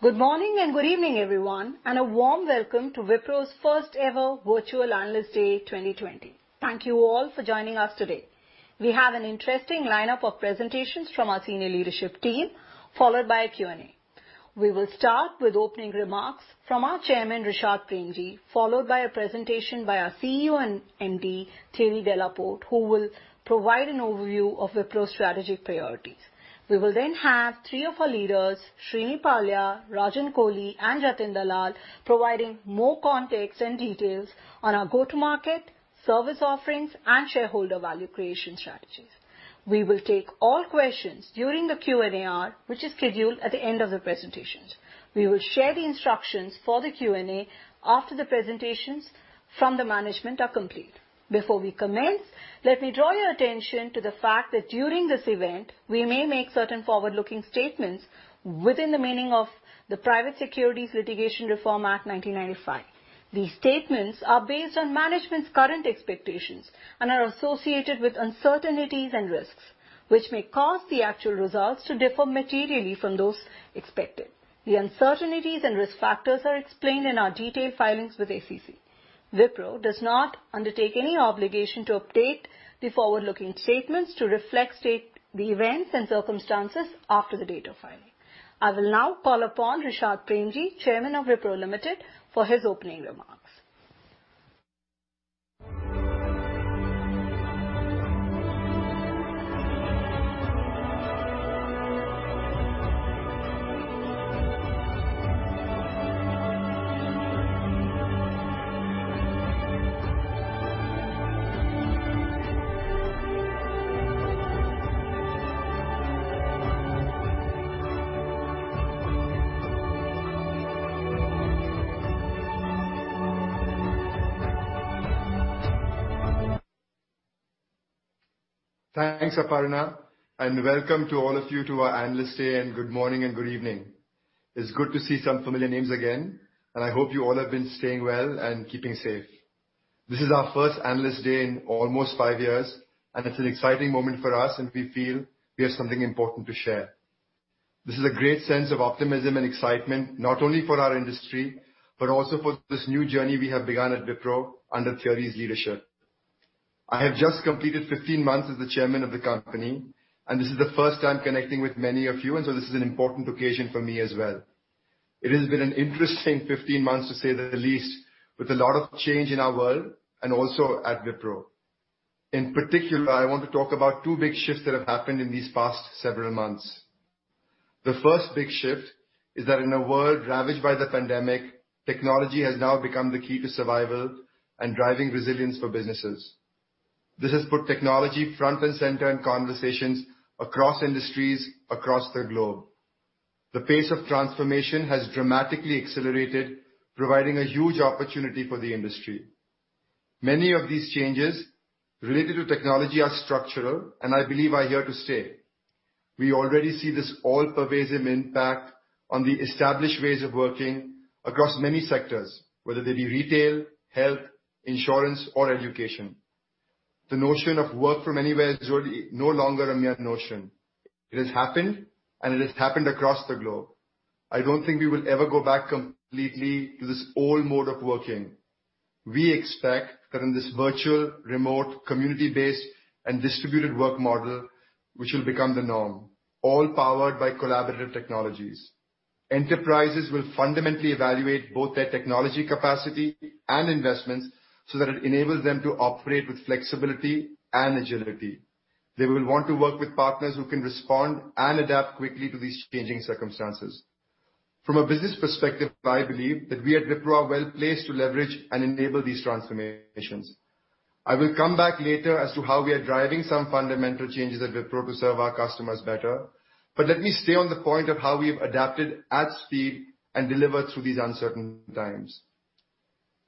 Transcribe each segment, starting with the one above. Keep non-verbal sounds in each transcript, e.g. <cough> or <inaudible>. Good morning and good evening, everyone, and a warm welcome to Wipro's first ever Virtual Analyst Day 2020. Thank you all for joining us today. We have an interesting lineup of presentations from our senior leadership team, followed by a Q&A. We will start with opening remarks from our Chairman, Rishad Premji, followed by a presentation by our CEO and MD, Thierry Delaporte, who will provide an overview of Wipro's strategic priorities. We will then have three of our leaders, Srini Pallia, Rajan Kohli, and Jatin Dalal, providing more context and details on our go-to-market, service offerings, and shareholder value creation strategies. We will take all questions during the Q&A, which is scheduled at the end of the presentations. We will share the instructions for the Q&A after the presentations from the management are complete. Before we commence, let me draw your attention to the fact that during this event, we may make certain forward-looking statements within the meaning of the Private Securities Litigation Reform Act 1995. These statements are based on management's current expectations and are associated with uncertainties and risks, which may cause the actual results to differ materially from those expected. The uncertainties and risk factors are explained in our detailed filings with the SEC. Wipro does not undertake any obligation to update the forward-looking statements to reflect the events and circumstances after the date of filing. I will now call upon Rishad Premji, Chairman of Wipro Limited, for his opening remarks. Thanks, Aparna, and welcome to all of you to our Analyst Day, and good morning and good evening. It's good to see some familiar names again, and I hope you all have been staying well and keeping safe. This is our first Analyst Day in almost five years, and it's an exciting moment for us, and we feel we have something important to share. This is a great sense of optimism and excitement, not only for our industry, but also for this new journey we have begun at Wipro under Thierry's leadership. I have just completed 15 months as the Chairman of the company, and this is the first time connecting with many of you, and so this is an important occasion for me as well. It has been an interesting 15 months, to say the least, with a lot of change in our world and also at Wipro. In particular, I want to talk about two big shifts that have happened in these past several months. The first big shift is that in a world ravaged by the pandemic, technology has now become the key to survival and driving resilience for businesses. This has put technology front and center in conversations across industries across the globe. The pace of transformation has dramatically accelerated, providing a huge opportunity for the industry. Many of these changes related to technology are structural, and I believe are here to stay. We already see this all-pervasive impact on the established ways of working across many sectors, whether they be retail, health, insurance, or education. The notion of work from anywhere is no longer a mere notion. It has happened, and it has happened across the globe. I don't think we will ever go back completely to this old mode of working. We expect that in this virtual, remote, community-based, and distributed work model, which will become the norm, all powered by collaborative technologies, enterprises will fundamentally evaluate both their technology capacity and investments so that it enables them to operate with flexibility and agility. They will want to work with partners who can respond and adapt quickly to these changing circumstances. From a business perspective, I believe that we at Wipro are well placed to leverage and enable these transformations. I will come back later as to how we are driving some fundamental changes at Wipro to serve our customers better, but let me stay on the point of how we have adapted at speed and delivered through these uncertain times.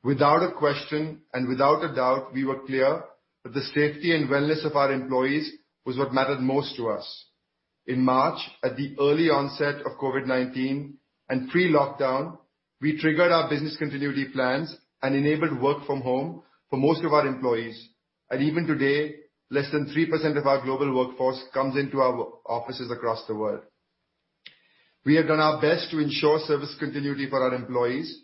Without a question and without a doubt, we were clear that the safety and wellness of our employees was what mattered most to us. In March, at the early onset of COVID-19 and pre-lockdown, we triggered our business continuity plans and enabled work-from-home for most of our employees. And even today, less than 3% of our global workforce comes into our offices across the world. We have done our best to ensure service continuity for our employees,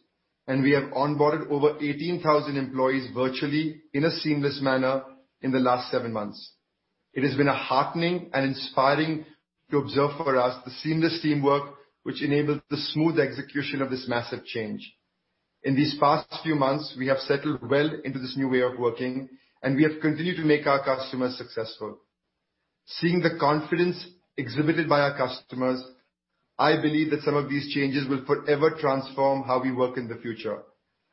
and we have onboarded over 18,000 employees virtually in a seamless manner in the last seven months. It has been heartening and inspiring to observe for us the seamless teamwork, which enabled the smooth execution of this massive change. In these past few months, we have settled well into this new way of working, and we have continued to make our customers successful. Seeing the confidence exhibited by our customers, I believe that some of these changes will forever transform how we work in the future.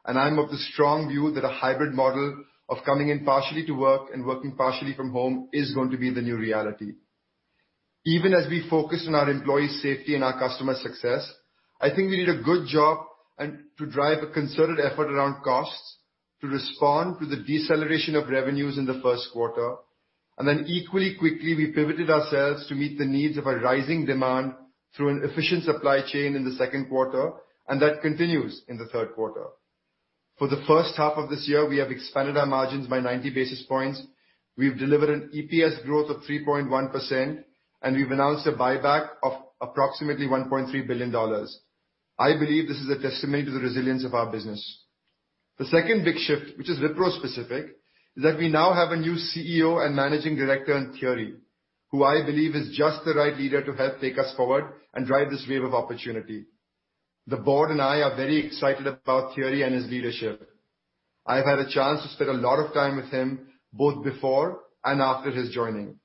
I'm of the strong view that a hybrid model of coming in partially to work and working partially from home is going to be the new reality. Even as we focus on our employee safety and our customer success, I think we did a good job to drive a concerted effort around costs to respond to the deceleration of revenues in the first quarter. And then equally quickly, we pivoted ourselves to meet the needs of a rising demand through an efficient supply chain in the second quarter, and that continues in the third quarter. For the first half of this year, we have expanded our margins by 90 basis points. We've delivered an EPS growth of 3.1%, and we've announced a buyback of approximately $1.3 billion. I believe this is a testament to the resilience of our business. The second big shift, which is Wipro-specific, is that we now have a new CEO and Managing Director in Thierry, who I believe is just the right leader to help take us forward and drive this wave of opportunity. The Board and I are very excited about Thierry and his leadership. I've had a chance to spend a lot of time with him, both before and after his joining.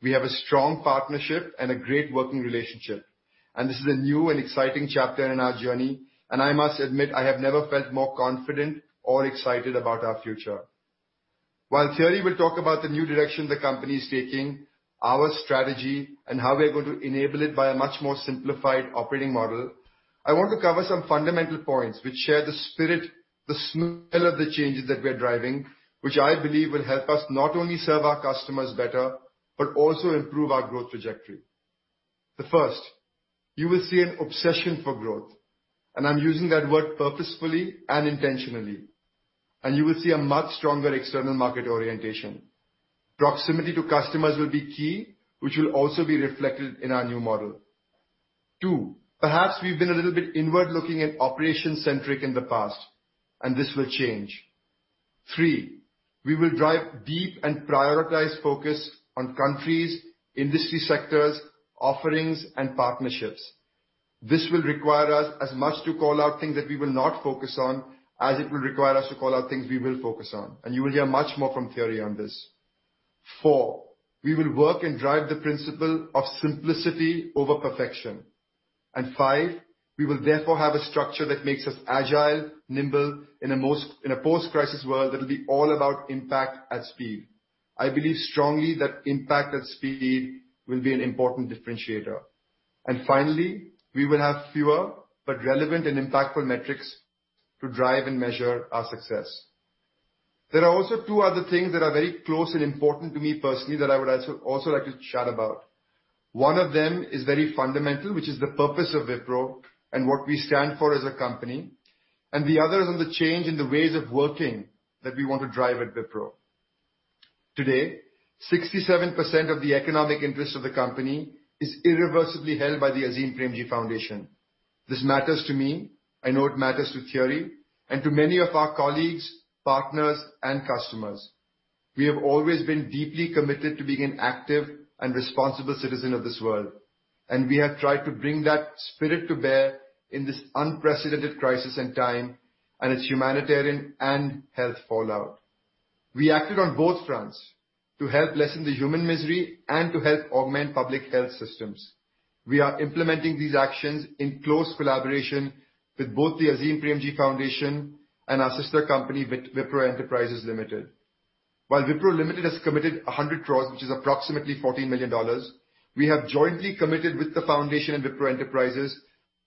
We have a strong partnership and a great working relationship, and this is a new and exciting chapter in our journey, and I must admit I have never felt more confident or excited about our future. While Thierry will talk about the new direction the company is taking, our strategy, and how we are going to enable it by a much more simplified operating model, I want to cover some fundamental points which share the spirit, the smell of the changes that we are driving, which I believe will help us not only serve our customers better, but also improve our growth trajectory. The first, you will see an obsession for growth, and I'm using that word purposefully and intentionally, and you will see a much stronger external market orientation. Proximity to customers will be key, which will also be reflected in our new model. Two, perhaps we've been a little bit inward-looking and operation-centric in the past, and this will change. Three, we will drive deep and prioritized focus on countries, industry sectors, offerings, and partnerships. This will require us as much to call out things that we will not focus on as it will require us to call out things we will focus on, and you will hear much more from Thierry on this. Four, we will work and drive the principle of simplicity over perfection. And five, we will therefore have a structure that makes us agile, nimble in a post-crisis world that will be all about impact at speed. I believe strongly that impact at speed will be an important differentiator. And finally, we will have fewer but relevant and impactful metrics to drive and measure our success. There are also two other things that are very close and important to me personally that I would also like to chat about. One of them is very fundamental, which is the purpose of Wipro and what we stand for as a company. And the other is on the change in the ways of working that we want to drive at Wipro. Today, 67% of the economic interest of the company is irreversibly held by the Azim Premji Foundation. This matters to me. I know it matters to Thierry and to many of our colleagues, partners, and customers. We have always been deeply committed to being an active and responsible citizen of this world, and we have tried to bring that spirit to bear in this unprecedented crisis and time and its humanitarian and health fallout. We acted on both fronts to help lessen the human misery and to help augment public health systems. We are implementing these actions in close collaboration with both the Azim Premji Foundation and our sister company, Wipro Enterprises Limited. While Wipro Limited has committed 100 crores, which is approximately $14 million, we have jointly committed with the Foundation and Wipro Enterprises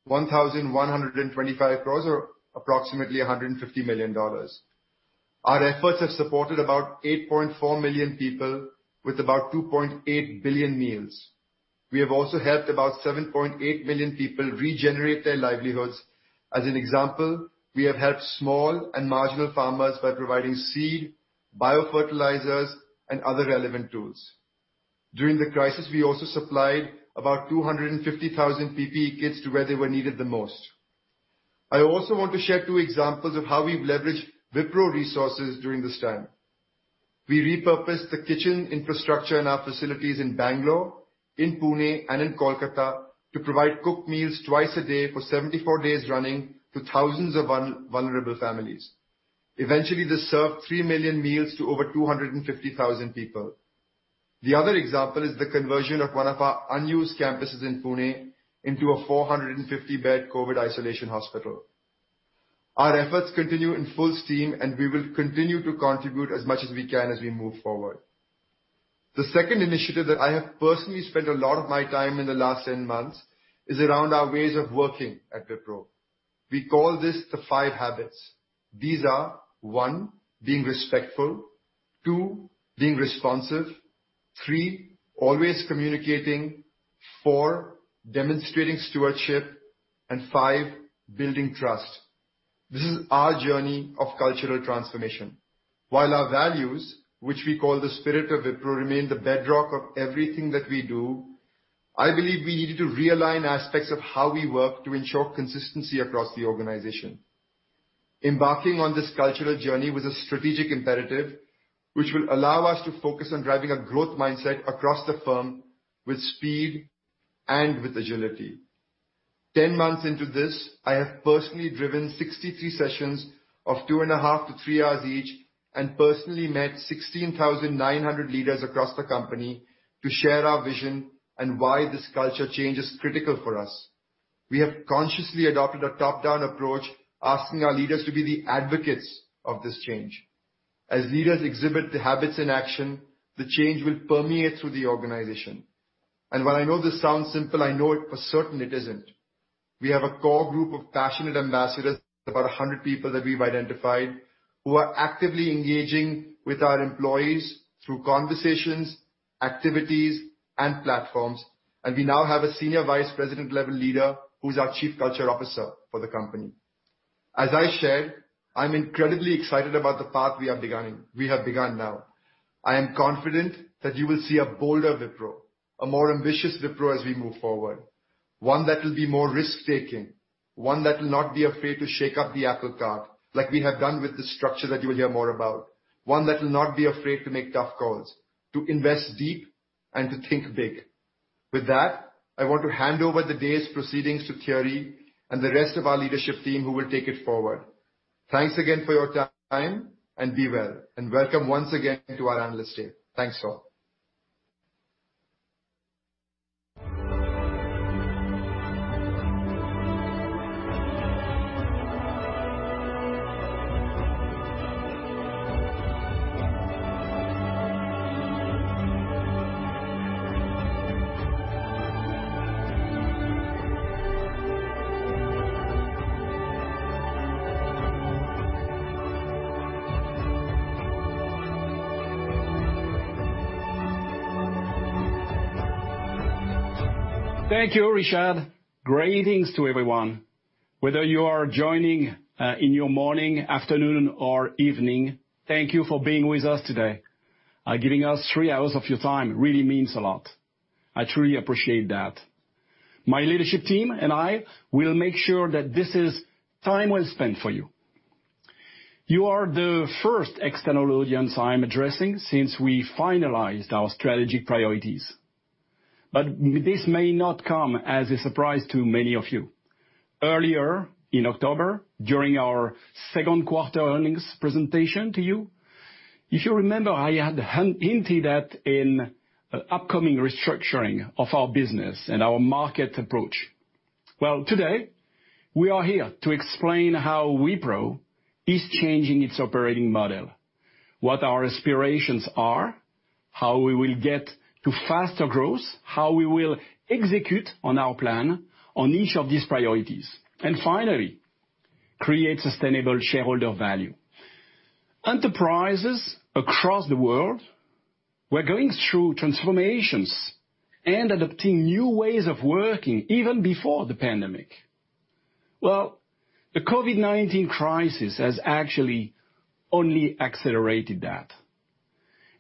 1,125 crores, or approximately $150 million. Our efforts have supported about 8.4 million people with about 2.8 billion meals. We have also helped about 7.8 million people regenerate their livelihoods. As an example, we have helped small and marginal farmers by providing seed, biofertilizers, and other relevant tools. During the crisis, we also supplied about 250,000 PPE kits to where they were needed the most. I also want to share two examples of how we've leveraged Wipro resources during this time. We repurposed the kitchen infrastructure and our facilities in Bangalore, in Pune, and in Kolkata to provide cooked meals twice a day for 74 days running to thousands of vulnerable families. Eventually, this served 3 million meals to over 250,000 people. The other example is the conversion of one of our unused campuses in Pune into a 450-bed COVID isolation hospital. Our efforts continue in full steam, and we will continue to contribute as much as we can as we move forward. The second initiative that I have personally spent a lot of my time in the last 10 months is around our ways of working at Wipro. We call this the Five Habits. These are: one, being respectful; two, being responsive; three, always communicating; four, demonstrating stewardship; and five, building trust. This is our journey of cultural transformation. While our values, which we call the spirit of Wipro, remain the bedrock of everything that we do, I believe we needed to realign aspects of how we work to ensure consistency across the organization. Embarking on this cultural journey was a strategic imperative, which will allow us to focus on driving a growth mindset across the firm with speed and with agility. Ten months into this, I have personally driven 63 sessions of two and a half to three hours each and personally met 16,900 leaders across the company to share our vision and why this culture change is critical for us. We have consciously adopted a top-down approach, asking our leaders to be the advocates of this change. As leaders exhibit the habits in action, the change will permeate through the organization, and while I know this sounds simple, I know for certain it isn't. We have a core group of passionate ambassadors, about 100 people that we've identified, who are actively engaging with our employees through conversations, activities, and platforms. And we now have a Senior Vice President-level leader who's our Chief Culture Officer for the company. As I shared, I'm incredibly excited about the path we have begun now. I am confident that you will see a bolder Wipro, a more ambitious Wipro as we move forward, one that will be more risk-taking, one that will not be afraid to shake up the apple cart like we have done with the structure that you will hear more about, one that will not be afraid to make tough calls, to invest deep, and to think big. With that, I want to hand over the day's proceedings to Thierry and the rest of our leadership team who will take it forward. Thanks again for your time, and be well. And welcome once again to our analyst table. Thanks, all. Thank you, Rishad. Greetings to everyone. Whether you are joining in your morning, afternoon, or evening, thank you for being with us today. Giving us three hours of your time really means a lot. I truly appreciate that. My leadership team and I will make sure that this is time well spent for you. You are the first external audience I'm addressing since we finalized our strategic priorities. But this may not come as a surprise to many of you. Earlier in October, during our second-quarter earnings presentation to you, if you remember, I had hinted at an upcoming restructuring of our business and our market approach. Well, today, we are here to explain how Wipro is changing its operating model, what our aspirations are, how we will get to faster growth, how we will execute on our plan on each of these priorities, and finally, create sustainable shareholder value. Enterprises across the world were going through transformations and adopting new ways of working even before the pandemic, well, the COVID-19 crisis has actually only accelerated that,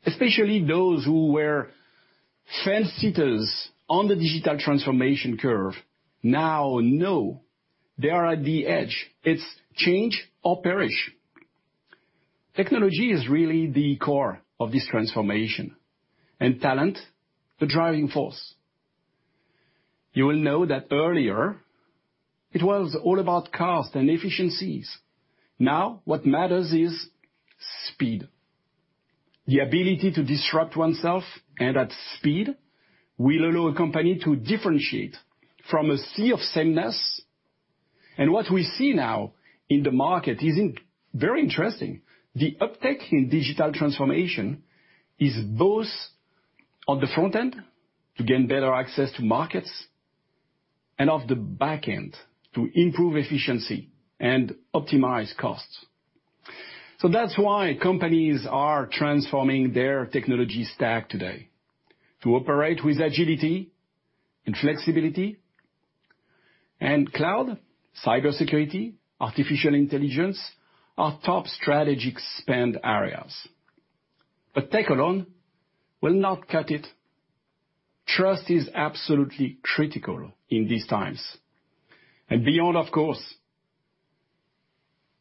especially those who were fence-sitters on the digital transformation curve now know they are at the edge. It's change or perish. Technology is really the core of this transformation, and talent the driving force. You will know that earlier, it was all about cost and efficiencies. Now, what matters is speed. The ability to disrupt oneself and at speed will allow a company to differentiate from a sea of sameness, and what we see now in the market is very interesting. The uptake in digital transformation is both on the front end to gain better access to markets and off the back end to improve efficiency and optimize costs. That's why companies are transforming their technology stack today to operate with agility and flexibility. Cloud, cybersecurity, artificial intelligence are top strategic spend areas. But tech alone will not cut it. Trust is absolutely critical in these times and beyond, of course.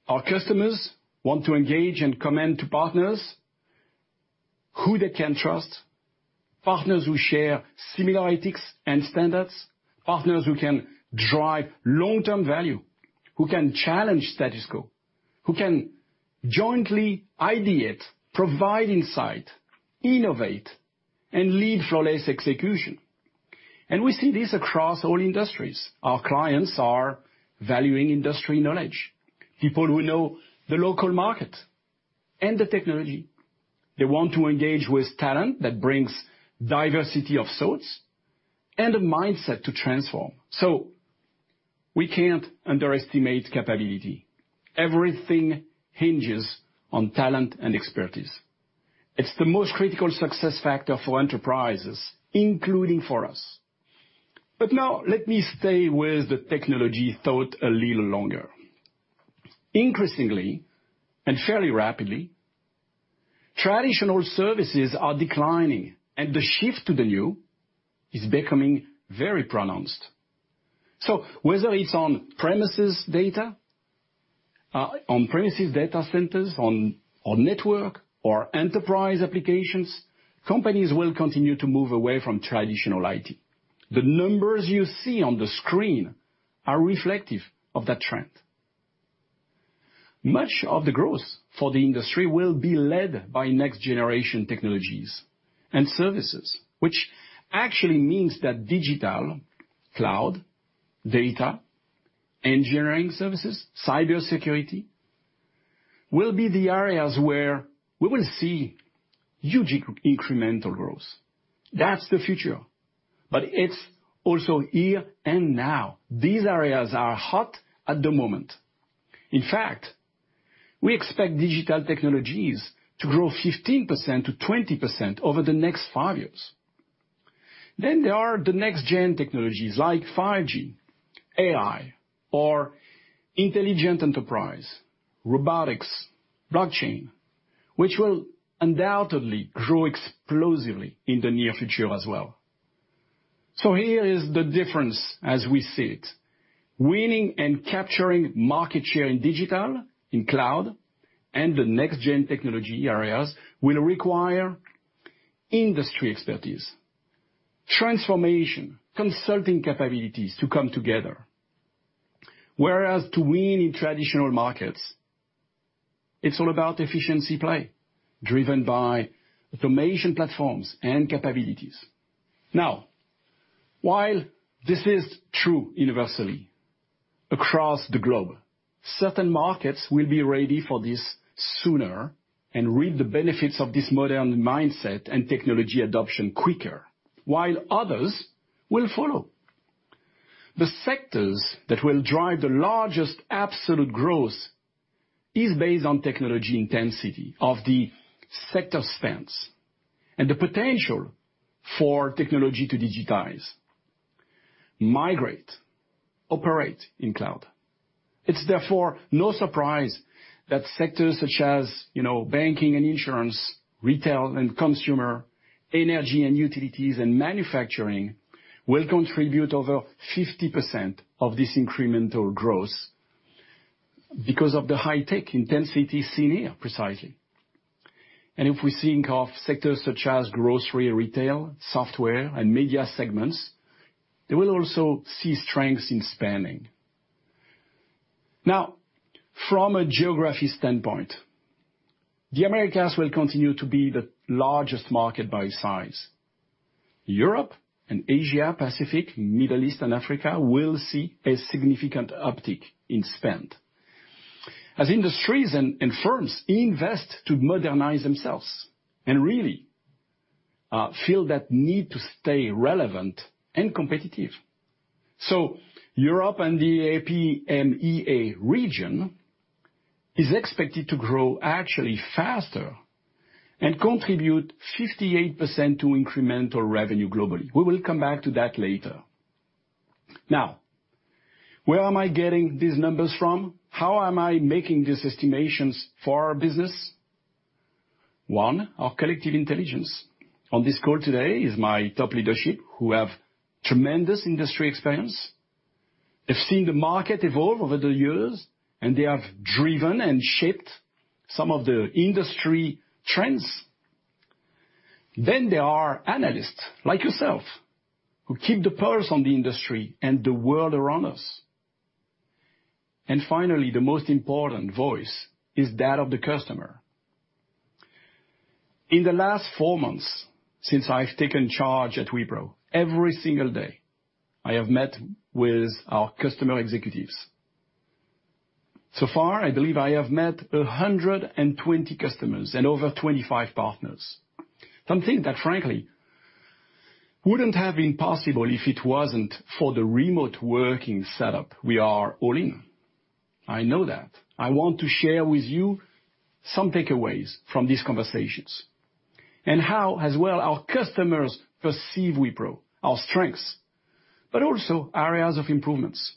Our customers want to engage and commit to partners who they can trust, partners who share similar ethics and standards, partners who can drive long-term value, who can challenge status quo, who can jointly ideate, provide insight, innovate, and lead flawless execution. We see this across all industries. Our clients are valuing industry knowledge, people who know the local market and the technology. They want to engage with talent that brings diversity of sorts and a mindset to transform. We can't underestimate capability. Everything hinges on talent and expertise. It's the most critical success factor for enterprises, including for us. But now, let me stay with the technology thought a little longer. Increasingly and fairly rapidly, traditional services are declining, and the shift to the new is becoming very pronounced. So whether it's on-premises data, on-premises data centers, on network, or enterprise applications, companies will continue to move away from traditional IT. The numbers you see on the screen are reflective of that trend. Much of the growth for the industry will be led by next-generation technologies and services, which actually means that digital, cloud, data, engineering services, cybersecurity will be the areas where we will see huge incremental growth. That's the future. But it's also here and now. These areas are hot at the moment. In fact, we expect digital technologies to grow 15%-20% over the next five years. Then there are the next-gen technologies like 5G, AI, or intelligent enterprise, robotics, blockchain, which will undoubtedly grow explosively in the near future as well. So here is the difference as we see it. Winning and capturing market share in digital, in cloud, and the next-gen technology areas will require industry expertise, transformation, consulting capabilities to come together. Whereas to win in traditional markets, it's all about efficiency play driven by automation platforms and capabilities. Now, while this is true universally across the globe, certain markets will be ready for this sooner and reap the benefits of this modern mindset and technology adoption quicker, while others will follow. The sectors that will drive the largest absolute growth are based on technology intensity of the sector spans and the potential for technology to digitize, migrate, operate in cloud. It's therefore no surprise that sectors such as banking and insurance, retail and consumer, energy and utilities, and manufacturing will contribute over 50% of this incremental growth because of the high-tech intensity seen here precisely. And if we think of sectors such as grocery, retail, software, and media segments, they will also see strengths in spending. Now, from a geography standpoint, the Americas will continue to be the largest market by size. Europe and Asia Pacific, Middle East, and Africa will see a significant uptick in spend as industries and firms invest to modernize themselves and really feel that need to stay relevant and competitive. So Europe and the APMEA region are expected to grow actually faster and contribute 58% to incremental revenue globally. We will come back to that later. Now, where am I getting these numbers from? How am I making these estimations for our business? One, our collective intelligence. On this call today is my top leadership who have tremendous industry experience. They've seen the market evolve over the years, and they have driven and shaped some of the industry trends. Then there are analysts like yourself who keep the pulse on the industry and the world around us. And finally, the most important voice is that of the customer. In the last four months since I've taken charge at Wipro, every single day, I have met with our customer executives. So far, I believe I have met 120 customers and over 25 partners, something that, frankly, wouldn't have been possible if it wasn't for the remote working setup we are all in. I know that. I want to share with you some takeaways from these conversations and how, as well, our customers perceive Wipro, our strengths, but also areas of improvements.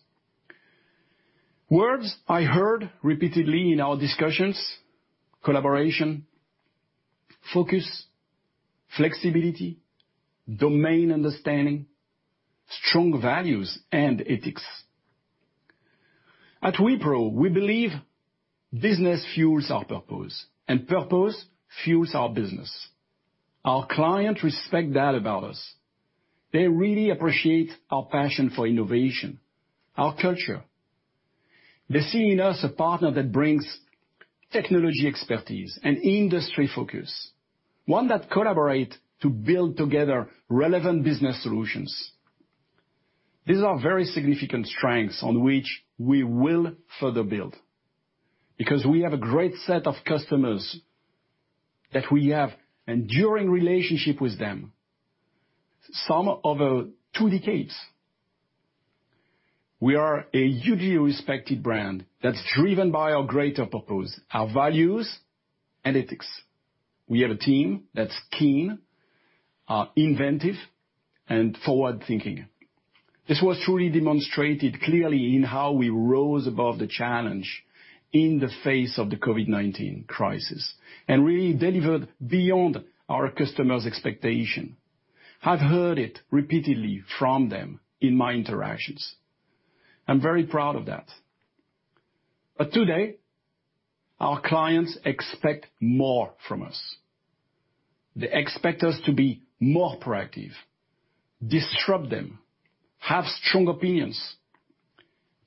Words I heard repeatedly in our discussions: collaboration, focus, flexibility, domain understanding, strong values, and ethics. At Wipro, we believe business fuels our purpose, and purpose fuels our business. Our clients respect that about us. They really appreciate our passion for innovation, our culture. They see in us a partner that brings technology expertise and industry focus, one that collaborates to build together relevant business solutions. These are very significant strengths on which we will further build because we have a great set of customers that we have an enduring relationship with them for some over two decades. We are a hugely respected brand that's driven by our greater purpose, our values, and ethics. We have a team that's keen, inventive, and forward-thinking. This was truly demonstrated clearly in how we rose above the challenge in the face of the COVID-19 crisis and really delivered beyond our customers' expectations. I've heard it repeatedly from them in my interactions. I'm very proud of that. But today, our clients expect more from us. They expect us to be more proactive, disrupt them, have strong opinions,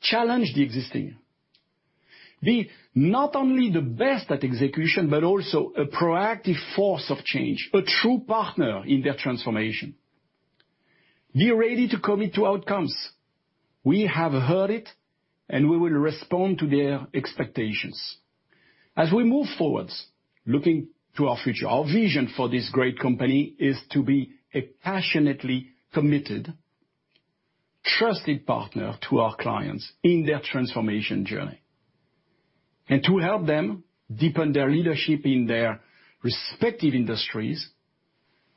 challenge the existing, be not only the best at execution, but also a proactive force of change, a true partner in their transformation, be ready to commit to outcomes. We have heard it, and we will respond to their expectations. As we move forward, looking to our future, our vision for this great company is to be a passionately committed, trusted partner to our clients in their transformation journey, and to help them deepen their leadership in their respective industries,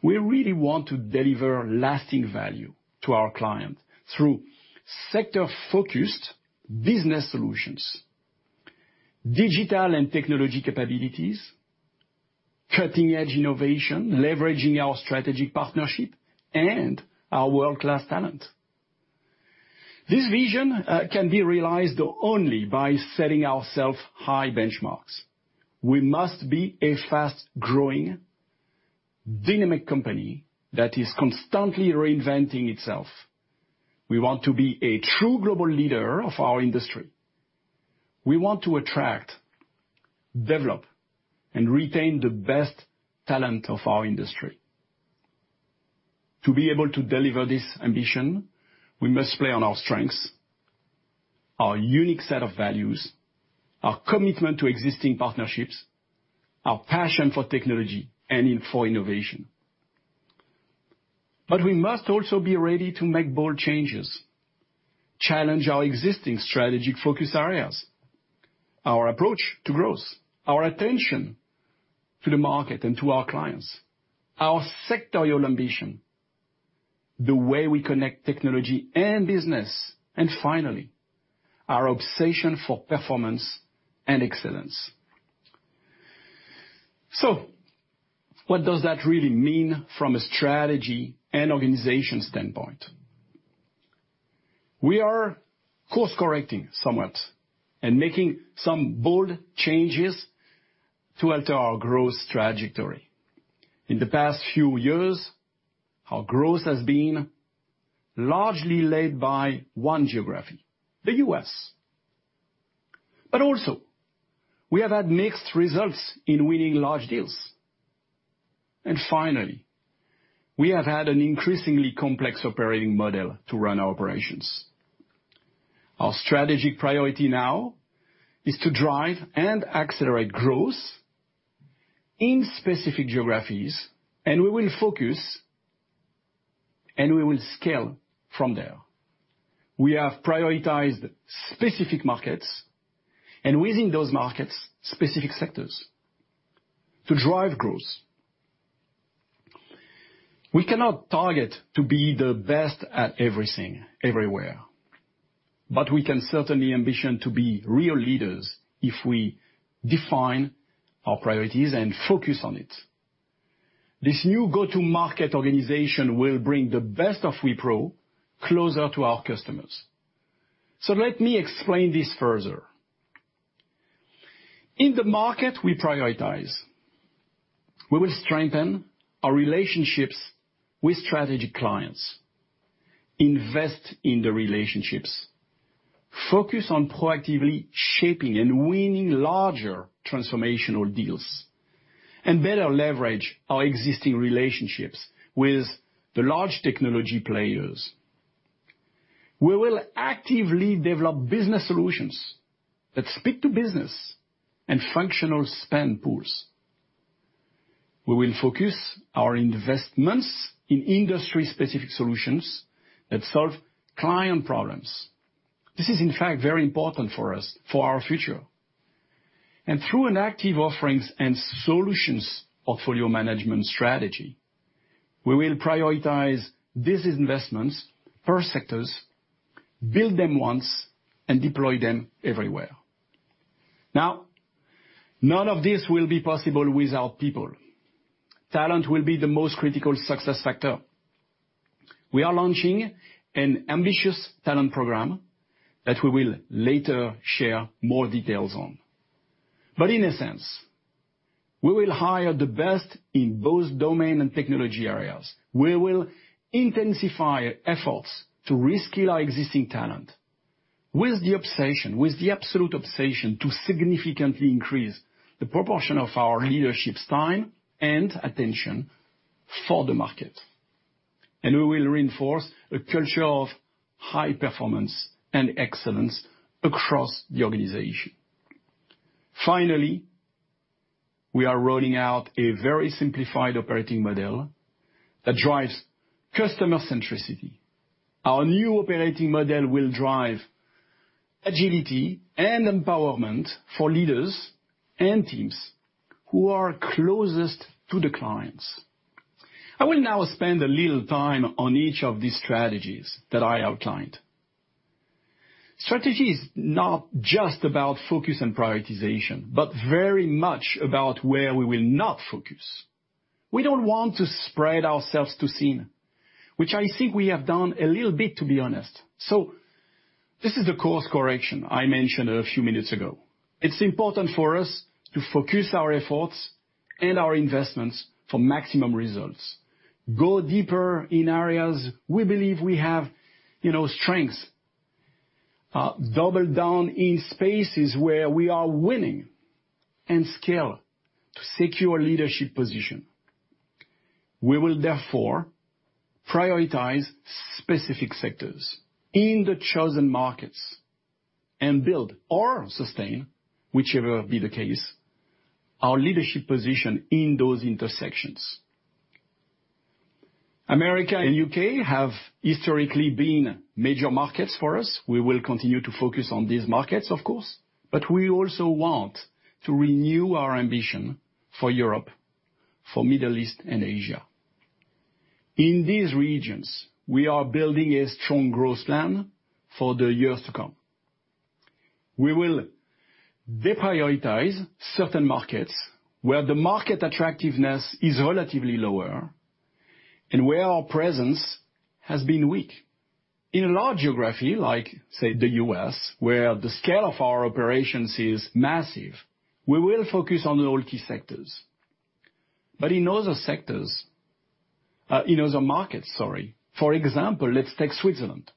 we really want to deliver lasting value to our clients through sector-focused business solutions, digital and technology capabilities, cutting-edge innovation, leveraging our strategic partnership, and our world-class talent. This vision can be realized only by setting ourselves high benchmarks. We must be a fast-growing, dynamic company that is constantly reinventing itself. We want to be a true global leader of our industry. We want to attract, develop, and retain the best talent of our industry. To be able to deliver this ambition, we must play on our strengths, our unique set of values, our commitment to existing partnerships, our passion for technology, and for innovation. But we must also be ready to make bold changes, challenge our existing strategic focus areas, our approach to growth, our attention to the market and to our clients, our sectoral ambition, the way we connect technology and business, and finally, our obsession for performance and excellence. So what does that really mean from a strategy and organization standpoint? We are course-correcting somewhat and making some bold changes to alter our growth trajectory. In the past few years, our growth has been largely led by one geography, the U.S. But also, we have had mixed results in winning large deals. And finally, we have had an increasingly complex operating model to run our operations. Our strategic priority now is to drive and accelerate growth in specific geographies, and we will focus, and we will scale from there. We have prioritized specific markets and, within those markets, specific sectors to drive growth. We cannot target to be the best at everything everywhere, but we can certainly ambition to be real leaders if we define our priorities and focus on it. This new go-to-market organization will bring the best of Wipro closer to our customers. So let me explain this further. In the market we prioritize, we will strengthen our relationships with strategic clients, invest in the relationships, focus on proactively shaping and winning larger transformational deals, and better leverage our existing relationships with the large technology players. We will actively develop business solutions that speak to business and functional spend pools. We will focus our investments in industry-specific solutions that solve client problems. This is, in fact, very important for us for our future, and through an active offerings and solutions portfolio management strategy, we will prioritize these investments per sectors, build them once, and deploy them everywhere. Now, none of this will be possible without people. Talent will be the most critical success factor. We are launching an ambitious talent program that we will later share more details on, but in a sense, we will hire the best in both domain and technology areas. We will intensify efforts to reskill our existing talent with the obsession, with the absolute obsession, to significantly increase the proportion of our leadership's time and attention for the market. And we will reinforce a culture of high performance and excellence across the organization. Finally, we are rolling out a very simplified operating model that drives customer centricity. Our new operating model will drive agility and empowerment for leaders and teams who are closest to the clients. I will now spend a little time on each of these strategies that I outlined. Strategy is not just about focus and prioritization, but very much about where we will not focus. We don't want to spread ourselves too thin, which I think we have done a little bit, to be honest. So this is the course correction I mentioned a few minutes ago. It's important for us to focus our efforts and our investments for maximum results, go deeper in areas we believe we have strengths, double down in spaces where we are winning, and scale to secure leadership positions. We will therefore prioritize specific sectors in the chosen markets and build or sustain, whichever be the case, our leadership position in those intersections. America and the U.K. have historically been major markets for us. We will continue to focus on these markets, of course, but we also want to renew our ambition for Europe, for the Middle East, and Asia. In these regions, we are building a strong growth plan for the years to come. We will deprioritize certain markets where the market attractiveness is relatively lower and where our presence has been weak. In a large geography, like, say, the U.S., where the scale of our operations is massive, we will focus on the multi-sectors. But in other sectors, in other markets, sorry. For example, let's take Switzerland.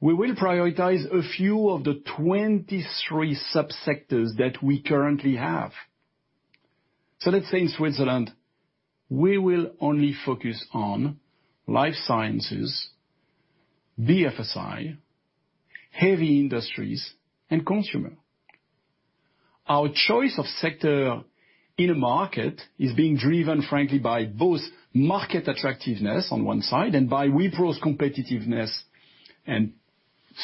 We will prioritize a few of the 23 sub-sectors that we currently have. Let's say in Switzerland, we will only focus on life sciences, BFSI, heavy industries, and consumer. Our choice of sector in a market is being driven, frankly, by both market attractiveness on one side and by Wipro's competitiveness and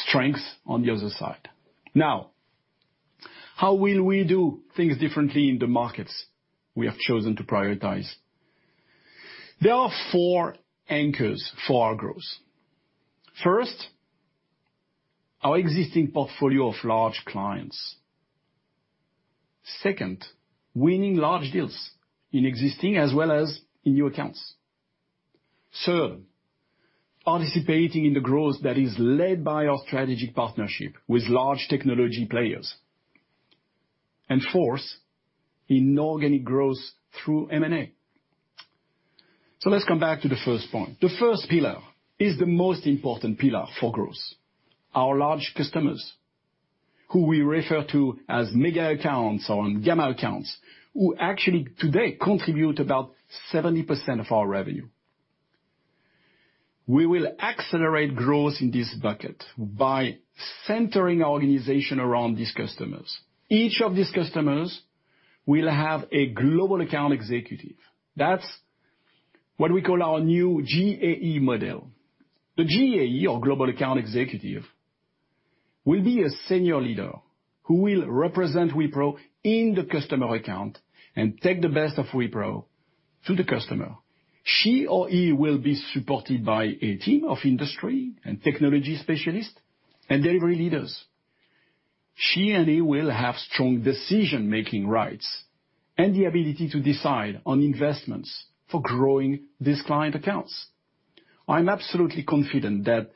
strength on the other side. Now, how will we do things differently in the markets we have chosen to prioritize? There are four anchors for our growth. First, our existing portfolio of large clients. Second, winning large deals in existing as well as in new accounts. Third, participating in the growth that is led by our strategic partnership with large technology players, and fourth, in organic growth through M&A, so let's come back to the first point. The first pillar is the most important pillar for growth: our large customers, who we refer to as mega accounts or gamma accounts, who actually today contribute about 70% of our revenue. We will accelerate growth in this bucket by centering our organization around these customers. Each of these customers will have a Global Account Executive. That's what we call our new GAE model. The GAE, or Global Account Executive, will be a senior leader who will represent Wipro in the customer account and take the best of Wipro to the customer. She or he will be supported by a team of industry and technology specialists and delivery leaders. She and he will have strong decision-making rights and the ability to decide on investments for growing these client accounts. I'm absolutely confident that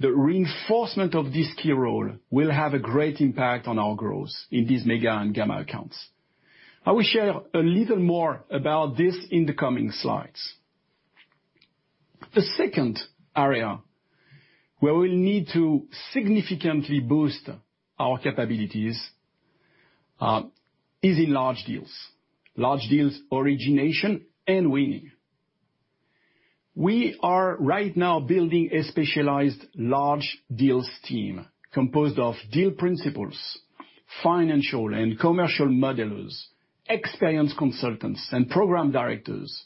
the reinforcement of this key role will have a great impact on our growth in these mega and gamma accounts. I will share a little more about this in the coming slides. The second area where we'll need to significantly boost our capabilities is in large deals, large deals origination and winning. We are right now building a specialized large deals team composed of deal principals, financial and commercial modelers, experienced consultants, and program directors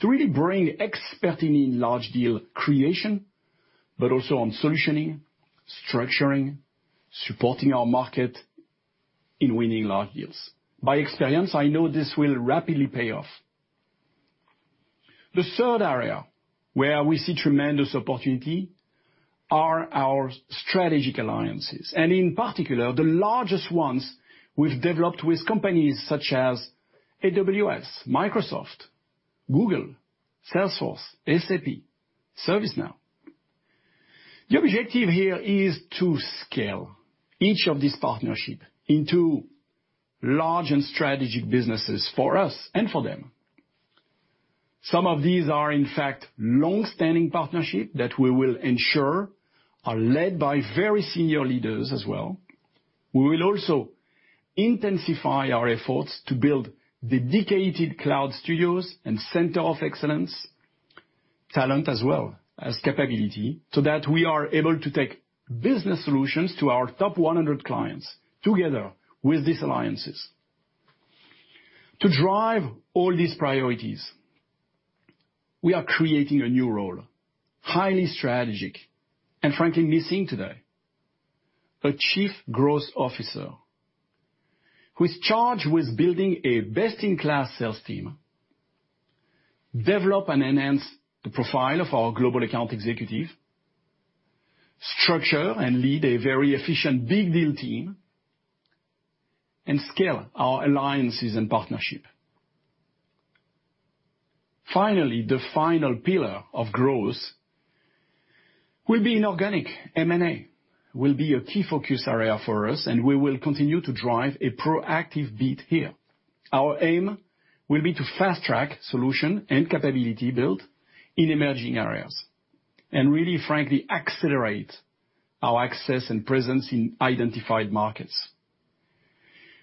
to really bring expertise in large deal creation, but also on solutioning, structuring, supporting our marketers in winning large deals. From experience, I know this will rapidly pay off. The third area where we see tremendous opportunity are our strategic alliances, and in particular, the largest ones we've developed with companies such as AWS, Microsoft, Google, Salesforce, SAP, ServiceNow. The objective here is to scale each of these partnerships into large and strategic businesses for us and for them. Some of these are, in fact, long-standing partnerships that we will ensure are led by very senior leaders as well. We will also intensify our efforts to build dedicated cloud studios and centers of excellence, talent as well as capability, so that we are able to take business solutions to our top 100 clients together with these alliances. To drive all these priorities, we are creating a new role, highly strategic and frankly missing today: a Chief Growth Officer who is charged with building a best-in-class sales team, develop and enhance the profile of our Global Account Executive, structure and lead a very efficient big deal team, and scale our alliances and partnerships. Finally, the final pillar of growth will be in organic M&A. It will be a key focus area for us, and we will continue to drive a proactive bet here. Our aim will be to fast-track solution and capability build in emerging areas and really, frankly, accelerate our access and presence in identified markets.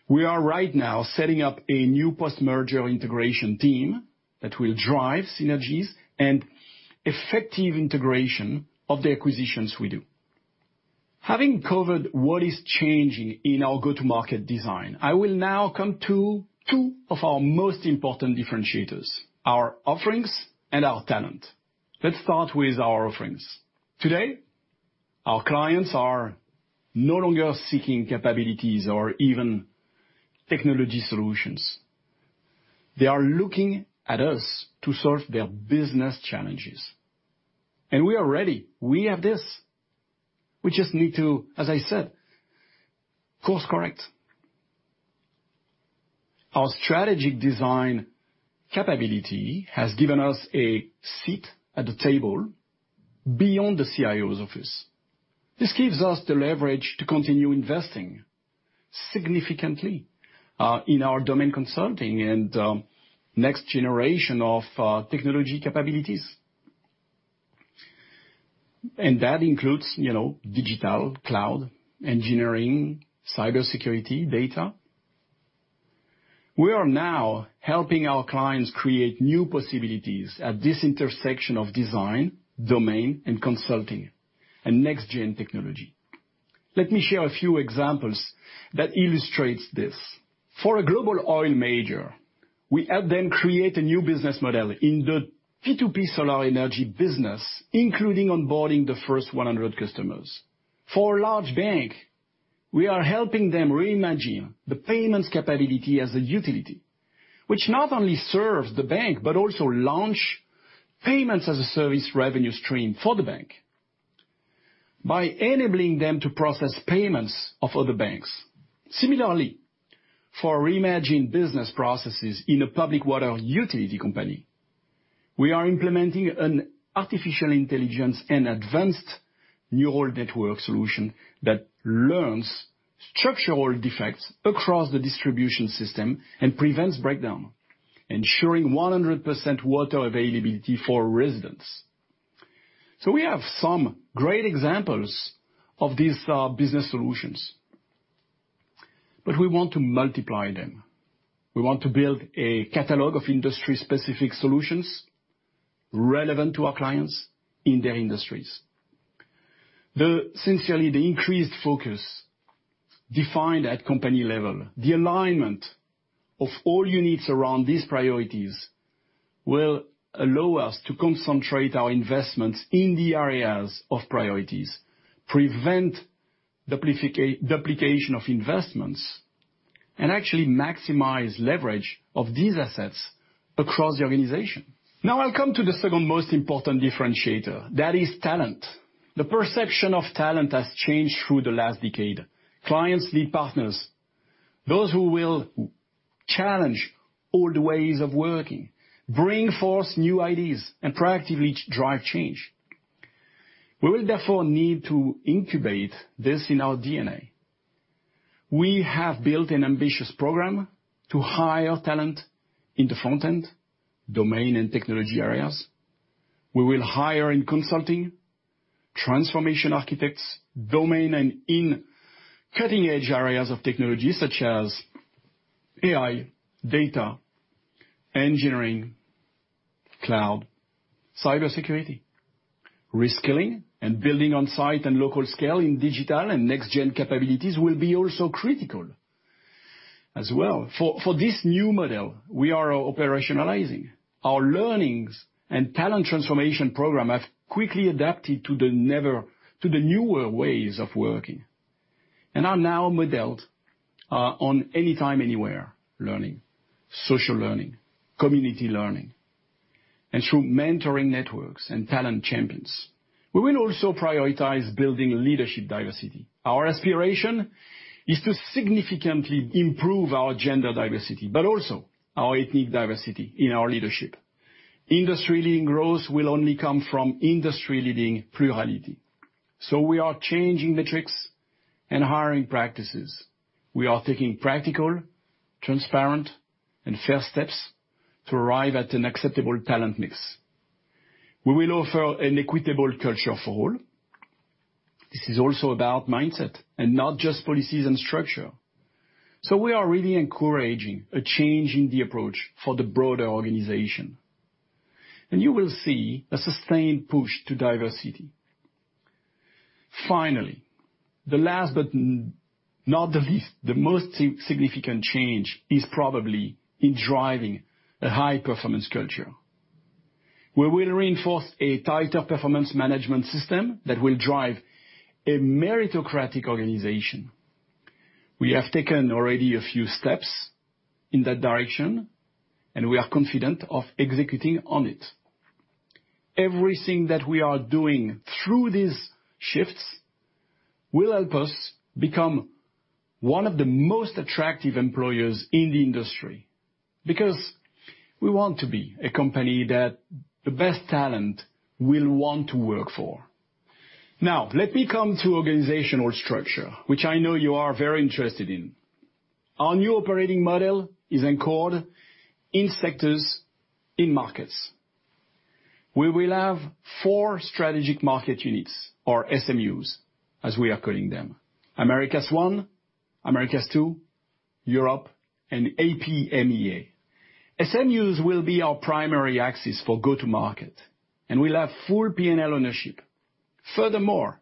We are right now setting up a new post-merger integration team that will drive synergies and effective integration of the acquisitions we do. Having covered what is changing in our go-to-market design, I will now come to two of our most important differentiators: our offerings and our talent. Let's start with our offerings. Today, our clients are no longer seeking capabilities or even technology solutions. They are looking at us to solve their business challenges. And we are ready. We have this. We just need to, as I said, course-correct. Our strategic design capability has given us a seat at the table beyond the CIO's office. This gives us the leverage to continue investing significantly in our domain consulting and next generation of technology capabilities. And that includes digital cloud, engineering, cybersecurity, data. We are now helping our clients create new possibilities at this intersection of design, domain, and consulting and next-gen technology. Let me share a few examples that illustrate this. For a global oil major, we help them create a new business model in the P2P solar energy business, including onboarding the first 100 customers. For a large bank, we are helping them reimagine the payments capability as a utility, which not only serves the bank but also launches payments-as-a-service revenue stream for the bank by enabling them to process payments of other banks. Similarly, for reimagined business processes in a public water utility company, we are implementing an artificial intelligence and advanced neural network solution that learns structural defects across the distribution system and prevents breakdown, ensuring 100% water availability for residents. So we have some great examples of these business solutions. But we want to multiply them. We want to build a catalog of industry-specific solutions relevant to our clients in their industries. Second, the increased focus defined at company level, the alignment of all units around these priorities will allow us to concentrate our investments in the areas of priorities, prevent duplication of investments, and actually maximize leverage of these assets across the organization. Now, I'll come to the second most important differentiator. That is talent. The perception of talent has changed through the last decade. Clients need partners, those who will challenge old ways of working, bring forth new ideas, and proactively drive change. We will therefore need to incubate this in our DNA. We have built an ambitious program to hire talent in the front-end, domain, and technology areas. We will hire in consulting, transformation architects, domain, and in cutting-edge areas of technology such as AI, data, engineering, cloud, cybersecurity. Reskilling and building on-site and local scale in digital and next-gen capabilities will be also critical as well. For this new model, we are operationalizing. Our learnings and talent transformation program have quickly adapted to the newer ways of working and are now modeled on anytime, anywhere learning, social learning, community learning, and through mentoring networks and talent champions. We will also prioritize building leadership diversity. Our aspiration is to significantly improve our gender diversity, but also our ethnic diversity in our leadership. Industry-leading growth will only come from industry-leading plurality. So we are changing metrics and hiring practices. We are taking practical, transparent, and fair steps to arrive at an acceptable talent mix. We will offer an equitable culture for all. This is also about mindset and not just policies and structure. So we are really encouraging a change in the approach for the broader organization. And you will see a sustained push to diversity. Finally, the last but not the least, the most significant change is probably in driving a high-performance culture. We will reinforce a tighter performance management system that will drive a meritocratic organization. We have taken already a few steps in that direction, and we are confident of executing on it. Everything that we are doing through these shifts will help us become one of the most attractive employers in the industry because we want to be a company that the best talent will want to work for. Now, let me come to organizational structure, which I know you are very interested in. Our new operating model is anchored in sectors, in markets. We will have four Strategic Market Units, or SMUs, as we are calling them: Americas 1, Americas 2, Europe, and APMEA. SMUs will be our primary axis for go-to-market, and we'll have full P&L ownership. Furthermore,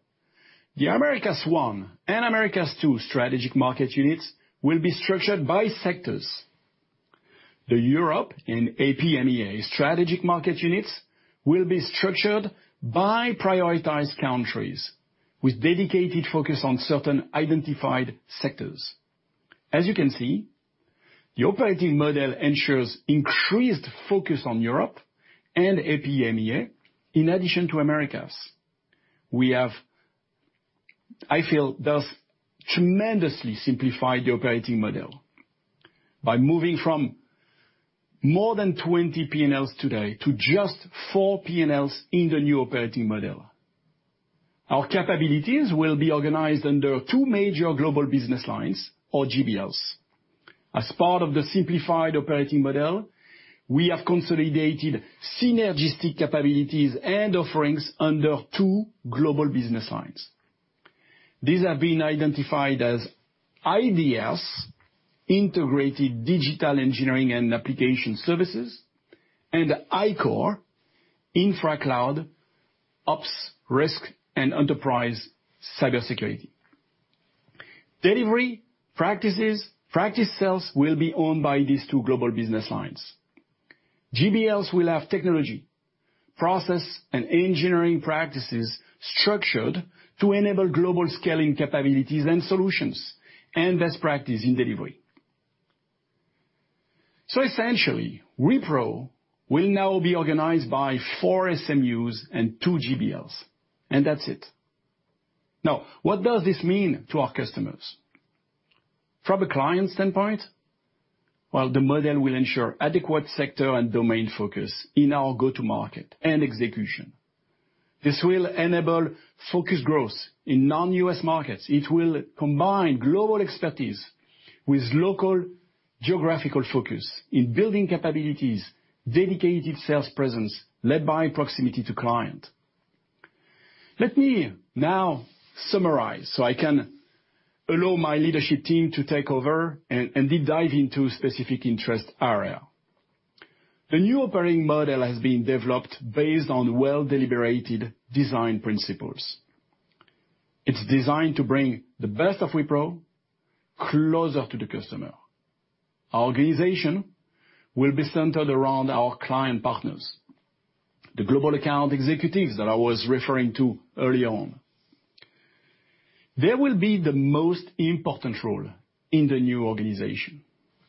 the Americas 1 and Americas 2 Strategic Market Units will be structured by sectors. The Europe and APMEA Strategic Market Units will be structured by prioritized countries with dedicated focus on certain identified sectors. As you can see, the operating model ensures increased focus on Europe and APMEA in addition to Americas. I feel it does tremendously simplify the operating model by moving from more than 20 P&Ls today to just four P&Ls in the new operating model. Our capabilities will be organized under two major Global Business Lines, or GBLs. As part of the simplified operating model, we have consolidated synergistic capabilities and offerings under two Global Business Lines. These have been identified as iDEAS, Integrated Digital, Engineering and Application Services, and iCORE, Infra, Cloud, Ops, Risk, and Enterprise Cybersecurity. Delivery practices will be owned by these two Global Business Lines. GBLs will have technology, process, and engineering practices structured to enable global scaling capabilities and solutions and best practices in delivery. So essentially, Wipro will now be organized by four SMUs and two GBLs. And that's it. Now, what does this mean to our customers? From a client standpoint, well, the model will ensure adequate sector and domain focus in our go-to-market and execution. This will enable focused growth in non-U.S. markets. It will combine global expertise with local geographical focus in building capabilities, dedicated sales presence led by proximity to client. Let me now summarize so I can allow my leadership team to take over and deep dive into a specific interest area. The new operating model has been developed based on well-deliberated design principles. It's designed to bring the best of Wipro closer to the customer. Our organization will be centered around our client partners, the Global Account Executives that I was referring to earlier on. They will be the most important role in the new organization.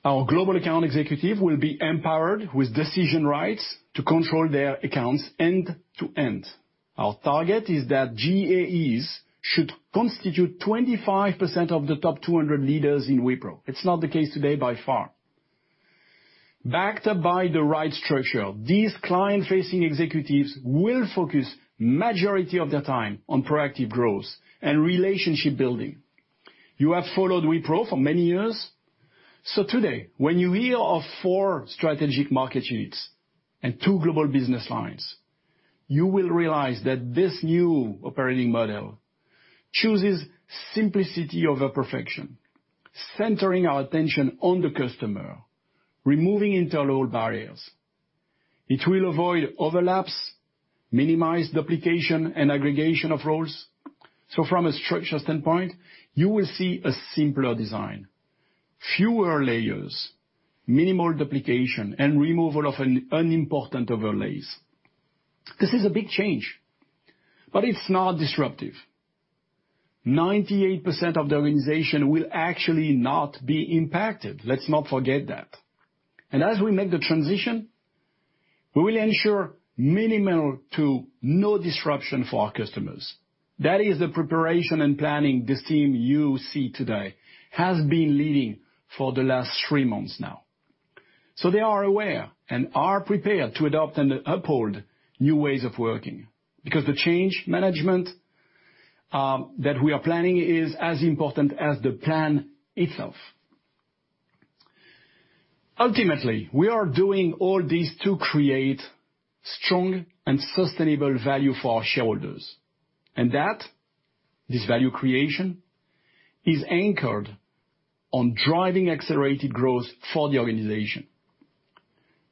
Our Global Account Executive will be empowered with decision rights to control their accounts end-to-end. Our target is that GAEs should constitute 25% of the top 200 leaders in Wipro. It's not the case today by far. Backed up by the right structure, these client-facing executives will focus the majority of their time on proactive growth and relationship building. You have followed Wipro for many years. So today, when you hear of four Strategic Market Units and two Global Business Lines, you will realize that this new operating model chooses simplicity over perfection, centering our attention on the customer, removing internal barriers. It will avoid overlaps, minimize duplication and aggregation of roles. So from a structure standpoint, you will see a simpler design, fewer layers, minimal duplication, and removal of unimportant overlays. This is a big change, but it's not disruptive. 98% of the organization will actually not be impacted. Let's not forget that. And as we make the transition, we will ensure minimal to no disruption for our customers. That is the preparation and planning this team you see today has been leading for the last three months now. So they are aware and are prepared to adopt and uphold new ways of working because the change management that we are planning is as important as the plan itself. Ultimately, we are doing all this to create strong and sustainable value for our shareholders. And that, this value creation, is anchored on driving accelerated growth for the organization.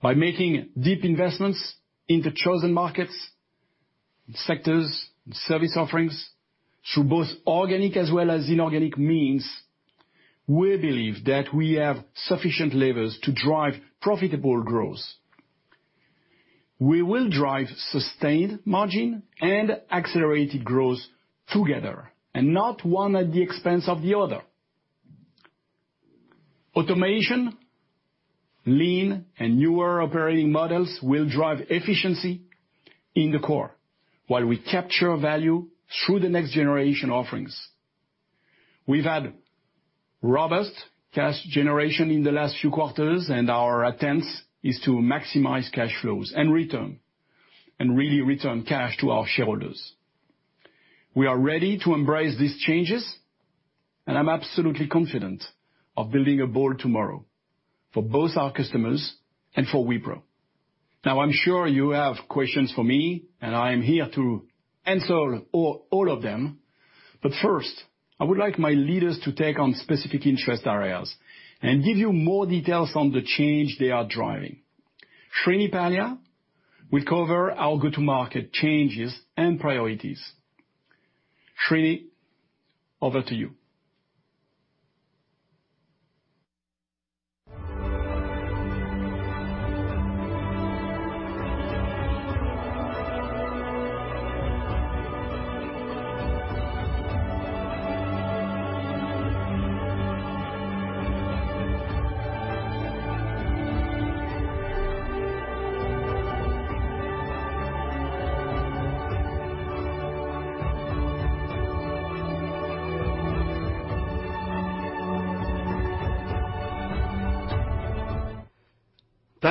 By making deep investments in the chosen markets, sectors, and service offerings through both organic as well as inorganic means, we believe that we have sufficient levers to drive profitable growth. We will drive sustained margin and accelerated growth together and not one at the expense of the other. Automation, lean, and newer operating models will drive efficiency in the core while we capture value through the next generation offerings. We've had robust cash generation in the last few quarters, and our attempt is to maximize cash flows and return and really return cash to our shareholders. We are ready to embrace these changes, and I'm absolutely confident of building a bold tomorrow for both our customers and for Wipro. Now, I'm sure you have questions for me, and I am here to answer all of them. But first, I would like my leaders to take on specific interest areas and give you more details on the change they are driving. Srini Pallia will cover our go-to-market changes and priorities. Srini, over to you.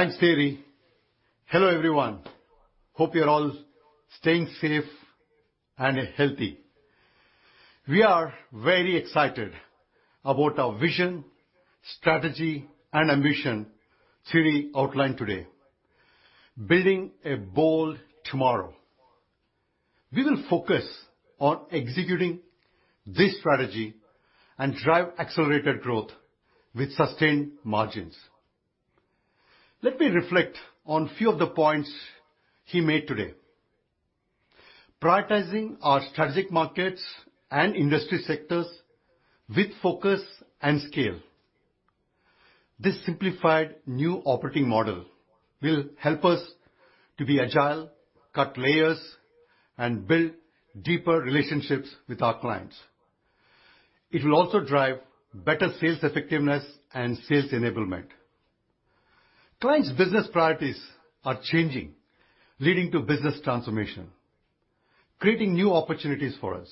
Thanks, Thierry. Hello, everyone. Hope you're all staying safe and healthy. We are very excited about our vision, strategy, and ambition Thierry outlined today, building a bold tomorrow. We will focus on executing this strategy and drive accelerated growth with sustained margins. Let me reflect on a few of the points he made today. Prioritizing our strategic markets and industry sectors with focus and scale. This simplified new operating model will help us to be agile, cut layers, and build deeper relationships with our clients. It will also drive better sales effectiveness and sales enablement. Clients' business priorities are changing, leading to business transformation, creating new opportunities for us.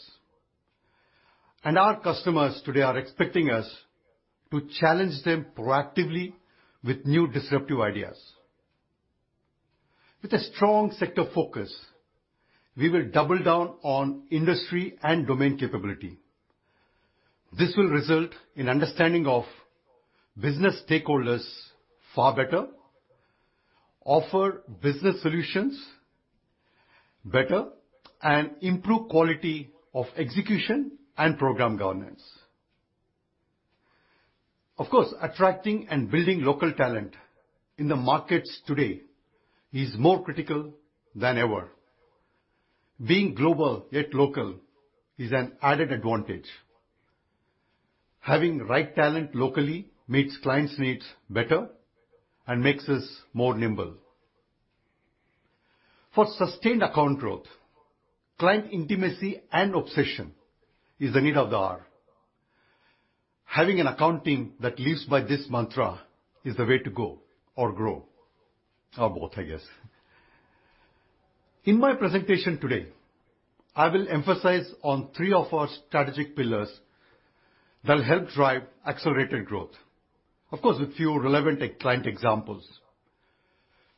Our customers today are expecting us to challenge them proactively with new disruptive ideas. With a strong sector focus, we will double down on industry and domain capability. This will result in understanding of business stakeholders far better, offer business solutions better, and improve quality of execution and program governance. Of course, attracting and building local talent in the markets today is more critical than ever. Being global yet local is an added advantage. Having the right talent locally meets clients' needs better and makes us more nimble. For sustained account growth, client intimacy and obsession is the need of the hour. Having an account team that lives by this mantra is the way to go or grow, or both, I guess. In my presentation today, I will emphasize on three of our strategic pillars that will help drive accelerated growth, of course, with a few relevant client examples.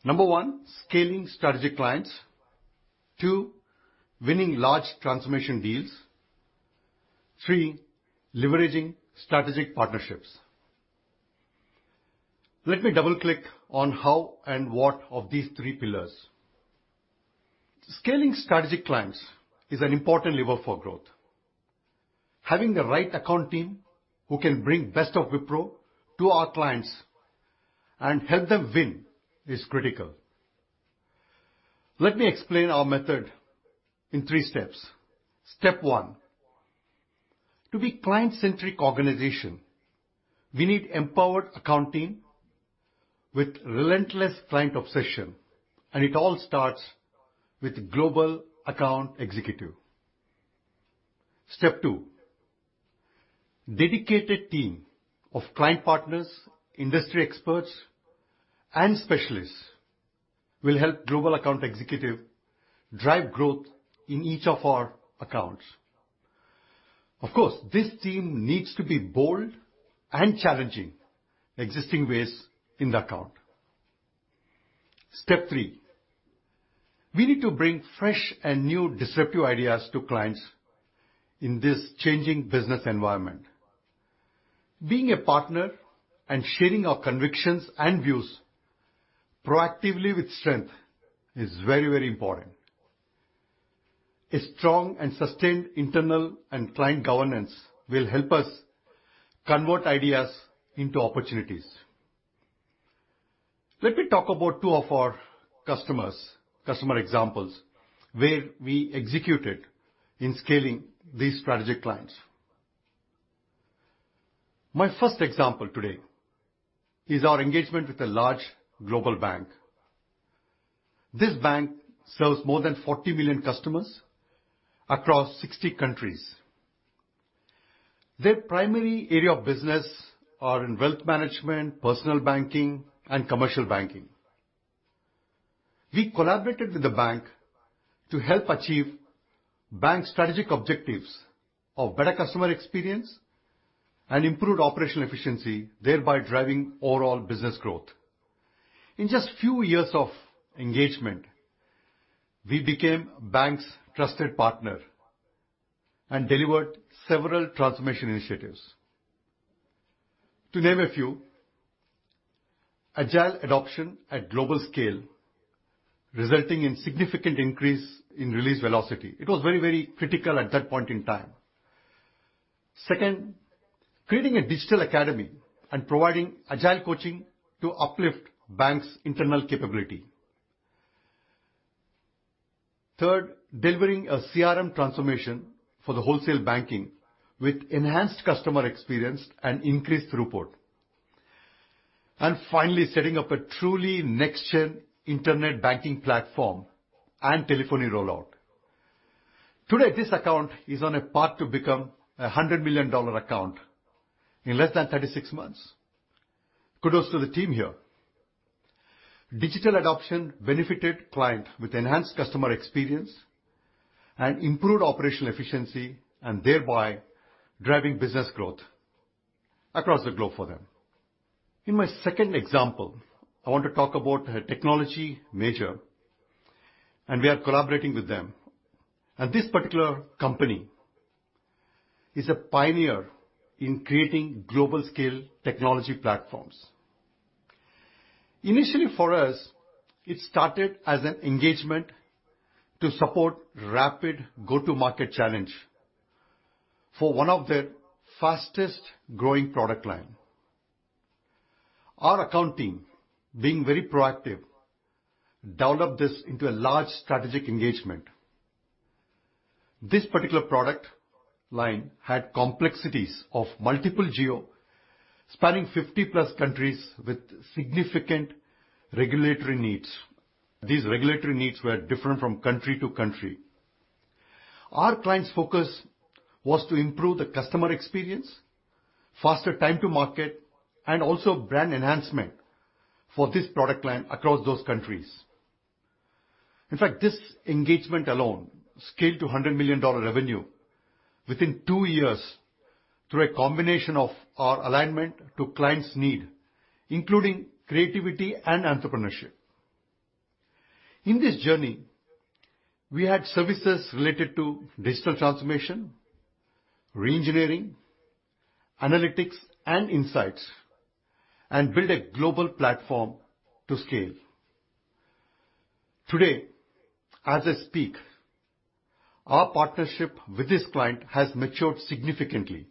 Number one, scaling strategic clients. Two, winning large transformation deals. Three, leveraging strategic partnerships. Let me double-click on how and what of these three pillars. Scaling strategic clients is an important lever for growth. Having the right account team who can bring the best of Wipro to our clients and help them win is critical. Let me explain our method in three steps. Step one, to be a client-centric organization, we need an empowered account team with relentless client obsession, and it all starts with a Global Account Executive. Step two, a dedicated team of client partners, industry experts, and specialists will help the Global Account Executive drive growth in each of our accounts. Of course, this team needs to be bold and challenge existing ways in the account. Step three, we need to bring fresh and new disruptive ideas to clients in this changing business environment. Being a partner and sharing our convictions and views proactively with strength is very, very important. A strong and sustained internal and client governance will help us convert ideas into opportunities. Let me talk about two of our customer examples where we executed in scaling these strategic clients. My first example today is our engagement with a large global bank. This bank serves more than 40 million customers across 60 countries. Their primary area of business is wealth management, personal banking, and commercial banking. We collaborated with the bank to help achieve bank strategic objectives of better customer experience and improved operational efficiency, thereby driving overall business growth. In just a few years of engagement, we became the bank's trusted partner and delivered several transformation initiatives. To name a few, Agile adoption at global scale resulted in a significant increase in release velocity. It was very, very critical at that point in time. Second, creating a digital academy and providing agile coaching to uplift the bank's internal capability. Third, delivering a CRM transformation for the wholesale banking with enhanced customer experience and increased throughput. And finally, setting up a truly next-gen internet banking platform and telephony rollout. Today, this account is on a path to become a $100 million account in less than 36 months. Kudos to the team here. Digital adoption benefited the client with enhanced customer experience and improved operational efficiency, and thereby driving business growth across the globe for them. In my second example, I want to talk about a technology major, and we are collaborating with them. And this particular company is a pioneer in creating global-scale technology platforms. Initially, for us, it started as an engagement to support a rapid go-to-market challenge for one of their fastest-growing product lines. Our account team, being very proactive, developed this into a large strategic engagement. This particular product line had complexities of multiple geos spanning 50+ countries with significant regulatory needs. These regulatory needs were different from country to country. Our client's focus was to improve the customer experience, faster time-to-market, and also brand enhancement for this product line across those countries. In fact, this engagement alone scaled to $100 million revenue within two years through a combination of our alignment to clients' needs, including creativity and entrepreneurship. In this journey, we had services related to digital transformation, re-engineering, analytics, and insights, and built a global platform to scale. Today, as I speak, our partnership with this client has matured significantly.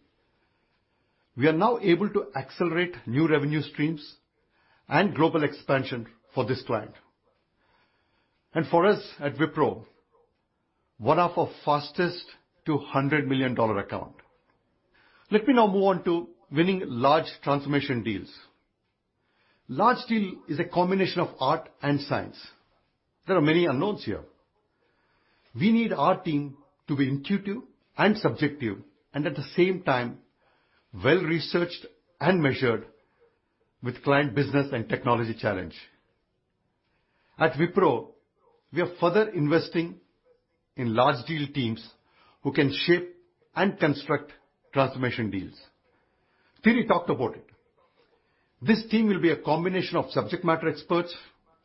We are now able to accelerate new revenue streams and global expansion for this client, and for us at Wipro, one of our fastest-to-$100 million accounts. Let me now move on to winning large transformation deals. A large deal is a combination of art and science. There are many unknowns here. We need our team to be intuitive and subjective, and at the same time, well-researched and measured with client business and technology challenges. At Wipro, we are further investing in large-deal teams who can shape and construct transformation deals. Thierry talked about it. This team will be a combination of subject-matter experts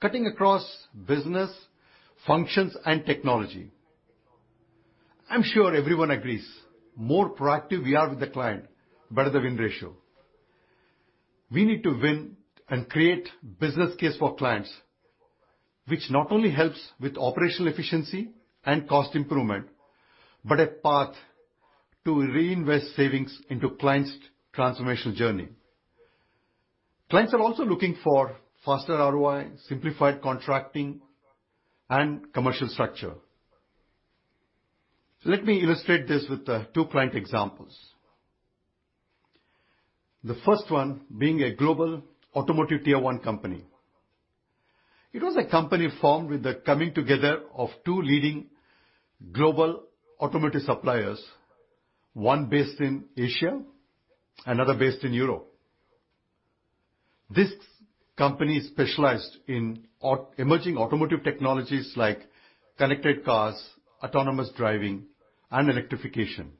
cutting across business functions and technology. I'm sure everyone agrees. The more proactive we are with the client, the better the win ratio. We need to win and create a business case for clients, which not only helps with operational efficiency and cost improvement, but is a path to reinvest savings into clients' transformational journey. Clients are also looking for faster ROI, simplified contracting, and commercial structure. Let me illustrate this with two client examples. The first one being a global automotive Tier 1 company. It was a company formed with the coming together of two leading global automotive suppliers, one based in Asia and another based in Europe. This company specialized in emerging automotive technologies like connected cars, autonomous driving, and electrification.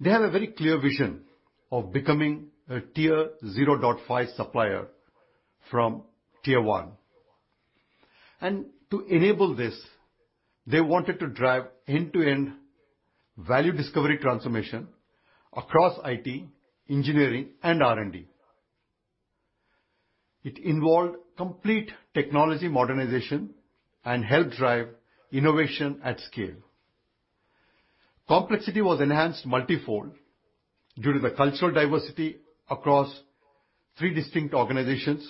They have a very clear vision of becoming a Tier 0.5 supplier from Tier 1. And to enable this, they wanted to drive end-to-end value discovery transformation across IT, engineering, and R&D. It involved complete technology modernization and helped drive innovation at scale. Complexity was enhanced multi-fold due to the cultural diversity across three distinct organizations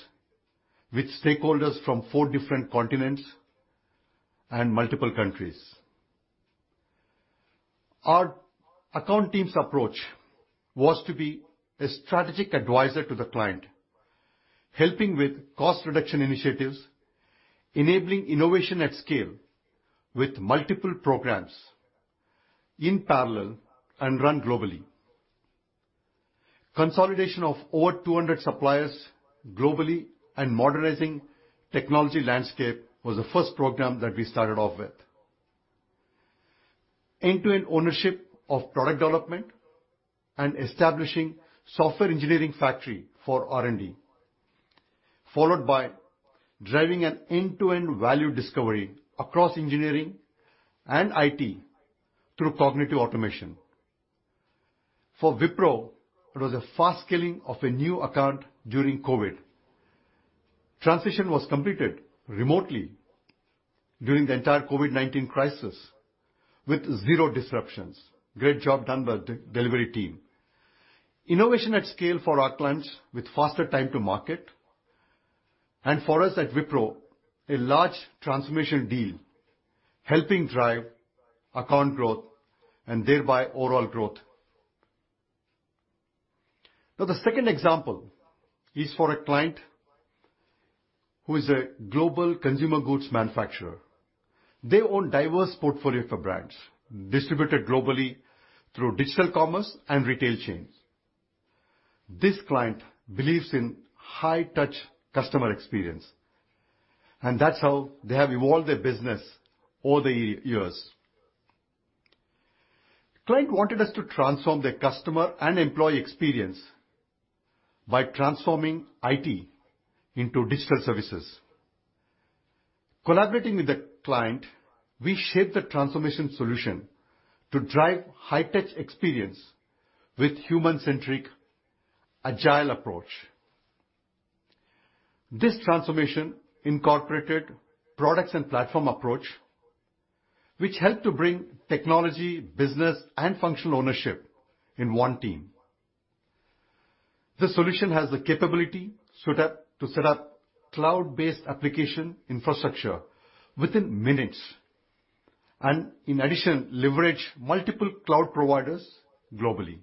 with stakeholders from four different continents and multiple countries. Our account team's approach was to be a strategic advisor to the client, helping with cost reduction initiatives, enabling innovation at scale with multiple programs in parallel and run globally. Consolidation of over 200 suppliers globally and modernizing the technology landscape was the first program that we started off with. End-to-end ownership of product development and establishing a software engineering factory for R&D, followed by driving an end-to-end value discovery across engineering and IT through cognitive automation. For Wipro, it was a fast scaling of a new account during COVID. Transition was completed remotely during the entire COVID-19 crisis with zero disruptions. Great job done by the delivery team. Innovation at scale for our clients with faster time-to-market. And for us at Wipro, a large transformation deal helping drive account growth and thereby overall growth. Now, the second example is for a client who is a global consumer goods manufacturer. They own a diverse portfolio of brands distributed globally through digital commerce and retail chains. This client believes in high-touch customer experience, and that's how they have evolved their business over the years. The client wanted us to transform their customer and employee experience by transforming IT into digital services. Collaborating with the client, we shaped the transformation solution to drive high-touch experience with a human-centric, agile approach. This transformation incorporated a product and platform approach, which helped to bring technology, business, and functional ownership in one team. The solution has the capability to set up a cloud-based application infrastructure within minutes and, in addition, leverage multiple cloud providers globally.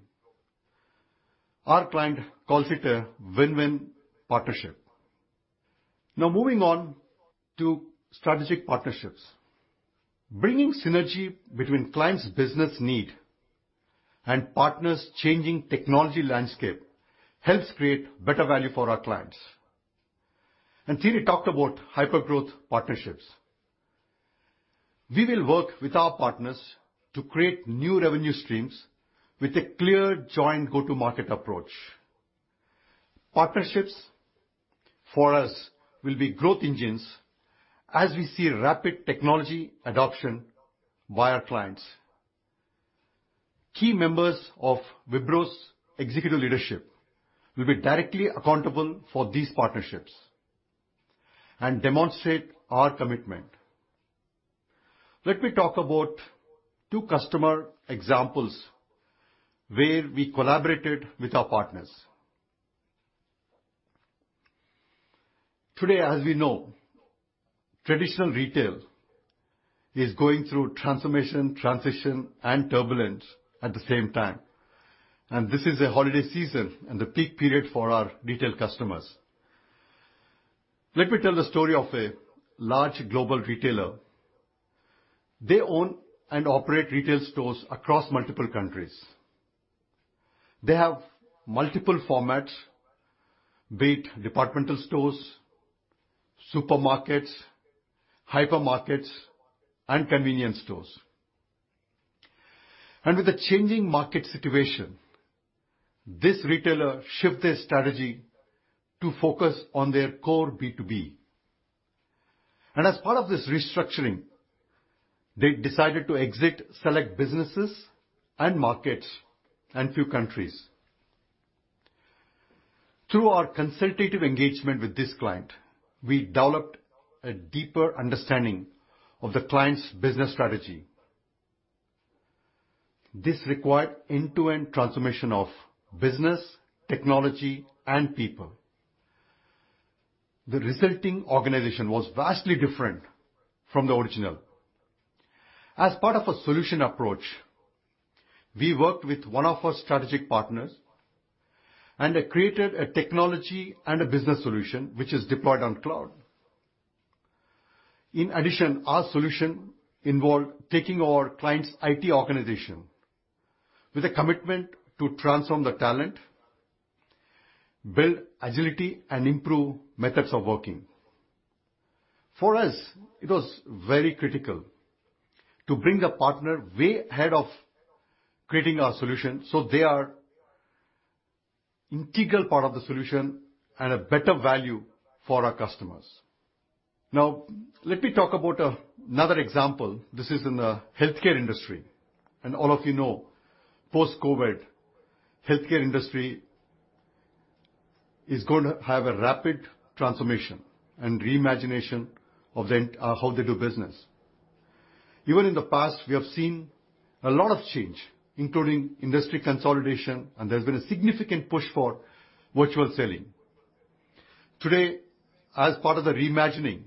Our client calls it a win-win partnership. Now, moving on to strategic partnerships. Bringing synergy between clients' business needs and partners' changing technology landscape helps create better value for our clients. And Thierry talked about hyper-growth partnerships. We will work with our partners to create new revenue streams with a clear joint go-to-market approach. Partnerships, for us, will be growth engines as we see rapid technology adoption by our clients. Key members of Wipro's executive leadership will be directly accountable for these partnerships and demonstrate our commitment. Let me talk about two customer examples where we collaborated with our partners. Today, as we know, traditional retail is going through transformation, transition, and turbulence at the same time. And this is a holiday season and the peak period for our retail customers. Let me tell the story of a large global retailer. They own and operate retail stores across multiple countries. They have multiple formats, be it department stores, supermarkets, hypermarkets, and convenience stores. And with the changing market situation, this retailer shifted their strategy to focus on their core B2B. And as part of this restructuring, they decided to exit select businesses and markets and few countries. Through our consultative engagement with this client, we developed a deeper understanding of the client's business strategy. This required end-to-end transformation of business, technology, and people. The resulting organization was vastly different from the original. As part of a solution approach, we worked with one of our strategic partners and created a technology and a business solution which is deployed on cloud. In addition, our solution involved taking our client's IT organization, with a commitment to transform the talent, build agility, and improve methods of working. For us, it was very critical to bring the partner way ahead of creating our solution so they are an integral part of the solution and a better value for our customers. Now, let me talk about another example. This is in the healthcare industry, and all of you know, post-COVID, the healthcare industry is going to have a rapid transformation and reimagination of how they do business. Even in the past, we have seen a lot of change, including industry consolidation, and there's been a significant push for virtual selling. Today, as part of the reimagining,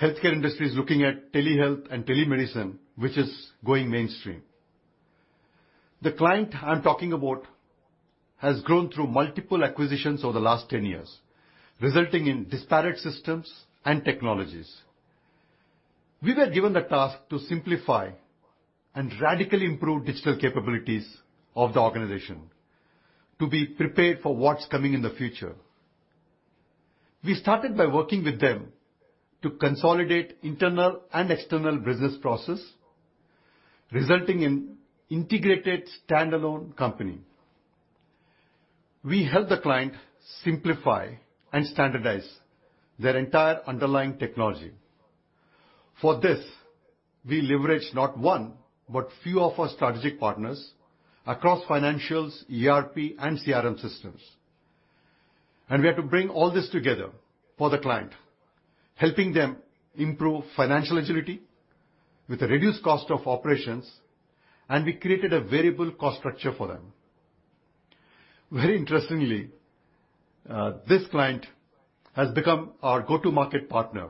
the healthcare industry is looking at telehealth and telemedicine, which is going mainstream. The client I'm talking about has grown through multiple acquisitions over the last 10 years, resulting in disparate systems and technologies. We were given the task to simplify and radically improve digital capabilities of the organization to be prepared for what's coming in the future. We started by working with them to consolidate internal and external business processes, resulting in an integrated standalone company. We helped the client simplify and standardize their entire underlying technology. For this, we leveraged not one but a few of our strategic partners across financials, ERP, and CRM systems, and we had to bring all this together for the client, helping them improve financial agility with a reduced cost of operations, and we created a variable cost structure for them. Very interestingly, this client has become our go-to-market partner,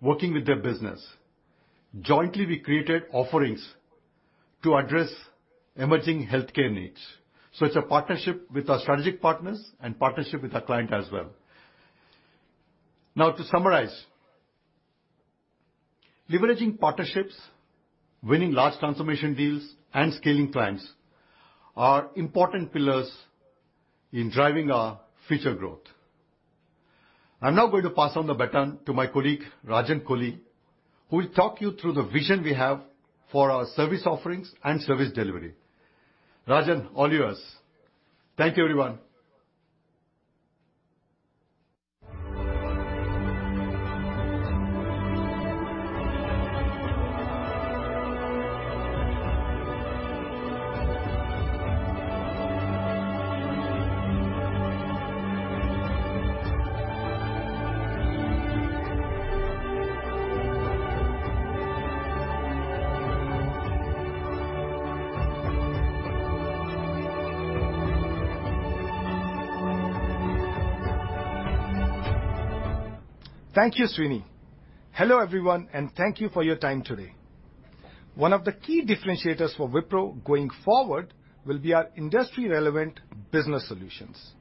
working with their business. Jointly, we created offerings to address emerging healthcare needs, so it's a partnership with our strategic partners and a partnership with our client as well. Now, to summarize, leveraging partnerships, winning large transformation deals, and scaling clients are important pillars in driving our future growth. I'm now going to pass on the baton to my colleague, Rajan Kohli, who will talk you through the vision we have for our service offerings and service delivery. Rajan, all yours. Thank you, everyone. Thank you, Srini. Hello, everyone, and thank you for your time today. One of the key differentiators for Wipro going forward will be our industry-relevant business solutions.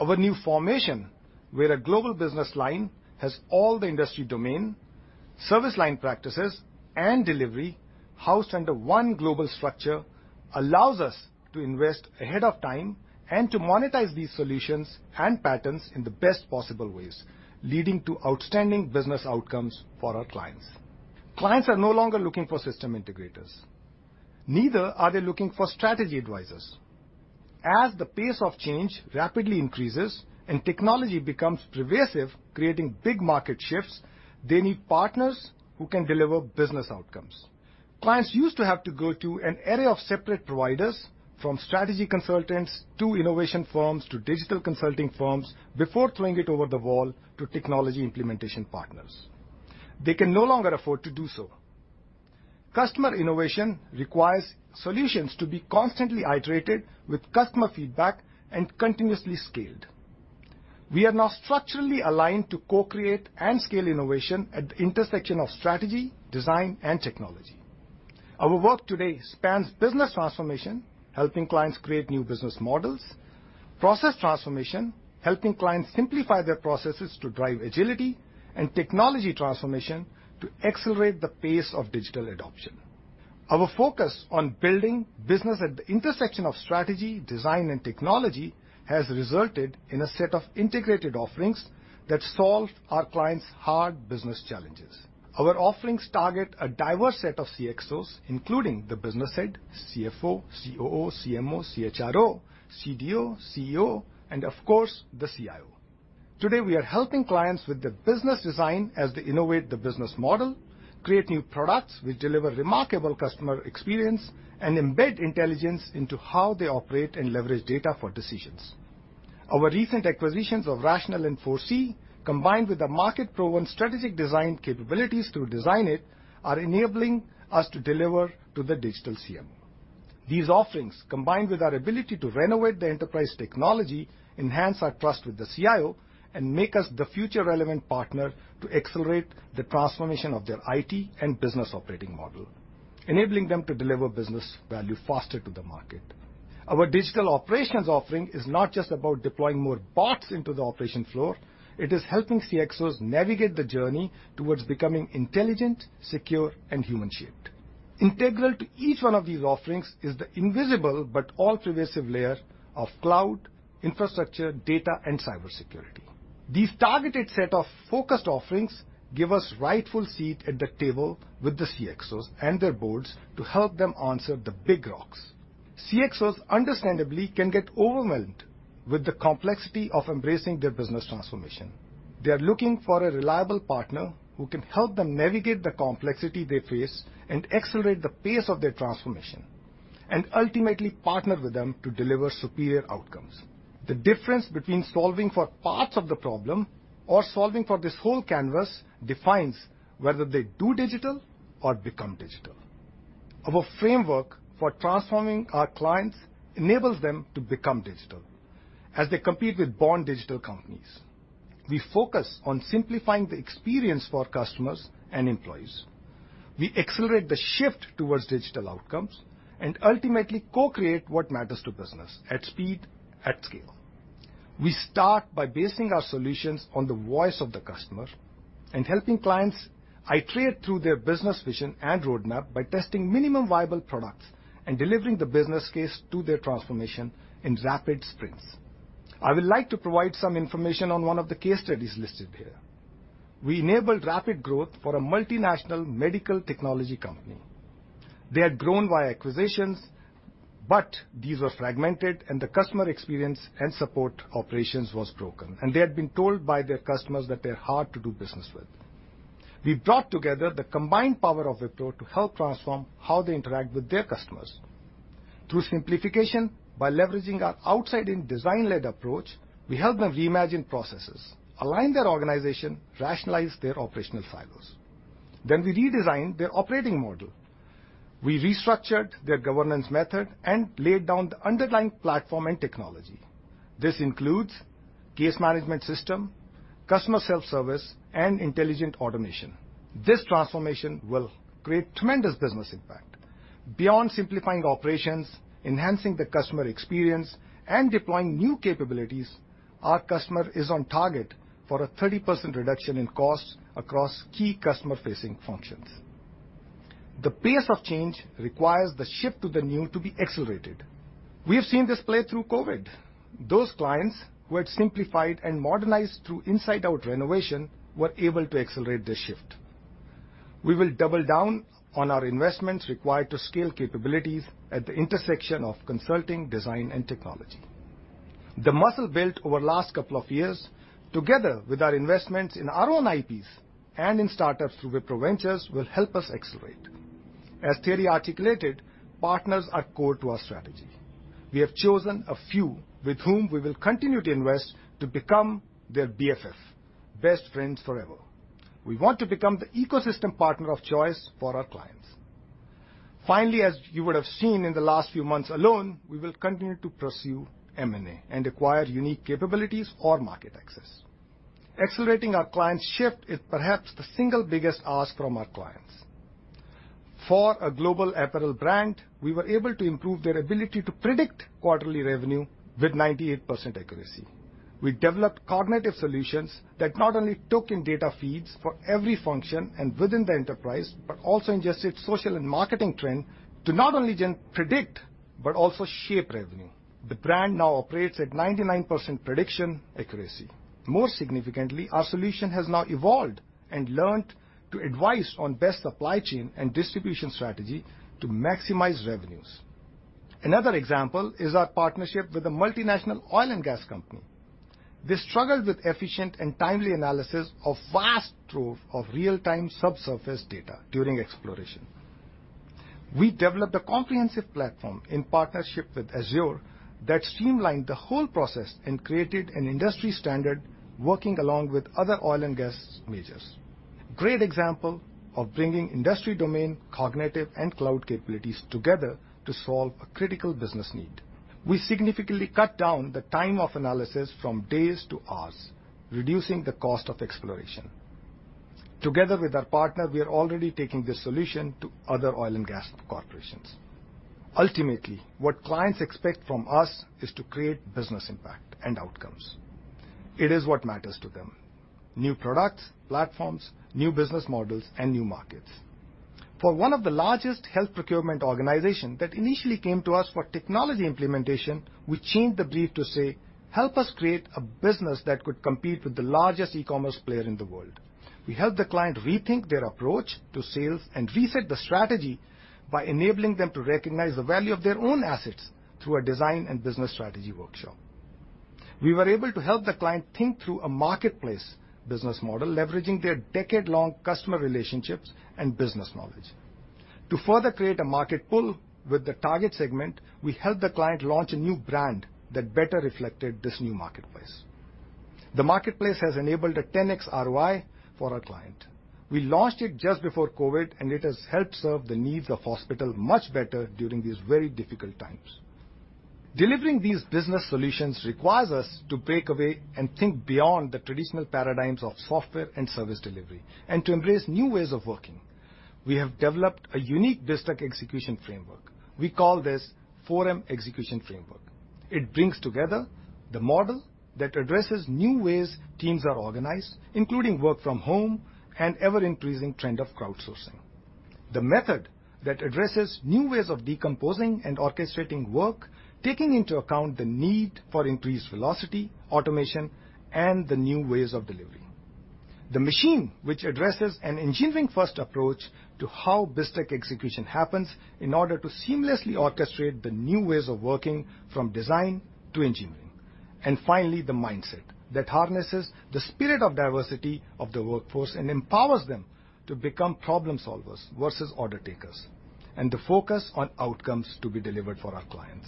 Our new formation, where a Global Business Line has all the industry domain, service line practices, and delivery housed under one global structure, allows us to invest ahead of time and to monetize these solutions and patterns in the best possible ways, leading to outstanding business outcomes for our clients. Clients are no longer looking for system integrators. Neither are they looking for strategy advisors. As the pace of change rapidly increases and technology becomes pervasive, creating big market shifts, they need partners who can deliver business outcomes. Clients used to have to go to an area of separate providers, from strategy consultants to innovation firms to digital consulting firms, before throwing it over the wall to technology implementation partners. They can no longer afford to do so. Customer innovation requires solutions to be constantly iterated with customer feedback and continuously scaled. We are now structurally aligned to co-create and scale innovation at the intersection of strategy, design, and technology. Our work today spans business transformation, helping clients create new business models, process transformation, helping clients simplify their processes to drive agility, and technology transformation to accelerate the pace of digital adoption. Our focus on building business at the intersection of strategy, design, and technology has resulted in a set of integrated offerings that solve our clients' hard business challenges. Our offerings target a diverse set of CXOs, including the business head, CFO, COO, CMO, CHRO, CDO, CEO, and, of course, the CIO. Today, we are helping clients with the business design as they innovate the business model, create new products which deliver remarkable customer experience, and embed intelligence into how they operate and leverage data for decisions. Our recent acquisitions of Rational and 4C, combined with the market-proven strategic design capabilities through Designit, are enabling us to deliver to the digital CMO. These offerings, combined with our ability to renovate the enterprise technology, enhance our trust with the CIO, and make us the future-relevant partner to accelerate the transformation of their IT and business operating model, enabling them to deliver business value faster to the market. Our digital operations offering is not just about deploying more bots into the operation floor. It is helping CXOs navigate the journey towards becoming intelligent, secure, and human-shaped. Integral to each one of these offerings is the invisible but all-pervasive layer of cloud, infrastructure, data, and cybersecurity. These targeted sets of focused offerings give us a rightful seat at the table with the CXOs and their Boards to help them answer the big rocks. CXOs, understandably, can get overwhelmed with the complexity of embracing their business transformation. They are looking for a reliable partner who can help them navigate the complexity they face and accelerate the pace of their transformation, and ultimately partner with them to deliver superior outcomes. The difference between solving for parts of the problem or solving for this whole canvas defines whether they do digital or become digital. Our framework for transforming our clients enables them to become digital as they compete with born-digital companies. We focus on simplifying the experience for customers and employees. We accelerate the shift towards digital outcomes and ultimately co-create what matters to business at speed, at scale. We start by basing our solutions on the voice of the customer and helping clients iterate through their business vision and roadmap by testing minimum viable products and delivering the business case to their transformation in rapid sprints. I would like to provide some information on one of the case studies listed here. We enabled rapid growth for a multinational medical technology company. They had grown via acquisitions, but these were fragmented, and the customer experience and support operations were broken, and they had been told by their customers that they are hard to do business with. We brought together the combined power of Wipro to help transform how they interact with their customers. Through simplification, by leveraging our outside-in design-led approach, we helped them reimagine processes, align their organization, and rationalize their operational silos, then we redesigned their operating model. We restructured their governance method and laid down the underlying platform and technology. This includes a case management system, customer self-service, and intelligent automation. This transformation will create tremendous business impact. Beyond simplifying operations, enhancing the customer experience, and deploying new capabilities, our customer is on target for a 30% reduction in costs across key customer-facing functions. The pace of change requires the shift to the new to be accelerated. We have seen this play through COVID. Those clients who had simplified and modernized through inside-out renovation were able to accelerate this shift. We will double down on our investments required to scale capabilities at the intersection of consulting, design, and technology. The muscle built over the last couple of years, together with our investments in our own IPs and in startups through Wipro Ventures, will help us accelerate. As Thierry articulated, partners are core to our strategy. We have chosen a few with whom we will continue to invest to become their BFF, best friends forever. We want to become the ecosystem partner of choice for our clients. Finally, as you would have seen in the last few months alone, we will continue to pursue M&A and acquire unique capabilities or market access. Accelerating our clients' shift is perhaps the single biggest ask from our clients. For a global apparel brand, we were able to improve their ability to predict quarterly revenue with 98% accuracy. We developed cognitive solutions that not only took in data feeds for every function and within the enterprise but also ingested social and marketing trends to not only predict but also shape revenue. The brand now operates at 99% prediction accuracy. More significantly, our solution has now evolved and learned to advise on best supply chain and distribution strategy to maximize revenues. Another example is our partnership with a multinational oil and gas company. They struggled with efficient and timely analysis of vast store of real-time subsurface data during exploration. We developed a comprehensive platform in partnership with Azure that streamlined the whole process and created an industry standard working along with other oil and gas majors. Great example of bringing industry-domain, cognitive, and cloud capabilities together to solve a critical business need. We significantly cut down the time of analysis from days to hours, reducing the cost of exploration. Together with our partner, we are already taking this solution to other oil and gas corporations. Ultimately, what clients expect from us is to create business impact and outcomes. It is what matters to them: new products, platforms, new business models, and new markets. For one of the largest health procurement organizations that initially came to us for technology implementation, we changed the brief to say, "Help us create a business that could compete with the largest e-commerce player in the world." We helped the client rethink their approach to sales and reset the strategy by enabling them to recognize the value of their own assets through a design and business strategy workshop. We were able to help the client think through a marketplace business model, leveraging their decade-long customer relationships and business knowledge. To further create a market pull with the target segment, we helped the client launch a new brand that better reflected this new marketplace. The marketplace has enabled a 10x ROI for our client. We launched it just before COVID, and it has helped serve the needs of hospitals much better during these very difficult times. Delivering these business solutions requires us to break away and think beyond the traditional paradigms of software and service delivery and to embrace new ways of working. We have developed a unique BizTech execution framework. We call this 4M execution framework. It brings together the model that addresses new ways teams are organized, including work-from-home and the ever-increasing trend of crowdsourcing. The method that addresses new ways of decomposing and orchestrating work, taking into account the need for increased velocity, automation, and the new ways of delivery. The machine, which addresses an engineering-first approach to how BizTech execution happens in order to seamlessly orchestrate the new ways of working from design to engineering. And finally, the mindset that harnesses the spirit of diversity of the workforce and empowers them to become problem solvers versus order takers, and the focus on outcomes to be delivered for our clients.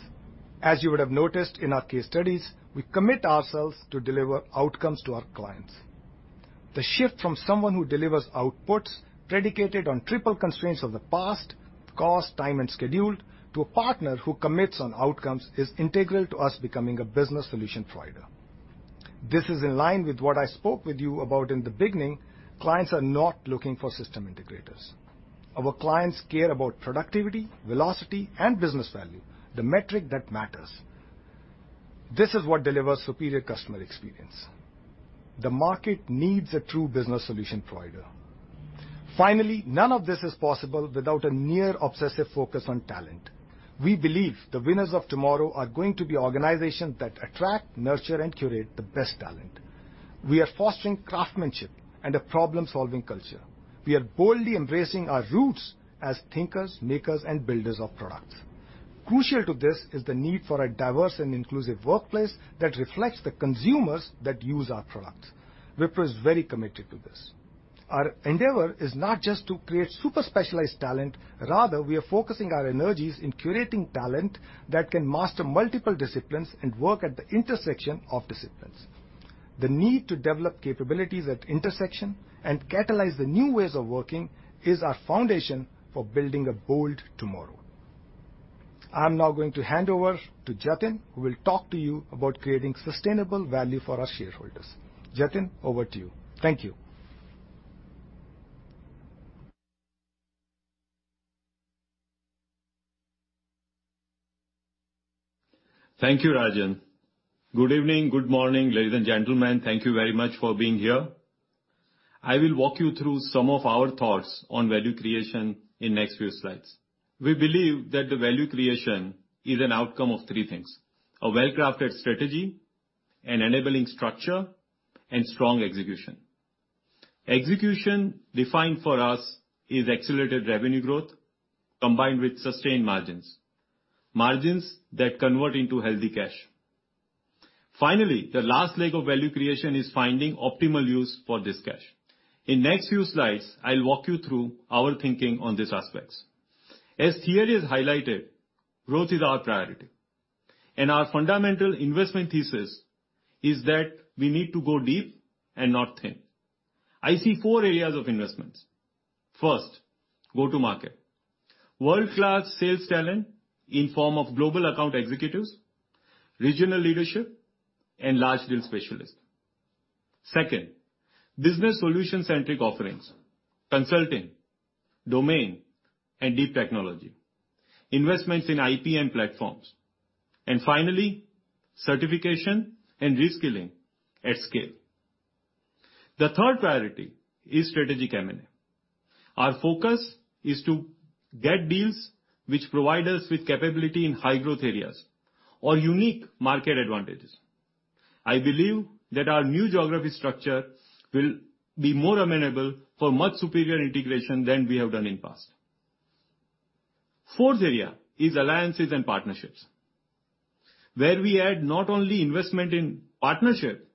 As you would have noticed in our case studies, we commit ourselves to deliver outcomes to our clients. The shift from someone who delivers outputs predicated on triple constraints of the past (cost, time, and schedule) to a partner who commits on outcomes is integral to us becoming a business solution provider. This is in line with what I spoke with you about in the beginning: clients are not looking for system integrators. Our clients care about productivity, velocity, and business value, the metric that matters. This is what delivers superior customer experience. The market needs a true business solution provider. Finally, none of this is possible without a near-obsessive focus on talent. We believe the winners of tomorrow are going to be organizations that attract, nurture, and curate the best talent. We are fostering craftsmanship and a problem-solving culture. We are boldly embracing our roots as thinkers, makers, and builders of products. Crucial to this is the need for a diverse and inclusive workplace that reflects the consumers that use our products. Wipro is very committed to this. Our endeavor is not just to create super-specialized talent. Rather, we are focusing our energies in curating talent that can master multiple disciplines and work at the intersection of disciplines. The need to develop capabilities at intersection and catalyze the new ways of working is our foundation for building a bold tomorrow. I'm now going to hand over to Jatin, who will talk to you about creating sustainable value for our shareholders. Jatin, over to you. Thank you. Thank you, Rajan. Good evening, good morning, ladies and gentlemen. Thank you very much for being here. I will walk you through some of our thoughts on value creation in the next few slides. We believe that value creation is an outcome of three things: a well-crafted strategy, an enabling structure, and strong execution. Execution, defined for us, is accelerated revenue growth combined with sustained margins, margins that convert into healthy cash. Finally, the last leg of value creation is finding optimal use for this cash. In the next few slides, I'll walk you through our thinking on these aspects. As Thierry has highlighted, growth is our priority, and our fundamental investment thesis is that we need to go deep and not thin. I see four areas of investments. First, go-to-market: world-class sales talent in the form of Global Account Executives, regional leadership, and large-deal specialists. Second, business solution-centric offerings: consulting, domain, and deep technology. Investments in IP and platforms. And finally, certification and reskilling at scale. The third priority is strategic M&A. Our focus is to get deals which provide us with capability in high-growth areas or unique market advantages. I believe that our new geography structure will be more amenable for much superior integration than we have done in the past. The fourth area is alliances and partnerships, where we add not only investment in partnership,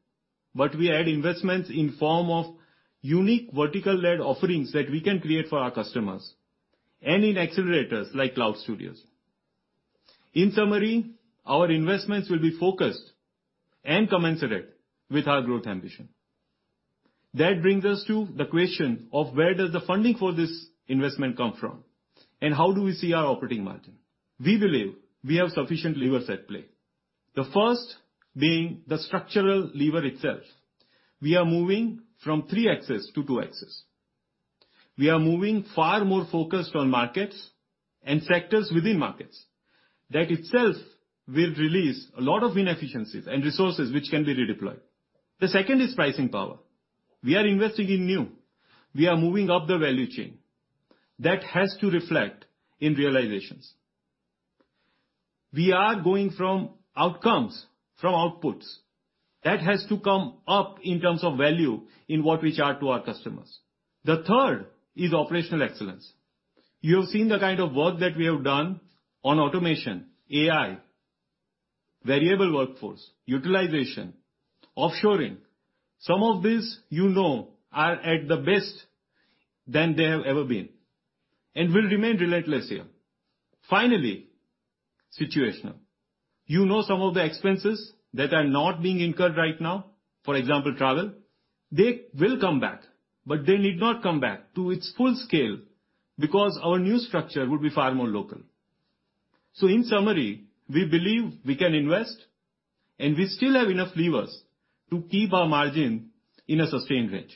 but we add investments in the form of unique vertical-led offerings that we can create for our customers and in accelerators like Cloud Studios. In summary, our investments will be focused and commensurate with our growth ambition. That brings us to the question of where does the funding for this investment come from, and how do we see our operating margin? We believe we have sufficient levers at play. The first being the structural lever itself. We are moving from three axes to two axes. We are moving far more focused on markets and sectors within markets. That itself will release a lot of inefficiencies and resources which can be redeployed. The second is pricing power. We are investing in new. We are moving up the value chain. That has to reflect in realizations. We are going from outcomes, from outputs. That has to come up in terms of value in what we charge to our customers. The third is operational excellence. You have seen the kind of work that we have done on automation, AI, variable workforce, utilization, offshoring. Some of these, you know, are at the best than they have ever been and will remain relentless here. Finally, situational. You know some of the expenses that are not being incurred right now, for example, travel. They will come back, but they need not come back to its full scale because our new structure would be far more local. So in summary, we believe we can invest, and we still have enough levers to keep our margin in a sustained range.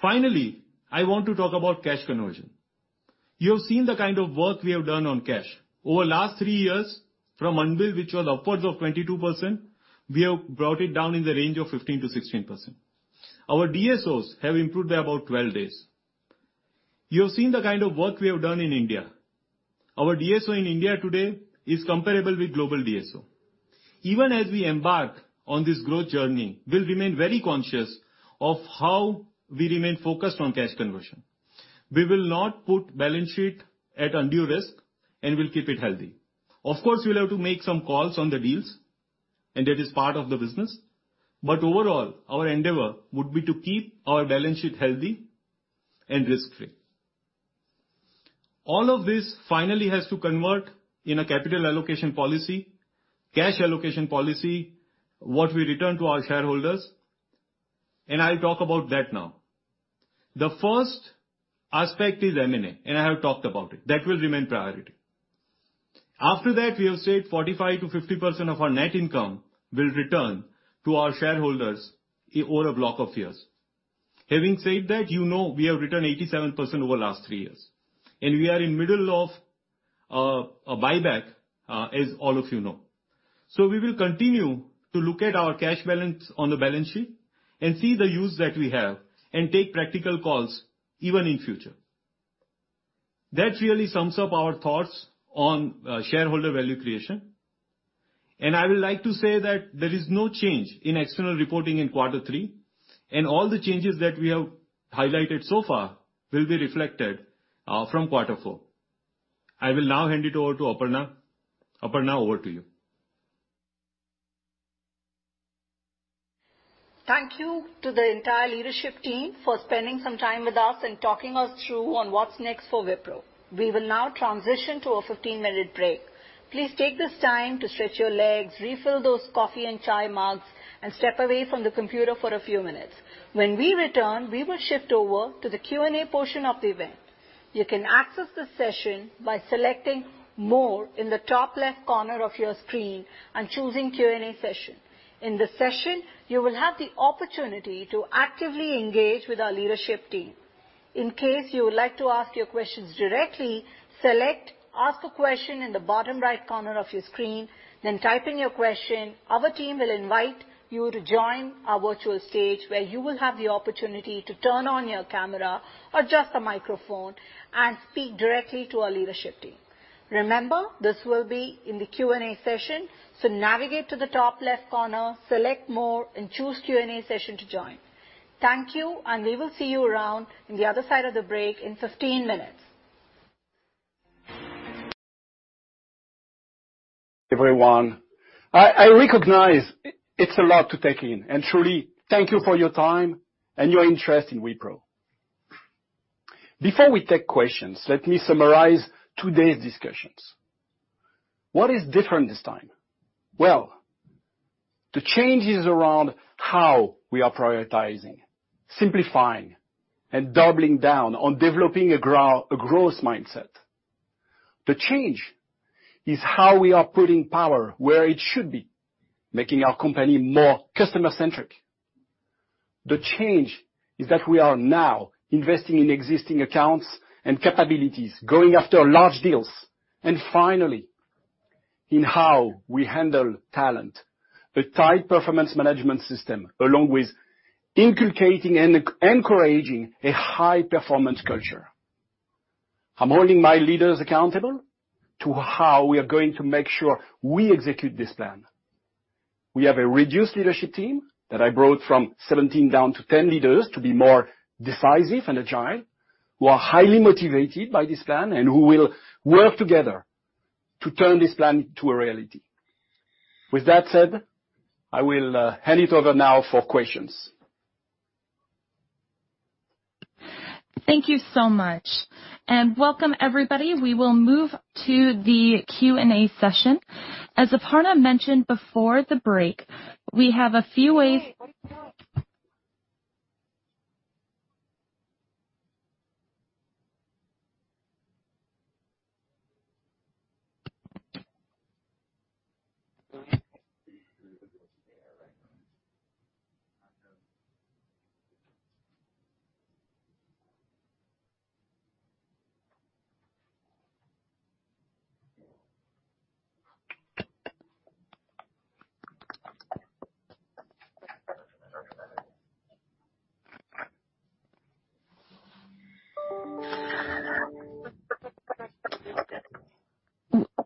Finally, I want to talk about cash conversion. You have seen the kind of work we have done on cash. Over the last three years, from unbilled, which was upwards of 22%, we have brought it down in the range of 15%-16%. Our DSOs have improved by about 12 days. You have seen the kind of work we have done in India. Our DSO in India today is comparable with global DSO. Even as we embark on this growth journey, we will remain very conscious of how we remain focused on cash conversion. We will not put balance sheet at undue risk, and we will keep it healthy. Of course, we will have to make some calls on the deals, and that is part of the business. But overall, our endeavor would be to keep our balance sheet healthy and risk-free. All of this finally has to convert in a capital allocation policy, cash allocation policy, what we return to our shareholders, and I'll talk about that now. The first aspect is M&A, and I have talked about it. That will remain a priority. After that, we have said 45%-50% of our net income will return to our shareholders over a block of years. Having said that, you know we have returned 87% over the last three years, and we are in the middle of a buyback, as all of you know. So we will continue to look at our cash balance on the balance sheet and see the use that we have and take practical calls even in the future. That really sums up our thoughts on shareholder value creation. And I would like to say that there is no change in external reporting in quarter three. And all the changes that we have highlighted so far will be reflected from quarter four. I will now hand it over to Aparna. Aparna, over to you. Thank you to the entire leadership team for spending some time with us and talking us through on what's next for Wipro. We will now transition to a 15-minute break. Please take this time to stretch your legs, refill those coffee and chai mugs, and step away from the computer for a few minutes. When we return, we will shift over to the Q&A portion of the event. You can access the session by selecting "More" in the top-left corner of your screen and choosing "Q&A Session." In the session, you will have the opportunity to actively engage with our leadership team. In case you would like to ask your questions directly, select "Ask a Question" in the bottom-right corner of your screen, then type in your question. Our team will invite you to join our virtual stage, where you will have the opportunity to turn on your camera or just a microphone and speak directly to our leadership team. Remember, this will be in the Q&A session. So navigate to the top-left corner, select "More," and choose "Q&A Session" to join. Thank you, and we will see you around on the other side of the break in 15 minutes. Everyone, I recognize it's a lot to take in. And truly, thank you for your time and your interest in Wipro. Before we take questions, let me summarize today's discussions. What is different this time? Well, the change is around how we are prioritizing, simplifying, and doubling down on developing a growth mindset. The change is how we are putting power where it should be, making our company more customer-centric. The change is that we are now investing in existing accounts and capabilities, going after large deals. And finally, in how we handle talent, a tight performance management system, along with inculcating and encouraging a high-performance culture. I'm holding my leaders accountable to how we are going to make sure we execute this plan. We have a reduced leadership team that I brought from 17 down to 10 leaders to be more decisive and agile, who are highly motivated by this plan and who will work together to turn this plan into a reality. With that said, I will hand it over now for questions. Thank you so much and welcome, everybody. We will move to the Q&A session.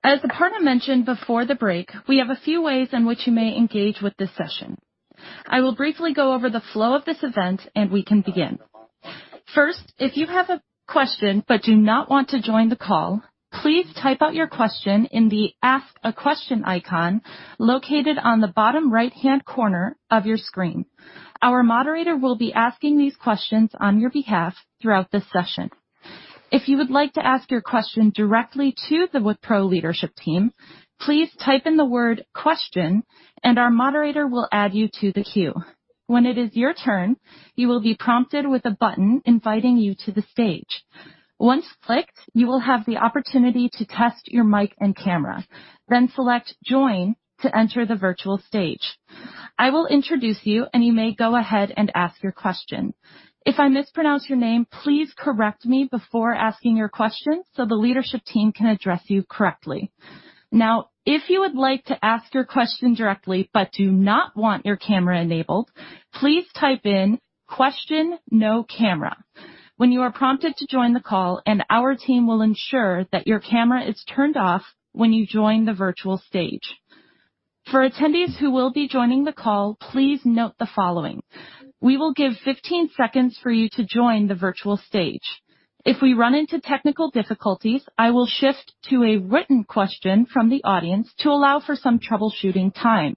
As Aparna mentioned before the break, we have a few ways in which you may engage with this session. I will briefly go over the flow of this event, and we can begin. First, if you have a question but do not want to join the call, please type out your question in the "Ask a Question" icon located on the bottom-right-hand corner of your screen. Our moderator will be asking these questions on your behalf throughout this session. If you would like to ask your question directly to the Wipro leadership team, please type in the word "question," and our moderator will add you to the queue. When it is your turn, you will be prompted with a button inviting you to the stage. Once clicked, you will have the opportunity to test your mic and camera. Then select "Join" to enter the virtual stage. I will introduce you, and you may go ahead and ask your question. If I mispronounce your name, please correct me before asking your question so the leadership team can address you correctly. Now, if you would like to ask your question directly but do not want your camera enabled, please type in "Question, no camera." When you are prompted to join the call, our team will ensure that your camera is turned off when you join the virtual stage. For attendees who will be joining the call, please note the following. We will give 15 seconds for you to join the virtual stage. If we run into technical difficulties, I will shift to a written question from the audience to allow for some troubleshooting time.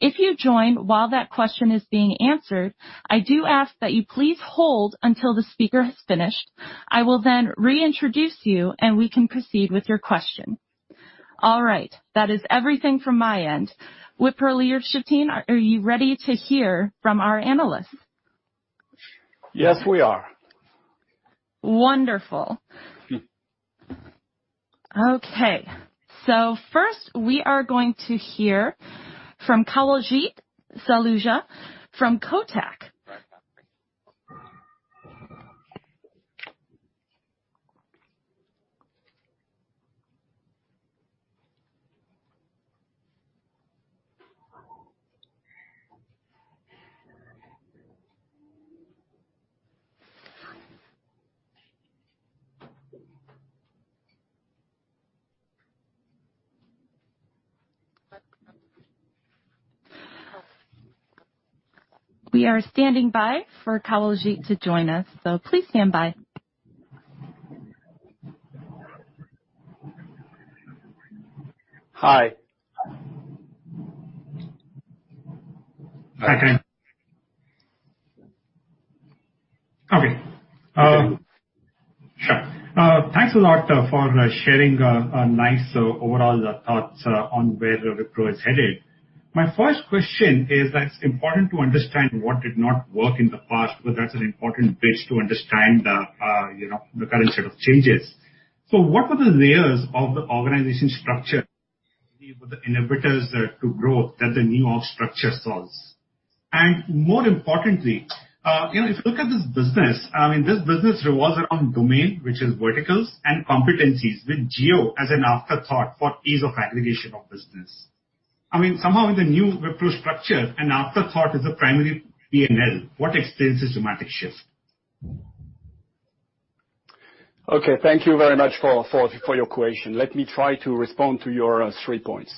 If you join while that question is being answered, I do ask that you please hold until the speaker has finished. I will then reintroduce you, and we can proceed with your question. All right. That is everything from my end. Wipro leadership team, are you ready to hear from our analysts? Yes, we are. Wonderful. Okay. So first, we are going to hear from Kawaljeet Saluja from Kotak. We are standing by for Kawaljeet to join us, so please stand by. Hi. Hi. Hi. Okay. Sure. Thanks a lot for sharing a nice overall thoughts on where Wipro is headed. My first question is that it's important to understand what did not work in the past, but that's an important bridge to understand the current set of changes. So what were the layers of the organization structure? What were the inhibitors to growth that the new structure solves? And more importantly, if you look at this business, I mean, this business revolves around domain, which is verticals, and competencies with geo as an afterthought for ease of aggregation of business. I mean, somehow in the new Wipro structure, an afterthought is the primary P&L. What explains this dramatic shift? Okay. Thank you very much for your question. Let me try to respond to your three points.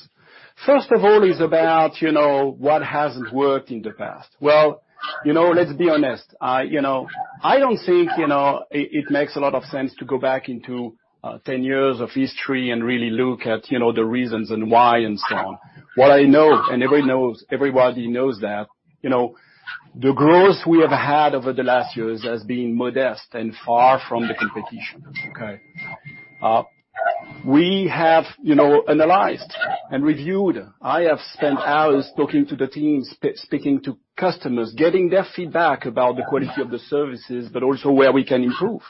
First of all is about what hasn't worked in the past. Well, let's be honest. I don't think it makes a lot of sense to go back into 10 years of history and really look at the reasons and why and so on. What I know, and everybody knows that the growth we have had over the last years has been modest and far from the competition. Okay. We have analyzed and reviewed. I have spent hours talking to the teams, speaking to customers, getting their feedback about the quality of the services, but also where we can improve.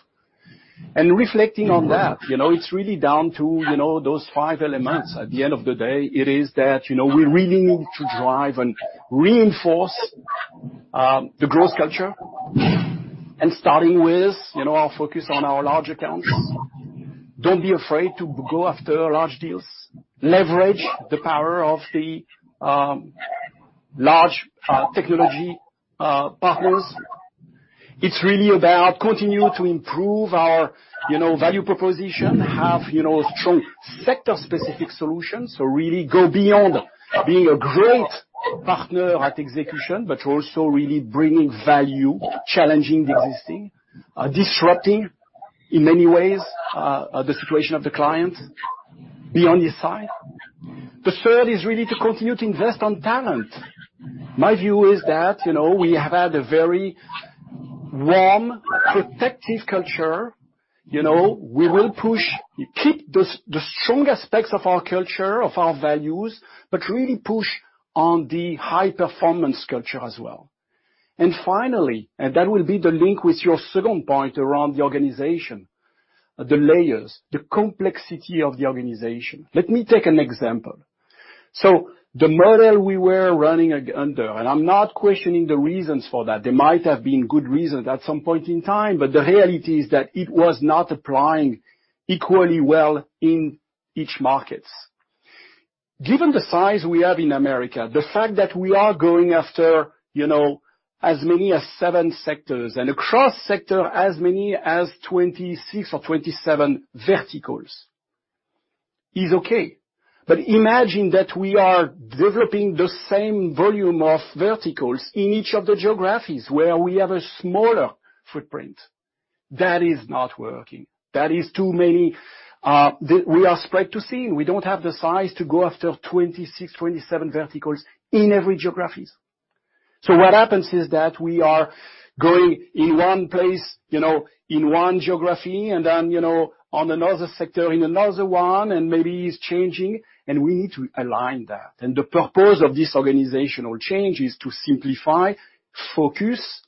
And reflecting on that, it's really down to those five elements. At the end of the day, it is that we really need to drive and reinforce the growth culture. And starting with our focus on our large accounts. Don't be afraid to go after large deals. Leverage the power of the large technology partners. It's really about continuing to improve our value proposition, have strong sector-specific solutions. So really go beyond being a great partner at execution, but also really bringing value, challenging the existing, disrupting in many ways the situation of the client beyond this side. The third is really to continue to invest on talent. My view is that we have had a very warm, protective culture. We will push, keep the strong aspects of our culture, of our values, but really push on the high-performance culture as well. And finally, and that will be the link with your second point around the organization, the layers, the complexity of the organization. Let me take an example. So the model we were running under, and I'm not questioning the reasons for that. There might have been good reasons at some point in time, but the reality is that it was not applying equally well in each market. Given the size we have in America, the fact that we are going after as many as seven sectors and across sectors as many as 26 or 27 verticals is okay. But imagine that we are developing the same volume of verticals in each of the geographies where we have a smaller footprint. That is not working. That is too many. We are spread too thin. We don't have the size to go after 26, 27 verticals in every geography. So what happens is that we are going in one place, in one geography, and then on another sector, in another one, and maybe it's changing, and we need to align that. And the purpose of this organizational change is to simplify, focus,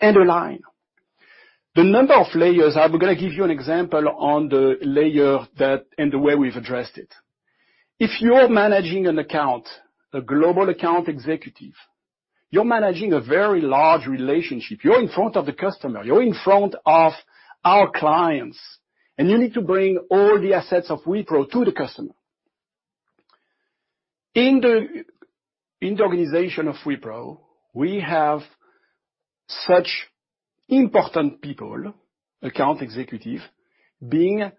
and align. The number of layers, I'm going to give you an example on the layer and the way we've addressed it. If you're managing an account, a Global Account Executive, you're managing a very large relationship. You're in front of the customer. You're in front of our clients. And you need to bring all the assets of Wipro to the customer. In the organization of Wipro, we have such important people, Account Executives, being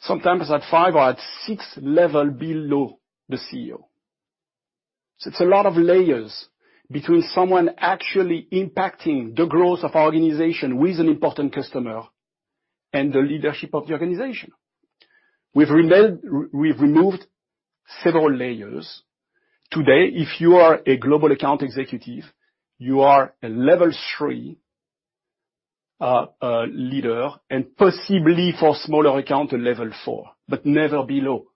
sometimes at five or at six levels below the CEO. It's a lot of layers between someone actually impacting the growth of our organization with an important customer and the leadership of the organization. We've removed several layers. Today, if you are a Global Account Executive, you are a Level 3 leader, and possibly for a smaller account, a Level 4, but never below.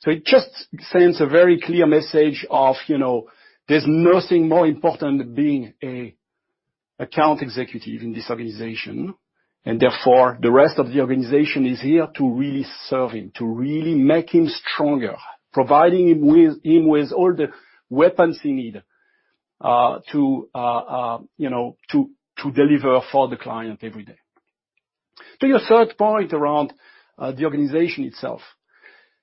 So it just sends a very clear message that there's nothing more important than being an account executive in this organization. And therefore, the rest of the organization is here to really serve him, to really make him stronger, providing him with all the weapons he needs to deliver for the client every day. To your third point around the organization itself,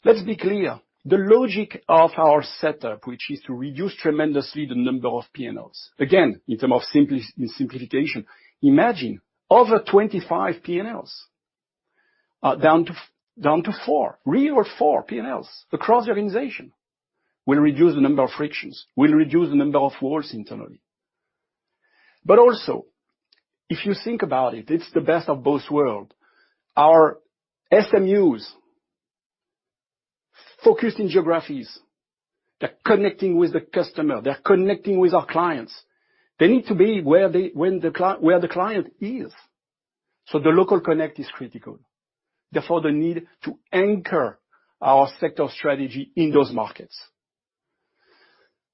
let's be clear. The logic of our setup, which is to reduce tremendously the number of P&Ls, again, in terms of simplification, imagine over 25 P&Ls down to four, real four P&Ls across the organization will reduce the number of frictions, will reduce the number of walls internally, but also, if you think about it, it's the best of both worlds. Our SMUs focused in geographies, they're connecting with the customer, they're connecting with our clients. They need to be where the client is, so the local connect is critical. Therefore, the need to anchor our sector strategy in those markets,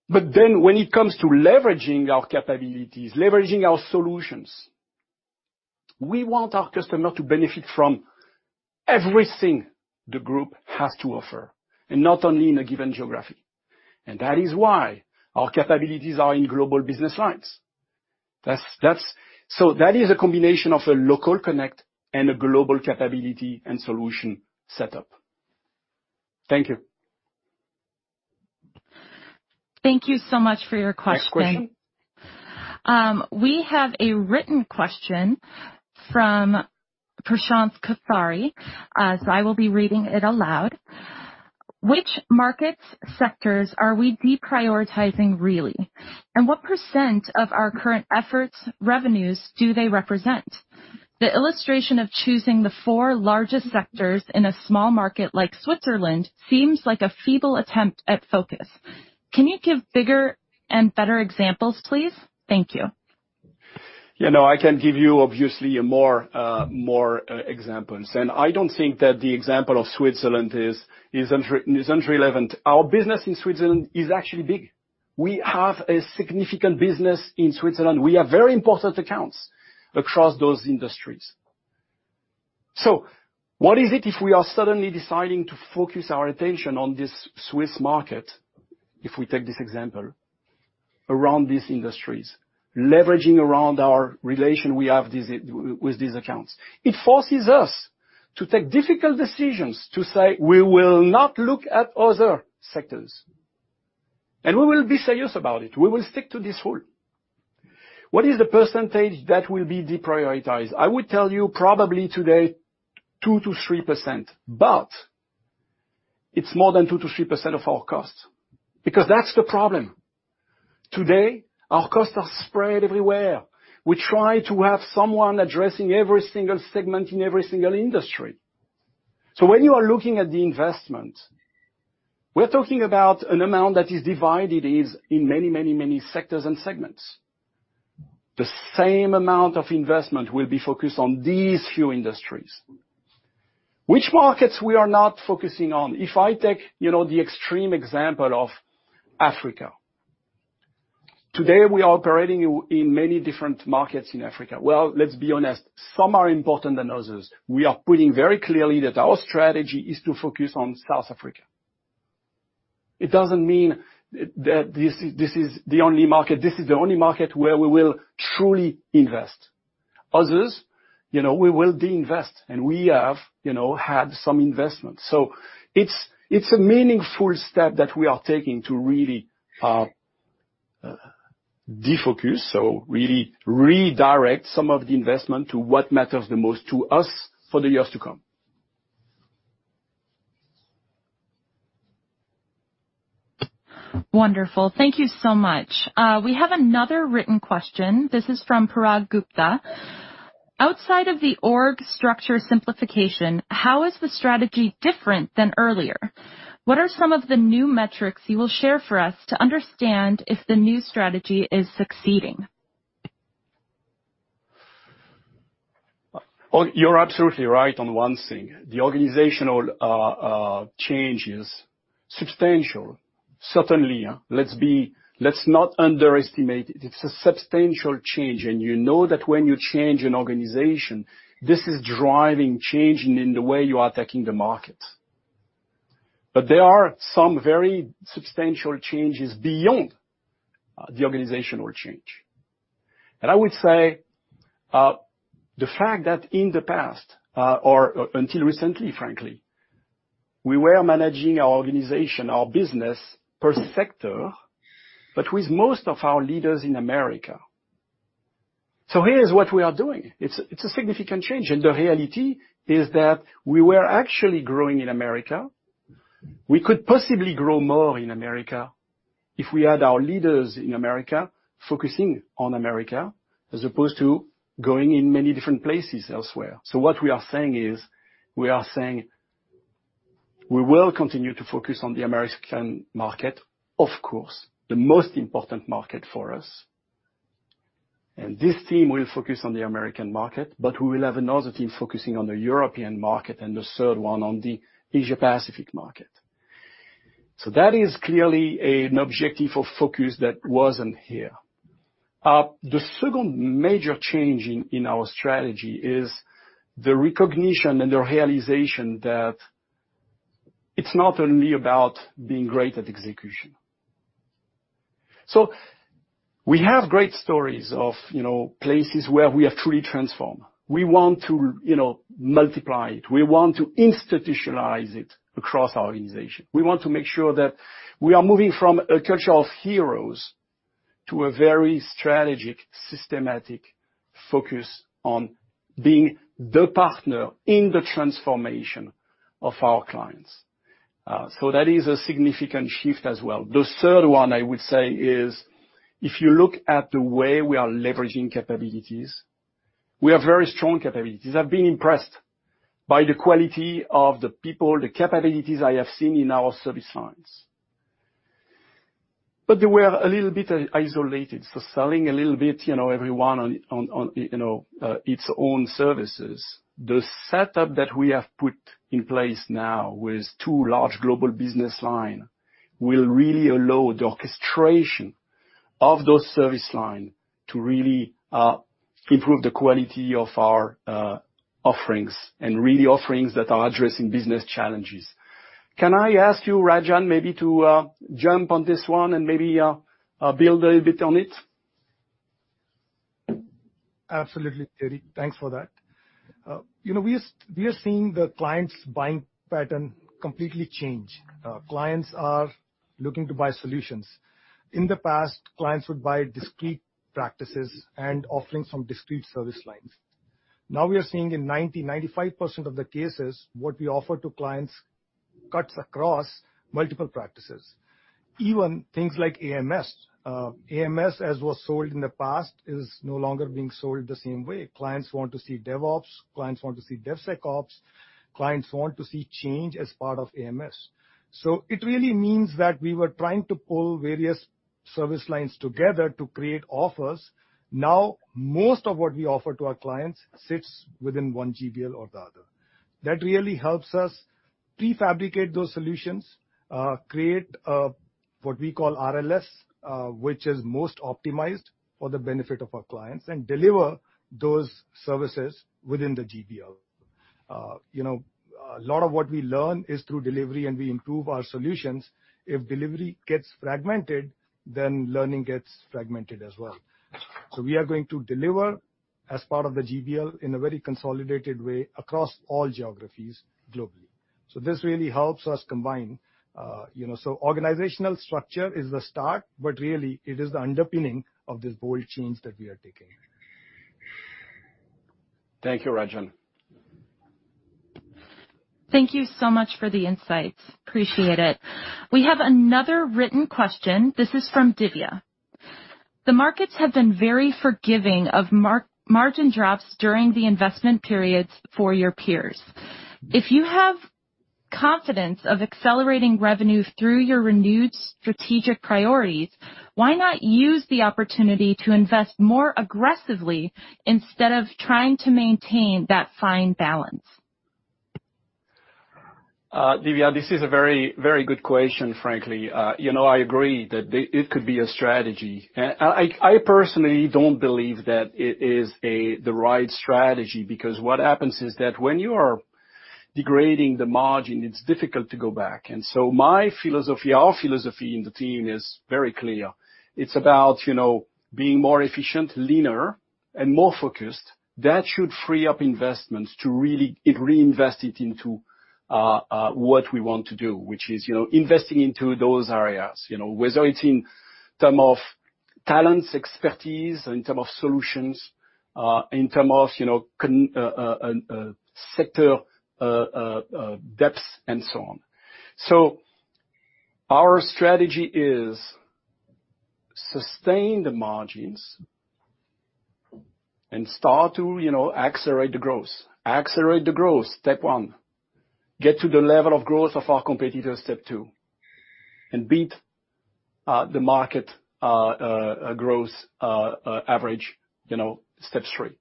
but then when it comes to leveraging our capabilities, leveraging our solutions, we want our customer to benefit from everything the group has to offer, and not only in a given geography, and that is why our capabilities are in Global Business Lines. So that is a combination of a local connect and a global capability and solution setup. Thank you. Thank you so much for your question. Next question. We have a written question from Prashant Kothari. So I will be reading it aloud. Which markets' sectors are we deprioritizing really? And what percent of our current efforts' revenues do they represent? The illustration of choosing the four largest sectors in a small market like Switzerland seems like a feeble attempt at focus. Can you give bigger and better examples, please? Thank you. Yeah. No, I can give you obviously more examples. And I don't think that the example of Switzerland is irrelevant. Our business in Switzerland is actually big. We have a significant business in Switzerland. We have very important accounts across those industries. So what is it if we are suddenly deciding to focus our attention on this Swiss market, if we take this example, around these industries, leveraging around our relation we have with these accounts? It forces us to take difficult decisions to say, "We will not look at other sectors." And we will be serious about it. We will stick to this rule. What is the percentage that will be deprioritized? I would tell you probably today 2%-3%, but it's more than 2%-3% of our cost because that's the problem. Today, our costs are spread everywhere. We try to have someone addressing every single segment in every single industry. So when you are looking at the investment, we're talking about an amount that is divided in many, many, many sectors and segments. The same amount of investment will be focused on these few industries. Which markets we are not focusing on? If I take the extreme example of Africa, today we are operating in many different markets in Africa. Let's be honest, some are more important than others. We are putting it very clearly that our strategy is to focus on South Africa. It doesn't mean that this is the only market. This is the only market where we will truly invest. Others, we will deinvest, and we have had some investment. So it's a meaningful step that we are taking to really defocus, so really redirect some of the investment to what matters the most to us for the years to come. Wonderful. Thank you so much. We have another written question. This is from Parag Gupta. Outside of the org structure simplification, how is the strategy different than earlier? What are some of the new metrics you will share for us to understand if the new strategy is succeeding? You're absolutely right on one thing. The organizational change is substantial. Certainly, let's not underestimate it. It's a substantial change. And you know that when you change an organization, this is driving change in the way you are attacking the market. But there are some very substantial changes beyond the organizational change. And I would say the fact that in the past, or until recently, frankly, we were managing our organization, our business per sector, but with most of our leaders in Americas. So here's what we are doing. It's a significant change. And the reality is that we were actually growing in Americas. We could possibly grow more in Americas if we had our leaders in Americas focusing on Americas as opposed to going in many different places elsewhere. What we are saying is we are saying we will continue to focus on the American market, of course, the most important market for us. And this team will focus on the American market, but we will have another team focusing on the European market and the third one on the Asia-Pacific market. So that is clearly an objective of focus that wasn't here. The second major change in our strategy is the recognition and the realization that it's not only about being great at execution. So we have great stories of places where we have truly transformed. We want to multiply it. We want to institutionalize it across our organization. We want to make sure that we are moving from a culture of heroes to a very strategic, systematic focus on being the partner in the transformation of our clients. So that is a significant shift as well. The third one, I would say, is if you look at the way we are leveraging capabilities, we have very strong capabilities. I've been impressed by the quality of the people, the capabilities I have seen in our service lines. But they were a little bit isolated, so selling a little bit everyone on its own services. The setup that we have put in place now with two large Global Business Lines will really allow the orchestration of those service lines to really improve the quality of our offerings and really offerings that are addressing business challenges. Can I ask you, Rajan, maybe to jump on this one and maybe build a little bit on it? Absolutely, Thierry. Thanks for that. We are seeing the client's buying pattern completely change. Clients are looking to buy solutions. In the past, clients would buy discrete practices and offerings from discrete service lines. Now we are seeing in 90%-95% of the cases, what we offer to clients cuts across multiple practices, even things like AMS. AMS, as was sold in the past, is no longer being sold the same way. Clients want to see DevOps. Clients want to see DevSecOps. Clients want to see change as part of AMS. So it really means that we were trying to pull various service lines together to create offers. Now, most of what we offer to our clients sits within one GBL or the other. That really helps us prefabricate those solutions, create what we call RLS, which is most optimized for the benefit of our clients, and deliver those services within the GBL. A lot of what we learn is through delivery, and we improve our solutions. If delivery gets fragmented, then learning gets fragmented as well. So we are going to deliver as part of the GBL in a very consolidated way across all geographies globally. So this really helps us combine. So organizational structure is the start, but really, it is the underpinning of this bold change that we are taking. Thank you, Rajan. Thank you so much for the insights. Appreciate it. We have another written question. This is from Divya. The markets have been very forgiving of margin drops during the investment periods for your peers. If you have confidence of accelerating revenue through your renewed strategic priorities, why not use the opportunity to invest more aggressively instead of trying to maintain that fine balance? Divya, this is a very, very good question, frankly. I agree that it could be a strategy. I personally don't believe that it is the right strategy because what happens is that when you are degrading the margin, it's difficult to go back. And so my philosophy, our philosophy in the team is very clear. It's about being more efficient, leaner, and more focused. That should free up investments to really reinvest it into what we want to do, which is investing into those areas, whether it's in terms of talents, expertise, in terms of solutions, in terms of sector depth, and so on. So our strategy is sustain the margins and start to accelerate the growth. Accelerate the growth, step one. Get to the level of growth of our competitors, step two. And beat the market growth average, step three.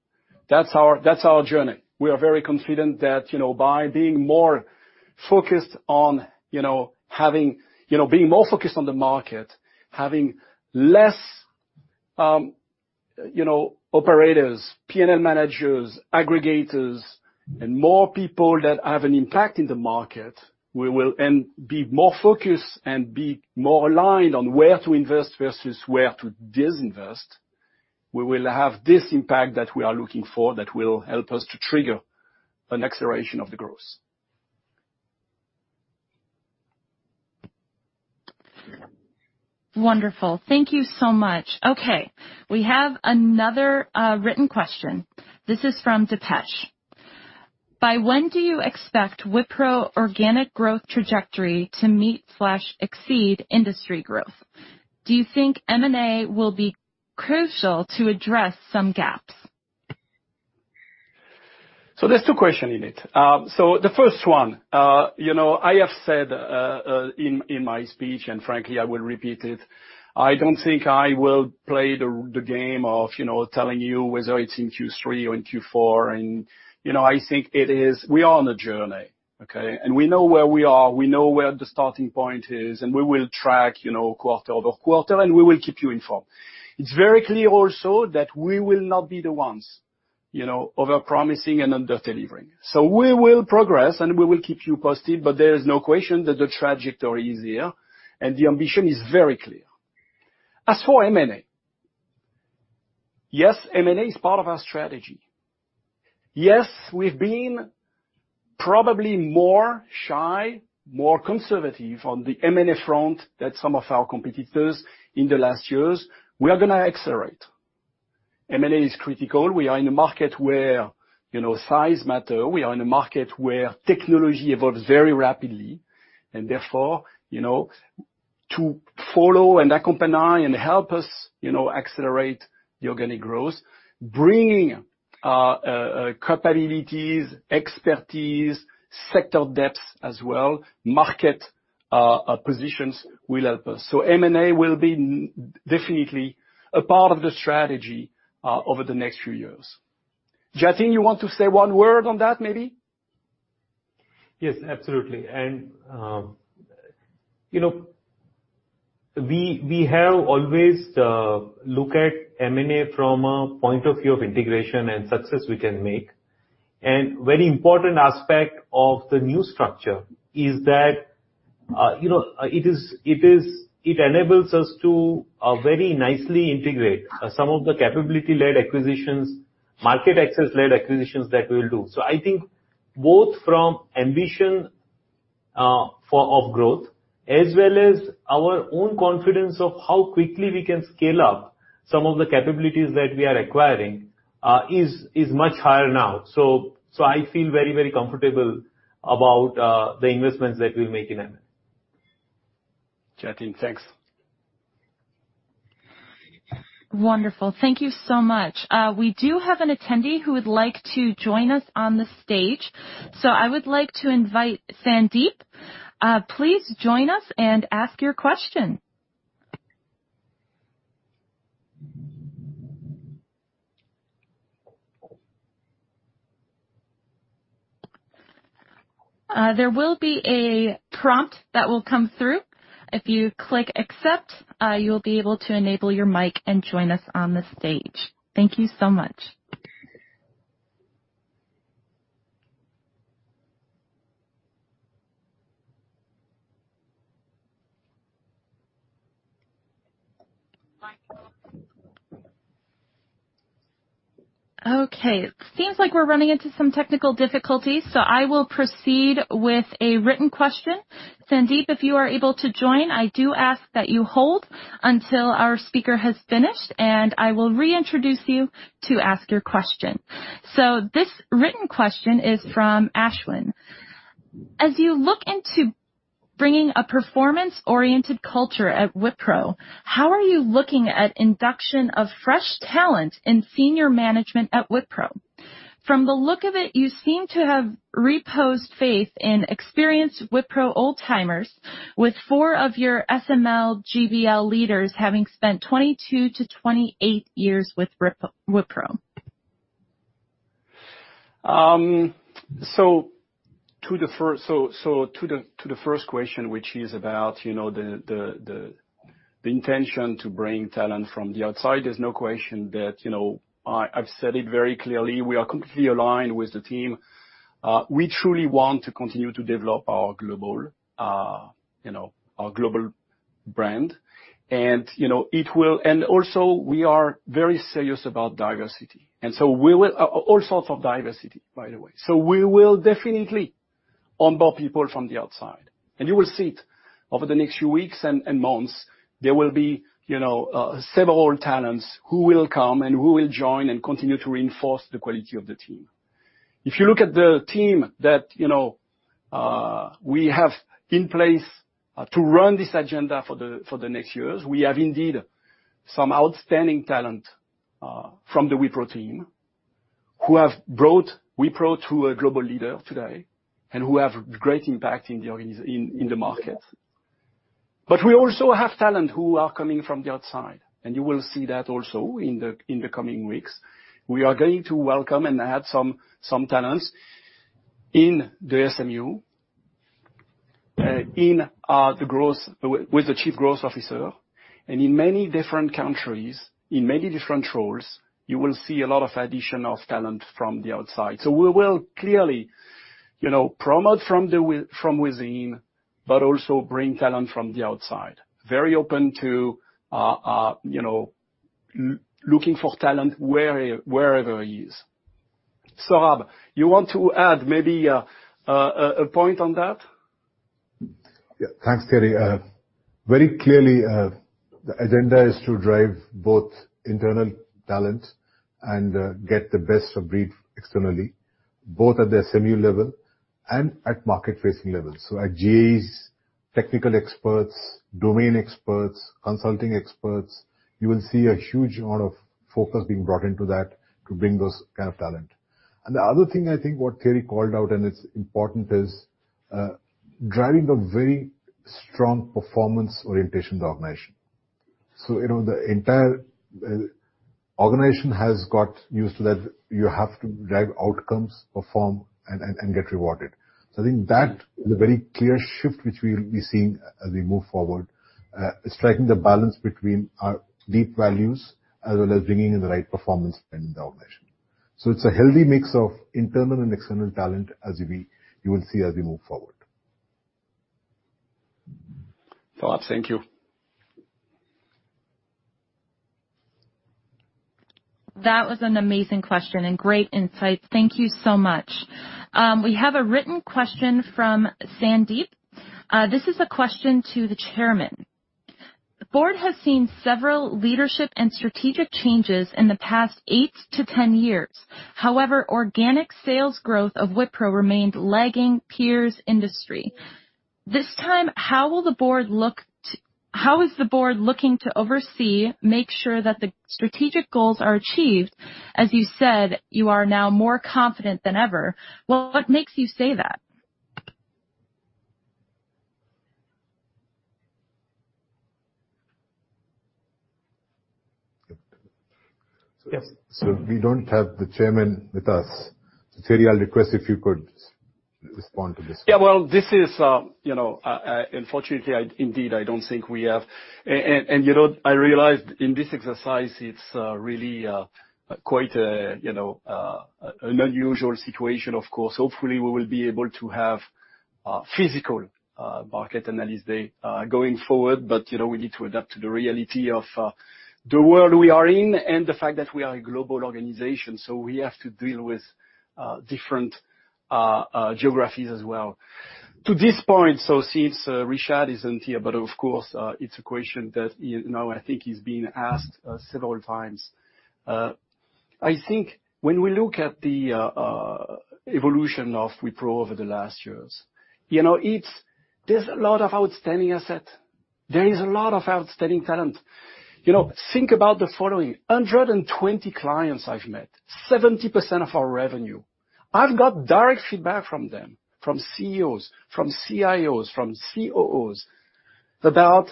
That's our journey. We are very confident that by being more focused on the market, having less operators, P&L managers, aggregators, and more people that have an impact in the market, we will be more focused and be more aligned on where to invest versus where to disinvest. We will have this impact that we are looking for that will help us to trigger an acceleration of the growth. Wonderful. Thank you so much. Okay. We have another written question. This is from Dipesh. By when do you expect Wipro organic growth trajectory to meet/exceed industry growth? Do you think M&A will be crucial to address some gaps? So there's two questions in it. So the first one, I have said in my speech, and frankly, I will repeat it. I don't think I will play the game of telling you whether it's in Q3 or in Q4. And I think it is we are on a journey, okay? And we know where we are. We know where the starting point is. And we will track quarter over quarter, and we will keep you informed. It's very clear also that we will not be the ones overpromising and under-delivering. So we will progress, and we will keep you posted. But there is no question that the trajectory is here, and the ambition is very clear. As for M&A, yes, M&A is part of our strategy. Yes, we've been probably more shy, more conservative on the M&A front than some of our competitors in the last years. We are going to accelerate. M&A is critical. We are in a market where size matters. We are in a market where technology evolves very rapidly. And therefore, to follow and accompany and help us accelerate the organic growth, bringing capabilities, expertise, sector depth as well, market positions will help us. So M&A will be definitely a part of the strategy over the next few years. Jatin, you want to say one word on that, maybe? Yes, absolutely. And we have always looked at M&A from a point of view of integration and success we can make. And a very important aspect of the new structure is that it enables us to very nicely integrate some of the capability-led acquisitions, market access-led acquisitions that we will do. So I think both from ambition of growth as well as our own confidence of how quickly we can scale up some of the capabilities that we are acquiring is much higher now. So I feel very, very comfortable about the investments that we'll make in M&A. Jatin, thanks. Wonderful. Thank you so much. We do have an attendee who would like to join us on the stage, so I would like to invite Sandeep. Please join us and ask your question. There will be a prompt that will come through. If you click Accept, you'll be able to enable your mic and join us on the stage. Thank you so much. Okay. It seems like we're running into some technical difficulties, so I will proceed with a written question. Sandeep, if you are able to join, I do ask that you hold until our speaker has finished, and I will reintroduce you to ask your question, so this written question is from Ashwin. As you look into bringing a performance-oriented culture at Wipro, how are you looking at induction of fresh talent in senior management at Wipro? From the look of it, you seem to have reposed faith in experienced Wipro old-timers, with four of your SML GBL leaders having spent 22 years-28 years with Wipro. So to the first question, which is about the intention to bring talent from the outside, there's no question that I've said it very clearly. We are completely aligned with the team. We truly want to continue to develop our global brand. And also, we are very serious about diversity. And so all sorts of diversity, by the way. So we will definitely onboard people from the outside. And you will see it over the next few weeks and months. There will be several talents who will come and who will join and continue to reinforce the quality of the team. If you look at the team that we have in place to run this agenda for the next years, we have indeed some outstanding talent from the Wipro team who have brought Wipro to a global leader today and who have great impact in the market. But we also have talent who are coming from the outside. And you will see that also in the coming weeks. We are going to welcome and add some talents in the SMU with the Chief Growth Officer. And in many different countries, in many different roles, you will see a lot of addition of talent from the outside. So we will clearly promote from within, but also bring talent from the outside. Very open to looking for talent wherever it is. Saurabh, you want to add maybe a point on that? Yeah. Thanks, Thierry. Very clearly, the agenda is to drive both internal talent and get the best of breed externally, both at the SMU level and at market-facing levels. So at GAEs, technical experts, domain experts, consulting experts, you will see a huge amount of focus being brought into that to bring those kinds of talent. And the other thing I think what Thierry called out and it's important is driving a very strong performance-orientation organization. So the entire organization has got used to that you have to drive outcomes, perform, and get rewarded. So I think that is a very clear shift which we will be seeing as we move forward, striking the balance between our deep values as well as bringing in the right performance in the organization. So it's a healthy mix of internal and external talent, as you will see as we move forward. Saurabh, thank you. That was an amazing question and great insights. Thank you so much. We have a written question from Sandeep. This is a question to the Chairman. The Board has seen several leadership and strategic changes in the past 8 years-10 years. However, organic sales growth of Wipro remained lagging peers' industry. This time, how will the Board look? How is the Board looking to oversee, make sure that the strategic goals are achieved? As you said, you are now more confident than ever. What makes you say that? Yes. So we don't have the Chairman with us. Thierry, I'll request if you could respond to this. Yeah. Well, this is unfortunately, indeed. I don't think we have, and I realized in this exercise, it's really quite an unusual situation, of course. Hopefully, we will be able to have a physical market analysis day going forward. But we need to adapt to the reality of the world we are in and the fact that we are a global organization. We have to deal with different geographies as well. To this point, since Rishad isn't here, but of course, it's a question that I think he's been asked several times. I think when we look at the evolution of Wipro over the last years, there's a lot of outstanding assets. There is a lot of outstanding talent. Think about the following: 120 clients I've met, 70% of our revenue. I've got direct feedback from them, from CEOs, from CIOs, from COOs about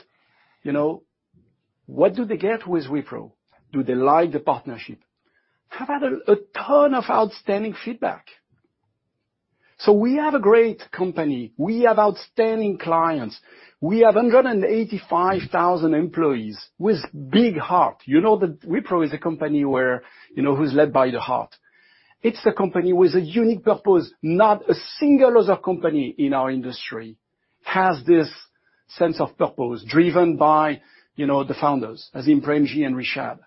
what do they get with Wipro? Do they like the partnership? I've had a ton of outstanding feedback. So we have a great company. We have outstanding clients. We have 185,000 employees with big heart. You know that Wipro is a company who's led by the heart. It's a company with a unique purpose. Not a single other company in our industry has this sense of purpose driven by the founders, as in Premji and Rishad.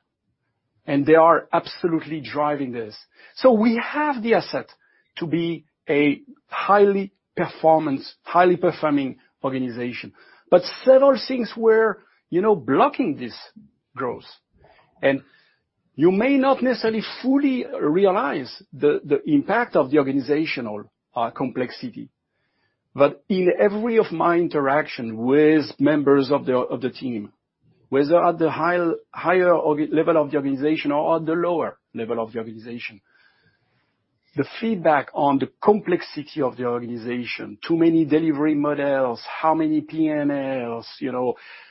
And they are absolutely driving this. So we have the asset to be a highly performing organization. But several things were blocking this growth. And you may not necessarily fully realize the impact of the organizational complexity. But in every interaction with members of the team, whether at the higher level of the organization or at the lower level of the organization, the feedback on the complexity of the organization, too many delivery models, how many P&Ls,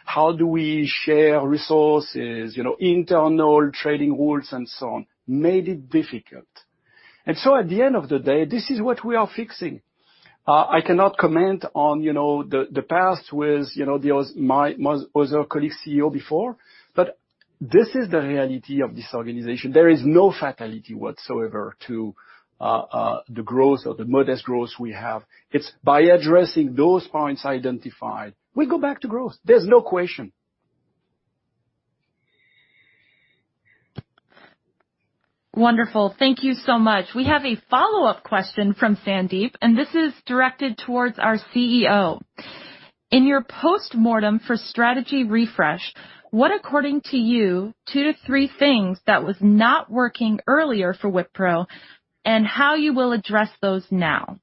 how do we share resources, internal trading rules, and so on, made it difficult. And so at the end of the day, this is what we are fixing. I cannot comment on the past with my other colleague CEO before. But this is the reality of this organization. There is no fatality whatsoever to the growth or the modest growth we have. It's by addressing those points identified, we go back to growth. There's no question. Wonderful. Thank you so much. We have a follow-up question from Sandeep, and this is directed towards our CEO. In your post-mortem for strategy refresh, what, according to you, two to three things that were not working earlier for Wipro, and how you will address those now?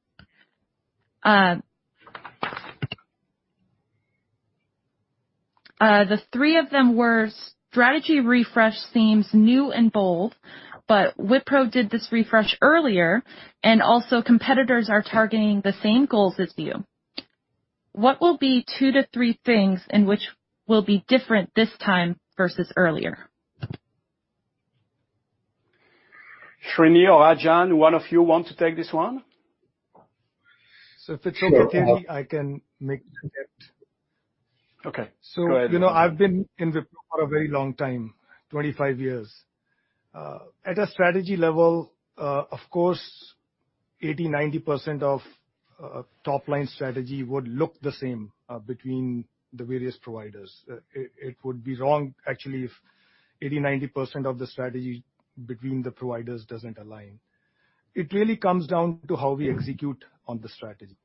The three of them were strategy refresh seems new and bold, but Wipro did this refresh earlier, and also competitors are targeting the same goals as you. What will be two to three things in which will be different this time versus earlier? Srini, or Rajan, one of you wants to take this one? So if it's okay, Thierry, I can make the shift. Okay. So I've been in Wipro for a very long time, 25 years. At a strategy level, of course, 80%-90% of top-line strategy would look the same between the various providers. It would be wrong, actually, if 80%-90% of the strategy between the providers doesn't align. It really comes down to how we execute on the strategy.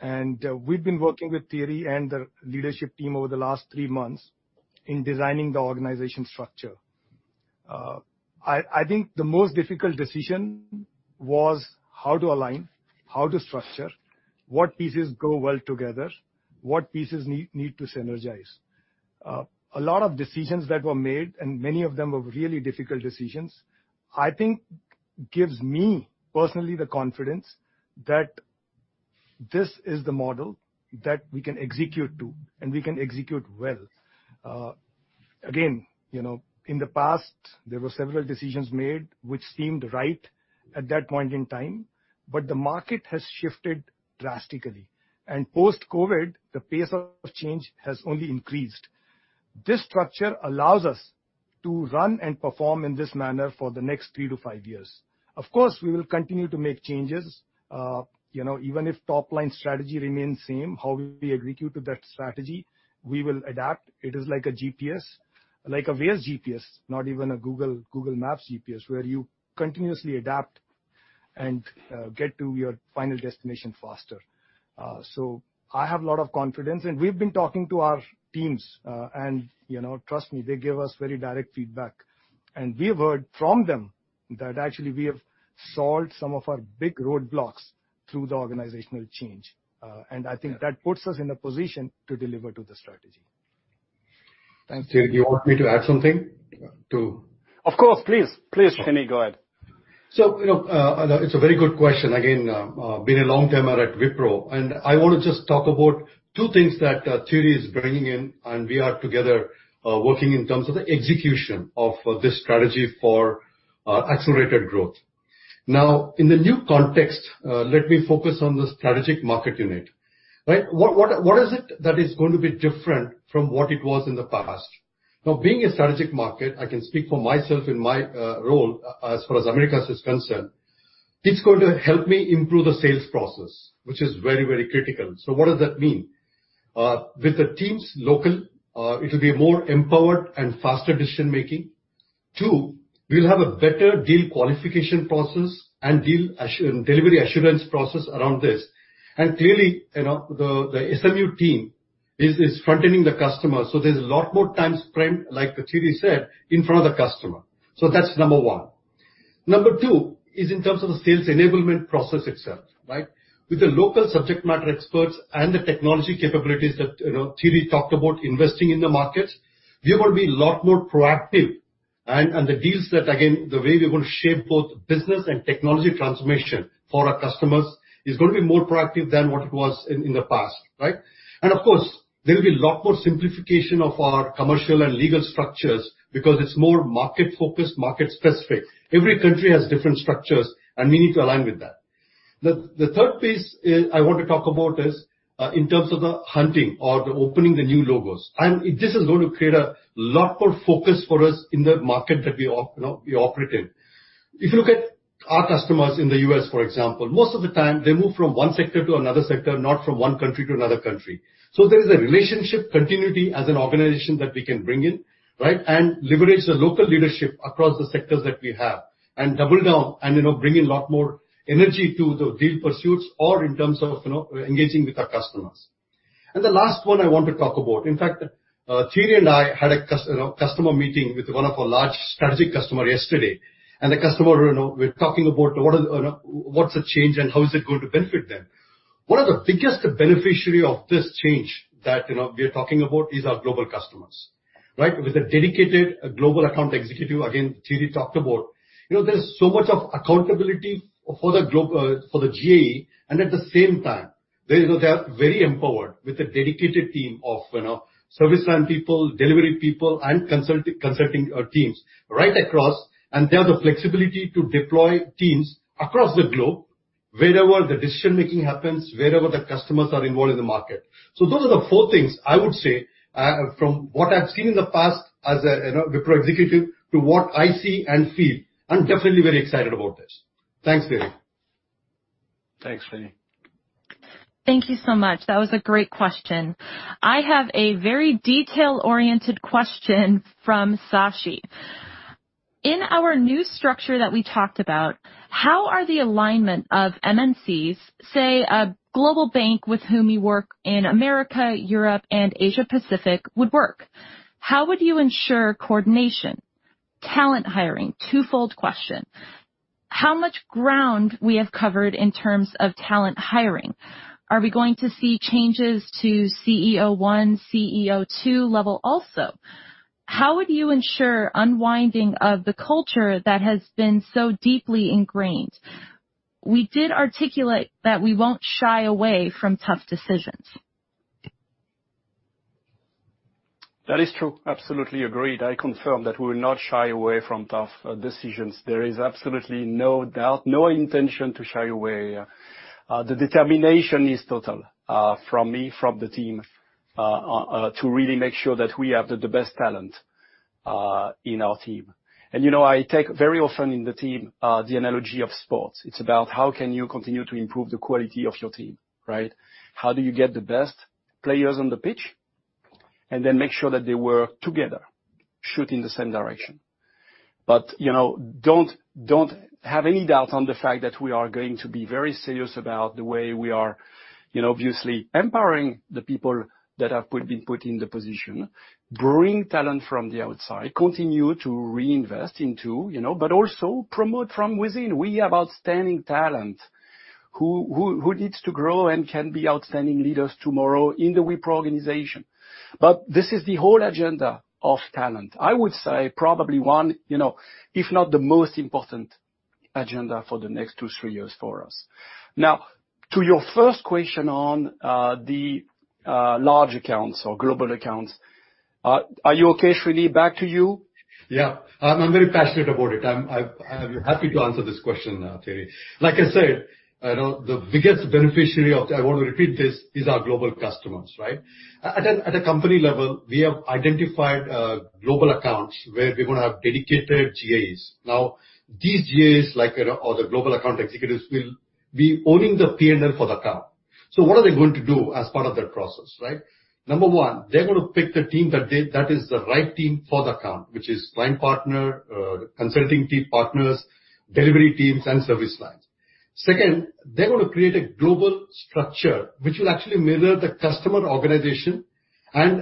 And we've been working with Thierry and the leadership team over the last three months in designing the organization structure. I think the most difficult decision was how to align, how to structure, what pieces go well together, what pieces need to synergize. A lot of decisions that were made, and many of them were really difficult decisions, I think gives me personally the confidence that this is the model that we can execute to, and we can execute well. Again, in the past, there were several decisions made which seemed right at that point in time. But the market has shifted drastically, and post-COVID, the pace of change has only increased. This structure allows us to run and perform in this manner for the next three to five years. Of course, we will continue to make changes. Even if top-line strategy remains the same, how we execute that strategy, we will adapt. It is like a GPS, like a Waze GPS, not even a Google Maps GPS, where you continuously adapt and get to your final destination faster, so I have a lot of confidence, and we've been talking to our teams, and trust me, they give us very direct feedback, and we've heard from them that actually we have solved some of our big roadblocks through the organizational change. And I think that puts us in a position to deliver to the strategy. Thanks, Thierry. Do you want me to add something too? Of course. Please, please, Srini, go ahead. It's a very good question. Again, I've been a long-timer at Wipro. And I want to just talk about two things that Thierry is bringing in, and we are together working in terms of the execution of this strategy for accelerated growth. Now, in the new context, let me focus on the Strategic Market Unit. What is it that is going to be different from what it was in the past? Now, being a strategic market, I can speak for myself in my role as far as Americas is concerned, it's going to help me improve the sales process, which is very, very critical. So what does that mean? With the teams local, it will be a more empowered and faster decision-making. Two, we'll have a better deal qualification process and deal delivery assurance process around this. And clearly, the SMU team is front-ending the customer. So there's a lot more time spent, like Thierry said, in front of the customer. So that's number one. Number two is in terms of the sales enablement process itself. With the local subject matter experts and the technology capabilities that Thierry talked about investing in the market, we are going to be a lot more proactive. And the deals that, again, the way we're going to shape both business and technology transformation for our customers is going to be more proactive than what it was in the past. And of course, there will be a lot more simplification of our commercial and legal structures because it's more market-focused, market-specific. Every country has different structures, and we need to align with that. The third piece I want to talk about is in terms of the hunting or the opening the new logos. This is going to create a lot more focus for us in the market that we operate in. If you look at our customers in the U.S., for example, most of the time, they move from one sector to another sector, not from one country to another country. So there is a relationship continuity as an organization that we can bring in and leverage the local leadership across the sectors that we have and double down and bring in a lot more energy to the deal pursuits or in terms of engaging with our customers, and the last one I want to talk about, in fact, Thierry and I had a customer meeting with one of our large strategic customers yesterday, and the customer we're talking about, what's the change and how is it going to benefit them. One of the biggest beneficiaries of this change that we are talking about is our global customers. With a dedicated Global Account Executive, again, Thierry talked about, there's so much accountability for the GAE. And at the same time, they are very empowered with a dedicated team of service line people, delivery people, and consulting teams right across. And they have the flexibility to deploy teams across the globe wherever the decision-making happens, wherever the customers are involved in the market. So those are the four things I would say from what I've seen in the past as a Wipro executive to what I see and feel. I'm definitely very excited about this. Thanks, Thierry. Thanks, Shrini. Thank you so much. That was a great question. I have a very detail-oriented question from Shashi. In our new structure that we talked about, how are the alignment of MNCs, say a global bank with whom you work in Americas, Europe, and Asia-Pacific, would work? How would you ensure coordination? Talent hiring, twofold question. How much ground we have covered in terms of talent hiring? Are we going to see changes to CEO-1, CEO-2 level also? How would you ensure unwinding of the culture that has been so deeply ingrained? We did articulate that we won't shy away from tough decisions. That is true. Absolutely agreed. I confirm that we will not shy away from tough decisions. There is absolutely no doubt, no intention to shy away. The determination is total from me, from the team, to really make sure that we have the best talent in our team. And I take very often in the team the analogy of sports. It's about how can you continue to improve the quality of your team? How do you get the best players on the pitch and then make sure that they work together, shoot in the same direction? But don't have any doubt on the fact that we are going to be very serious about the way we are obviously empowering the people that have been put in the position, bring talent from the outside, continue to reinvest into, but also promote from within. We have outstanding talent who needs to grow and can be outstanding leaders tomorrow in the Wipro organization. But this is the whole agenda of talent. I would say probably one, if not the most important agenda for the next two, three years for us. Now, to your first question on the large accounts or global accounts, are you okay, Srini? Back to you. Yeah. I'm very passionate about it. I'm happy to answer this question, Thierry. Like I said, the biggest beneficiary of, I want to repeat this, is our global customers. At a company level, we have identified global accounts where we're going to have dedicated GAEs. Now, these GAEs, like the Global Account Executives, will be owning the P&L for the account. So what are they going to do as part of that process? Number one, they're going to pick the team that is the right team for the account, which is client partner, consulting team partners, delivery teams, and service lines. Second, they're going to create a global structure which will actually mirror the customer organization. And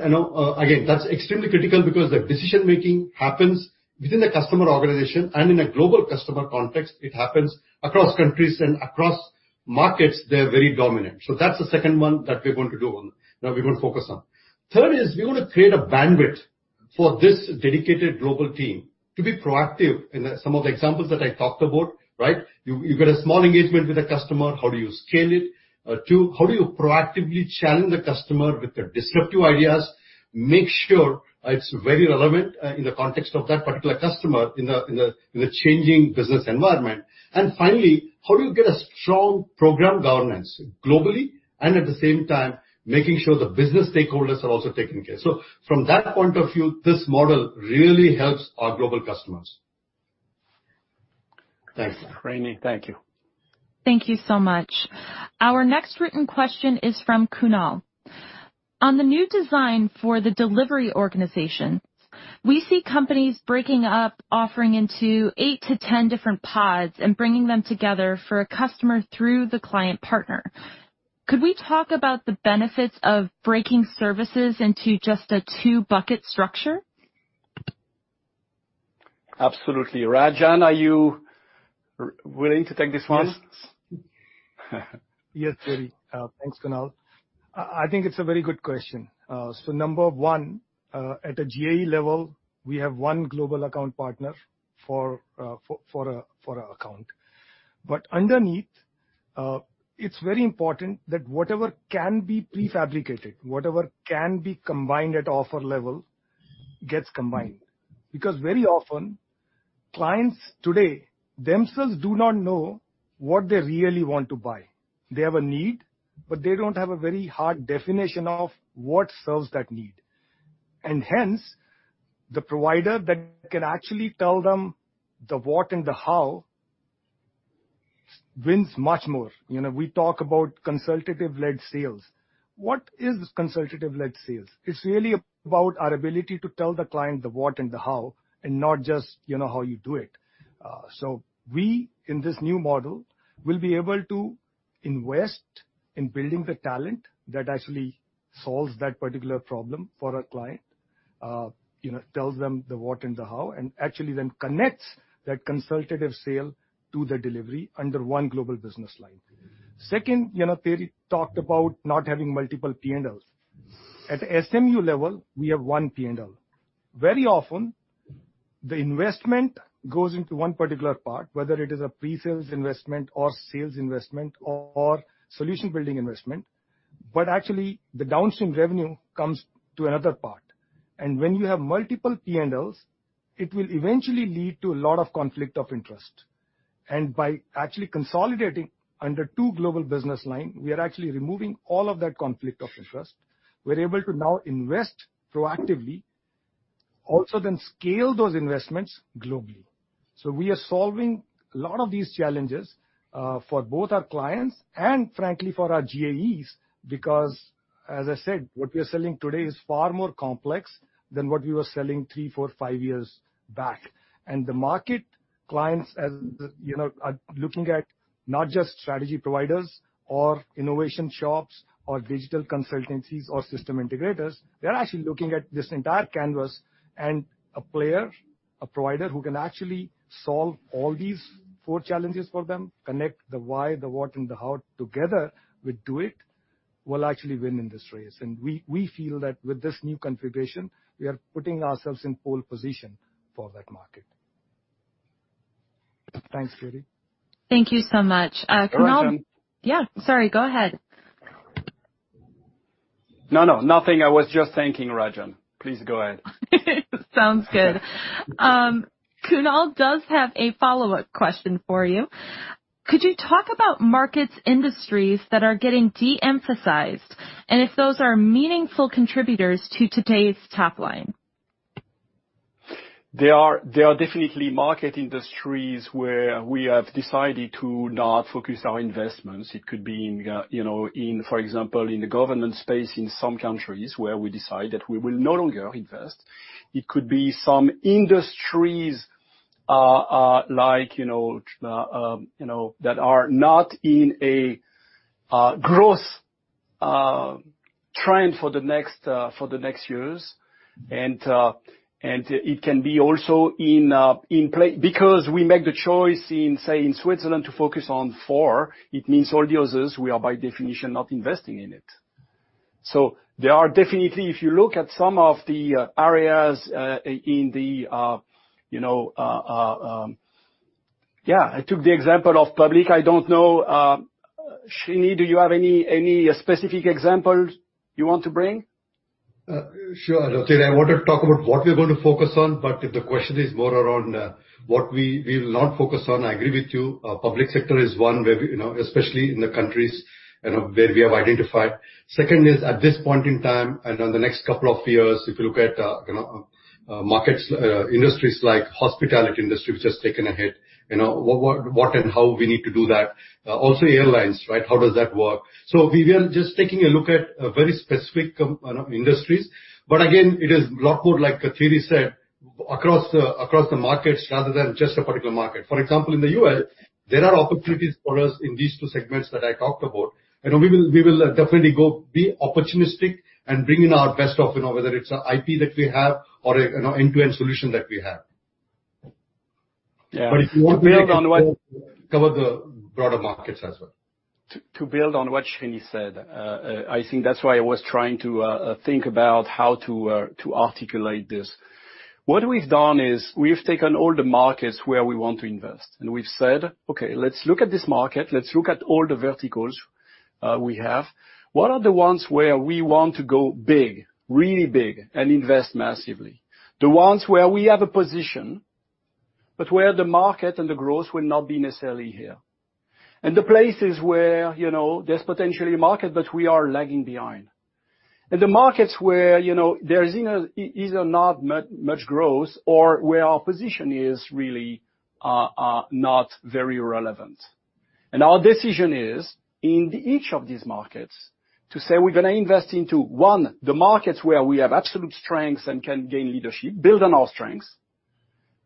again, that's extremely critical because the decision-making happens within the customer organization. And in a global customer context, it happens across countries and across markets. They're very dominant. So that's the second one that we're going to do, that we're going to focus on. Third is we're going to create a bandwidth for this dedicated global team to be proactive. And some of the examples that I talked about, you've got a small engagement with a customer. How do you scale it? Two, how do you proactively challenge the customer with the disruptive ideas? Make sure it's very relevant in the context of that particular customer in the changing business environment. And finally, how do you get a strong program governance globally and at the same time making sure the business stakeholders are also taken care of? So from that point of view, this model really helps our global customers. Thanks. Srini, thank you. Thank you so much. Our next written question is from Kunal. On the new design for the delivery organization, we see companies breaking up, offering into 8-10 different pods and bringing them together for a customer through the client partner. Could we talk about the benefits of breaking services into just a two-bucket structure? Absolutely. Rajan, are you willing to take this one? Yes. Yes, Thierry. Thanks, Kunal. I think it's a very good question. So number one, at a GAE level, we have one global account partner for an account. But underneath, it's very important that whatever can be prefabricated, whatever can be combined at offer level gets combined. Because very often, clients today themselves do not know what they really want to buy. They have a need, but they don't have a very hard definition of what serves that need. And hence, the provider that can actually tell them the what and the how wins much more. We talk about consultative-led sales. What is consultative-led sales? It's really about our ability to tell the client the what and the how and not just how you do it. So we, in this new model, will be able to invest in building the talent that actually solves that particular problem for our client, tells them the what and the how, and actually then connects that consultative sale to the delivery under one Global Business Line. Second, Thierry talked about not having multiple P&Ls. At the SMU level, we have one P&L. Very often, the investment goes into one particular part, whether it is a pre-sales investment or sales investment or solution-building investment. But actually, the downstream revenue comes to another part. And when you have multiple P&Ls, it will eventually lead to a lot of conflict of interest. And by actually consolidating under two Global Business Lines, we are actually removing all of that conflict of interest. We're able to now invest proactively, also then scale those investments globally. So we are solving a lot of these challenges for both our clients and, frankly, for our GAEs because, as I said, what we are selling today is far more complex than what we were selling three, four, five years back. And the market clients are looking at not just strategy providers or innovation shops or digital consultancies or system integrators. They're actually looking at this entire canvas and a player, a provider who can actually solve all these four challenges for them, connect the why, the what, and the how together with do it will actually win in this race. And we feel that with this new configuration, we are putting ourselves in pole position for that market. Thanks, Thierry. Thank you so much. Thank you. Kunal? Yeah. Sorry, go ahead. No, no, nothing. I was just thinking, Rajan. Please go ahead. Sounds good. Kunal does have a follow-up question for you. Could you talk about markets, industries that are getting de-emphasized and if those are meaningful contributors to today's top line? There are definitely market industries where we have decided to not focus our investments. It could be, for example, in the government space in some countries where we decide that we will no longer invest. It could be some industries that are not in a growth trend for the next years, and it can be also in place because we make the choice in, say, in Switzerland to focus on four. It means all the others we are by definition not investing in it, so there are definitely, if you look at some of the areas in the, yeah, I took the example of public. I don't know, Srini, do you have any specific examples you want to bring? Sure. I want to talk about what we're going to focus on, but if the question is more around what we will not focus on, I agree with you. Public sector is one, especially in the countries where we have identified. Second is at this point in time and on the next couple of years, if you look at markets, industries like hospitality industry, which has taken a hit, what and how we need to do that. Also, airlines, how does that work, so we are just taking a look at very specific industries, but again, it is a lot more like Thierry said, across the markets rather than just a particular market. For example, in the U.S., there are opportunities for us in these two segments that I talked about. We will definitely be opportunistic and bring in our best of whether it's an IP that we have or an end-to-end solution that we have, but if you want to cover the broader markets as well. To build on what Srini said, I think that's why I was trying to think about how to articulate this. What we've done is we've taken all the markets where we want to invest. And we've said, "Okay, let's look at this market. Let's look at all the verticals we have. What are the ones where we want to go big, really big, and invest massively? The ones where we have a position, but where the market and the growth will not be necessarily here. And the places where there's potentially a market, but we are lagging behind. And the markets where there is either not much growth or where our position is really not very relevant. And our decision is in each of these markets to say we're going to invest into, one, the markets where we have absolute strength and can gain leadership, build on our strengths,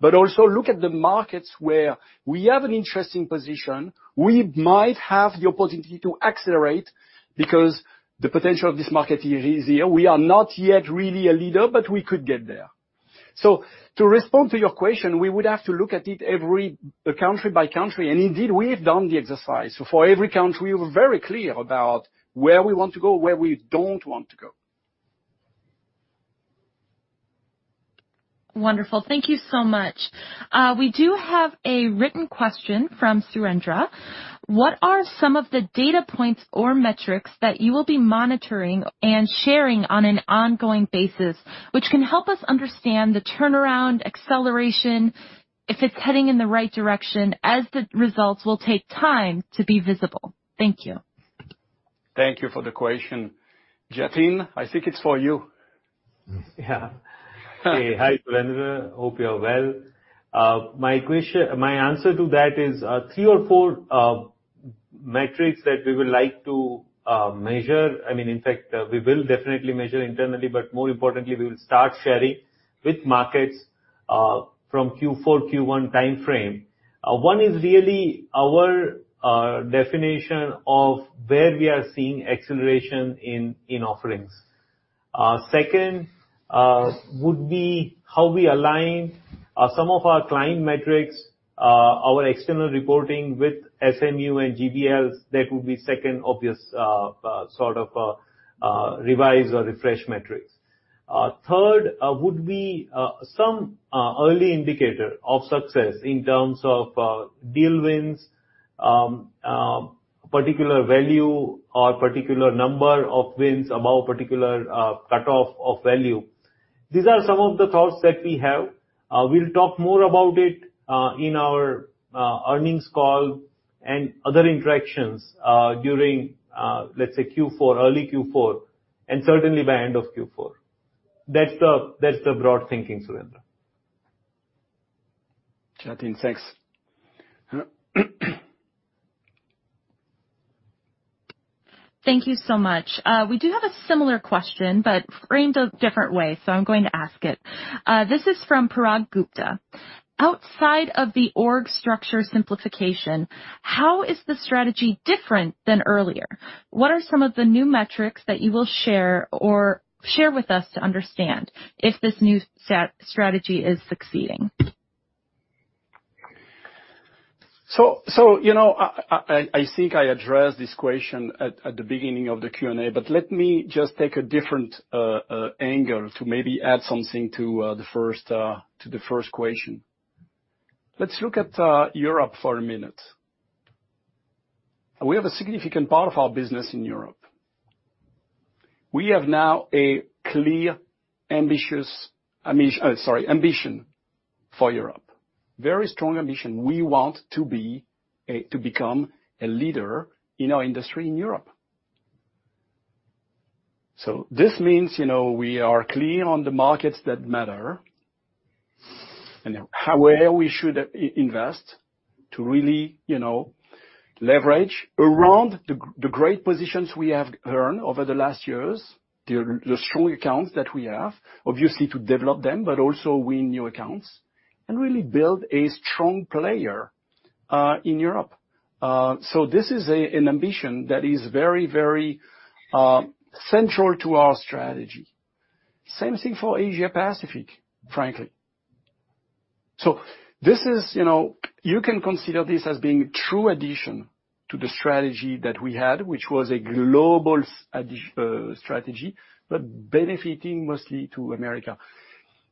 but also look at the markets where we have an interesting position. We might have the opportunity to accelerate because the potential of this market is here. We are not yet really a leader, but we could get there. So to respond to your question, we would have to look at it every country by country. And indeed, we have done the exercise. So for every country, we're very clear about where we want to go, where we don't want to go. Wonderful. Thank you so much. We do have a written question from Surendra. What are some of the data points or metrics that you will be monitoring and sharing on an ongoing basis, which can help us understand the turnaround, acceleration, if it's heading in the right direction, as the results will take time to be visible? Thank you. Thank you for the question. Jatin, I think it's for you. Yeah. Hey, hi, Surendra. Hope you're well. My answer to that is three or four metrics that we would like to measure. I mean, in fact, we will definitely measure internally, but more importantly, we will start sharing with markets from Q4, Q1 time frame. One is really our definition of where we are seeing acceleration in offerings. Second would be how we align some of our client metrics, our external reporting with SMU and GBL. That would be second obvious sort of revise or refresh metrics. Third would be some early indicator of success in terms of deal wins, particular value, or particular number of wins above particular cutoff of value. These are some of the thoughts that we have. We'll talk more about it in our earnings call and other interactions during, let's say, Q4, early Q4, and certainly by end of Q4. That's the broad thinking, Surendra. Jatin, thanks. Thank you so much. We do have a similar question, but framed a different way. So I'm going to ask it. This is from Parag Gupta. Outside of the org structure simplification, how is the strategy different than earlier? What are some of the new metrics that you will share or share with us to understand if this new strategy is succeeding? So I think I addressed this question at the beginning of the Q&A, but let me just take a different angle to maybe add something to the first question. Let's look at Europe for a minute. We have a significant part of our business in Europe. We have now a clear, ambitious, sorry, ambition for Europe. Very strong ambition. We want to become a leader in our industry in Europe. So this means we are clear on the markets that matter and where we should invest to really leverage around the great positions we have earned over the last years, the strong accounts that we have, obviously to develop them, but also win new accounts and really build a strong player in Europe. So this is an ambition that is very, very central to our strategy. Same thing for Asia-Pacific, frankly. So you can consider this as being a true addition to the strategy that we had, which was a global strategy, but benefiting mostly to America.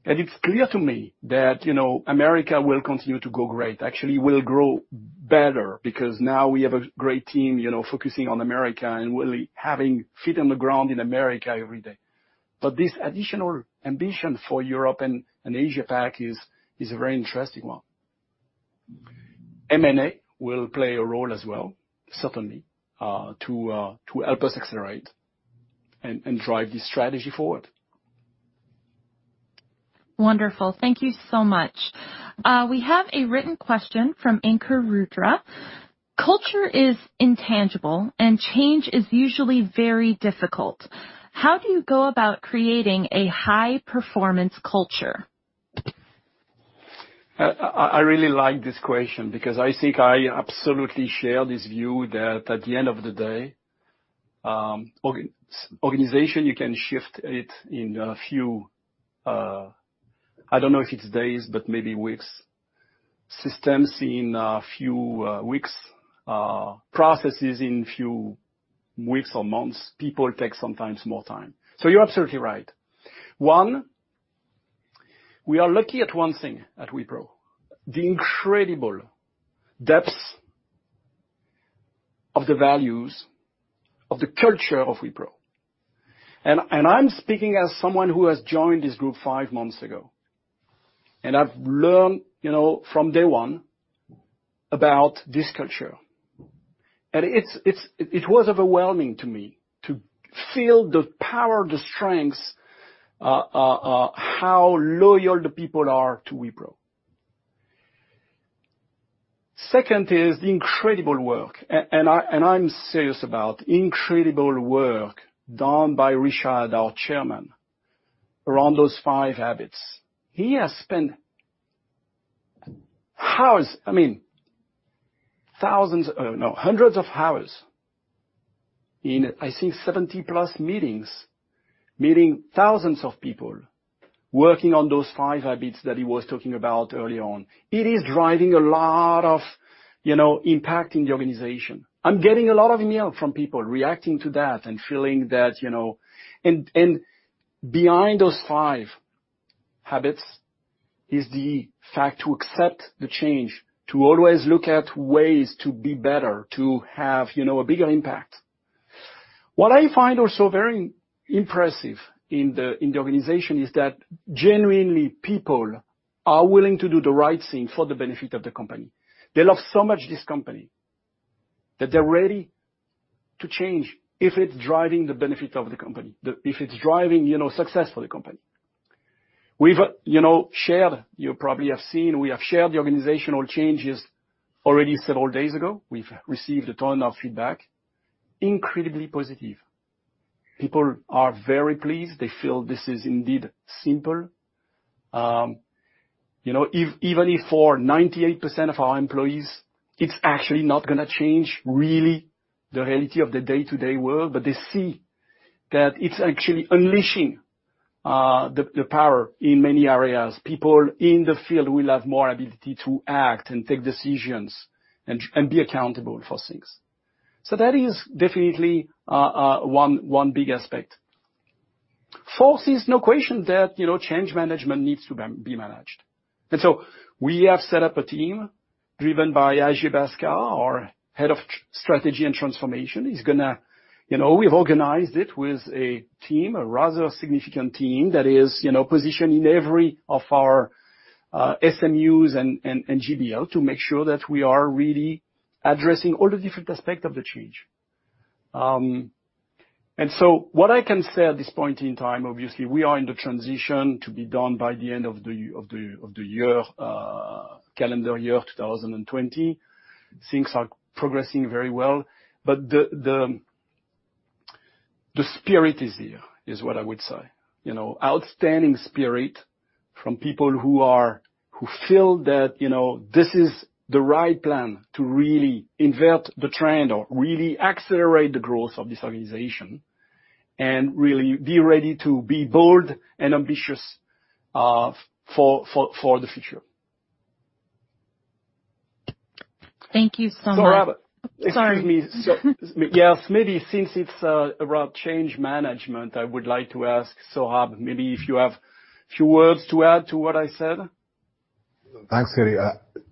And it's clear to me that America will continue to go great, actually will grow better because now we have a great team focusing on America and really having feet on the ground in America every day. But this additional ambition for Europe and Asia-Pac is a very interesting one. M&A will play a role as well, certainly, to help us accelerate and drive this strategy forward. Wonderful. Thank you so much. We have a written question from Ankur Rudra. Culture is intangible and change is usually very difficult. How do you go about creating a high-performance culture? I really like this question because I think I absolutely share this view that at the end of the day, organization you can shift it in a few, I don't know if it's days, but maybe weeks. Systems in a few weeks, processes in a few weeks or months. People take sometimes more time. So you're absolutely right. One, we are lucky at one thing at Wipro, the incredible depth of the values of the culture of Wipro, and I'm speaking as someone who has joined this group five months ago. And I've learned from day one about this culture. And it was overwhelming to me to feel the power, the strengths, how loyal the people are to Wipro. Second is the incredible work, and I'm serious about incredible work done by Rishad, our Chairman, around those Five Habits. He has spent hours, I mean, thousands, no, hundreds of hours in, I think, 70+ meetings, meeting thousands of people, working on those Five Habits that he was talking about earlier on. It is driving a lot of impact in the organization. I'm getting a lot of email from people reacting to that and feeling that. Behind those Five Habits is the fact to accept the change, to always look at ways to be better, to have a bigger impact. What I find also very impressive in the organization is that genuinely people are willing to do the right thing for the benefit of the company. They love so much this company that they're ready to change if it's driving the benefit of the company, if it's driving success for the company. We've shared, you probably have seen, we have shared the organizational changes already several days ago. We've received a ton of feedback, incredibly positive. People are very pleased. They feel this is indeed simple. Even if for 98% of our employees, it's actually not going to change really the reality of the day-to-day world, but they see that it's actually unleashing the power in many areas. People in the field will have more ability to act and take decisions and be accountable for things. So that is definitely one big aspect. Fourth is no question that change management needs to be managed, and so we have set up a team driven by Ajay Bhaskar, our head of strategy and transformation. We've organized it with a team, a rather significant team that is positioned in every of our SMUs and GBL to make sure that we are really addressing all the different aspects of the change. And so what I can say at this point in time, obviously, we are in the transition to be done by the end of the calendar year 2020. Things are progressing very well. But the spirit is here, is what I would say. Outstanding spirit from people who feel that this is the right plan to really invert the trend or really accelerate the growth of this organization and really be ready to be bold and ambitious for the future. Thank you so much. Saurabh. Sorry. Excuse me. Yes, maybe since it's around change management, I would like to ask Saurabh, maybe if you have a few words to add to what I said. Thanks, Thierry.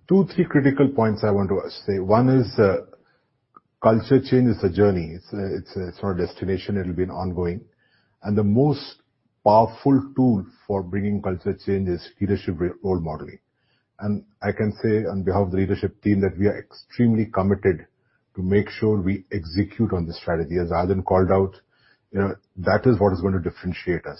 Two, three critical points I want to say. One is culture change is a journey. It's not a destination. It'll be an ongoing. And the most powerful tool for bringing culture change is leadership role modeling. And I can say on behalf of the leadership team that we are extremely committed to make sure we execute on the strategy. As Jatin called out, that is what is going to differentiate us.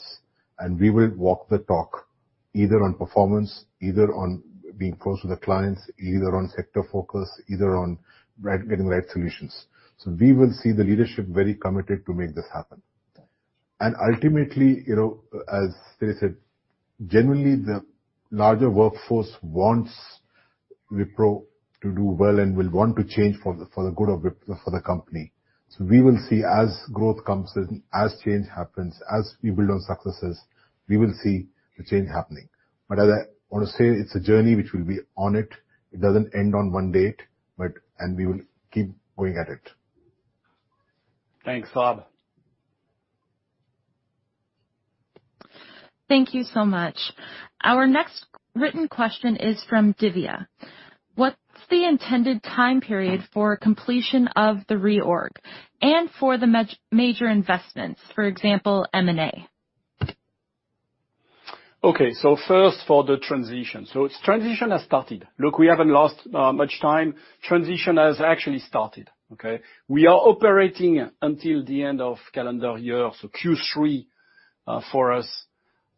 And we will walk the talk either on performance, either on being close with the clients, either on sector focus, either on getting the right solutions. So we will see the leadership very committed to make this happen. And ultimately, as Srini said, genuinely the larger workforce wants Wipro to do well and will want to change for the good of the company. So we will see as growth comes, as change happens, as we build on successes, we will see the change happening. But I want to say it's a journey which will be on it. It doesn't end on one date, and we will keep going at it. Thanks, Saurabh. Thank you so much. Our next written question is from Divya. What's the intended time period for completion of the reorg and for the major investments, for example, M&A? Okay, so first for the transition, so transition has started. Look, we haven't lost much time. Transition has actually started. We are operating until the end of calendar year, so Q3 for us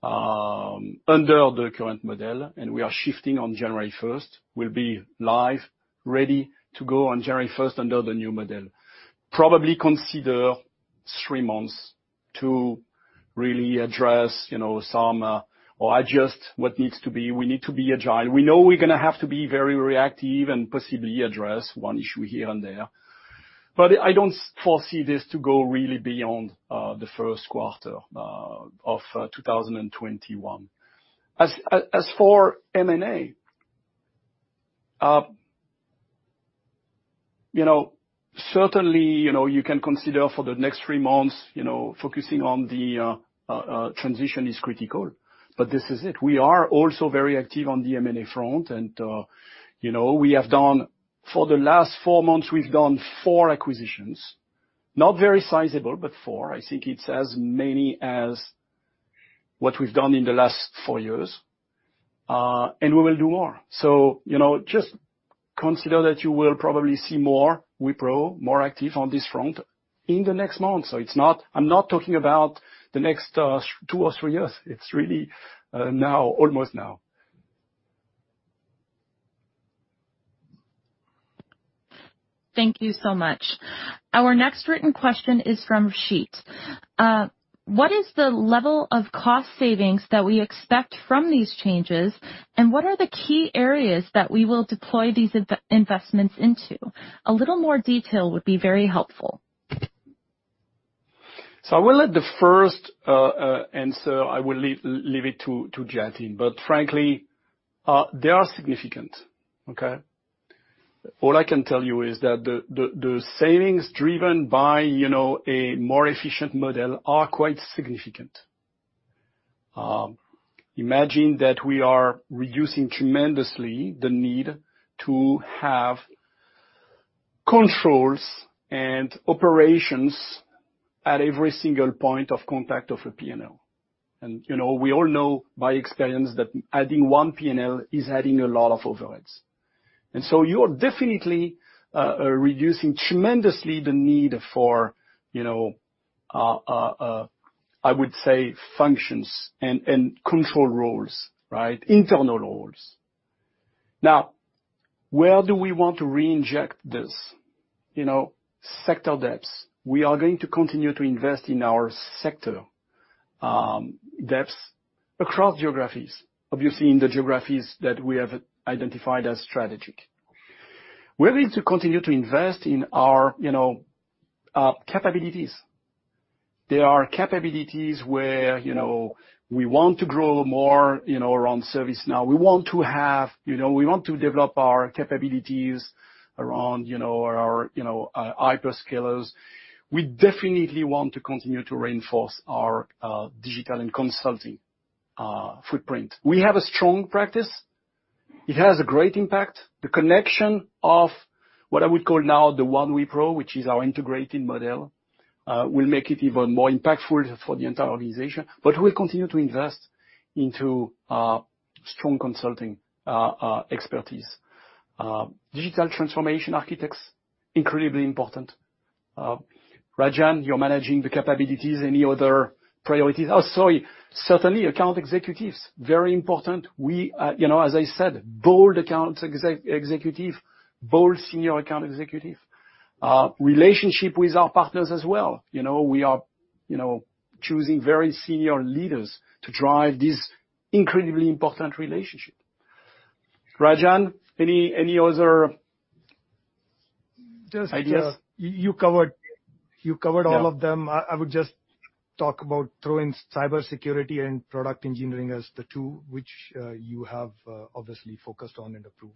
under the current model, and we are shifting on January 1st. We'll be live, ready to go on January 1st under the new model. Probably consider three months to really address some or adjust what needs to be. We need to be agile. We know we're going to have to be very reactive and possibly address one issue here and there, but I don't foresee this to go really beyond the first quarter of 2021. As for M&A, certainly you can consider for the next three months focusing on the transition is critical, but this is it. We are also very active on the M&A front. And we have done for the last four months, we've done four acquisitions, not very sizable, but four. I think it's as many as what we've done in the last four years. And we will do more. So just consider that you will probably see more Wipro, more active on this front in the next month. So I'm not talking about the next two or three years. It's really now, almost now. Thank you so much. Our next written question is from [Sheep]. What is the level of cost savings that we expect from these changes, and what are the key areas that we will deploy these investments into? A little more detail would be very helpful. So, I will let the first answer. I will leave it to Jatin. But frankly, they are significant. All I can tell you is that the savings driven by a more efficient model are quite significant. Imagine that we are reducing tremendously the need to have controls and operations at every single point of contact of a P&L. And we all know by experience that adding one P&L is adding a lot of overheads. And so you are definitely reducing tremendously the need for, I would say, functions and control roles, right? Internal roles. Now, where do we want to reinject this? Sector depths. We are going to continue to invest in our sector depths across geographies, obviously in the geographies that we have identified as strategic. We're going to continue to invest in our capabilities. There are capabilities where we want to grow more around ServiceNow. We want to develop our capabilities around our hyperscalers. We definitely want to continue to reinforce our digital and consulting footprint. We have a strong practice. It has a great impact. The connection of what I would call now the One Wipro, which is our integrated model, will make it even more impactful for the entire organization. But we'll continue to invest into strong consulting expertise. Digital transformation architects, incredibly important. Rajan, you're managing the capabilities. Any other priorities? Oh, sorry. Certainly account executives, very important. As I said, Global Account Executive, Global Senior Account Executive. Relationship with our partners as well. We are choosing very senior leaders to drive this incredibly important relationship. Rajan, any other ideas? Just, you covered all of them. I would just talk about throwing cybersecurity and product engineering as the two which you have obviously focused on and approved.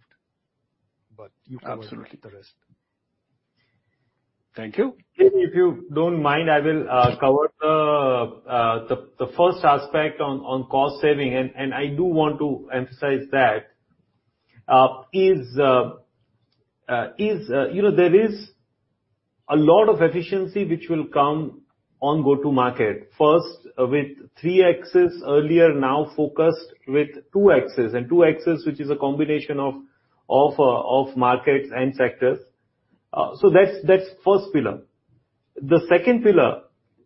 But you covered the rest. Thank you. If you don't mind, I will cover the first aspect on cost saving. And I do want to emphasize that there is a lot of efficiency which will come on go-to-market. First, with three axes earlier now focused with two axes, and two axes, which is a combination of markets and sectors. So that's the first pillar. The second pillar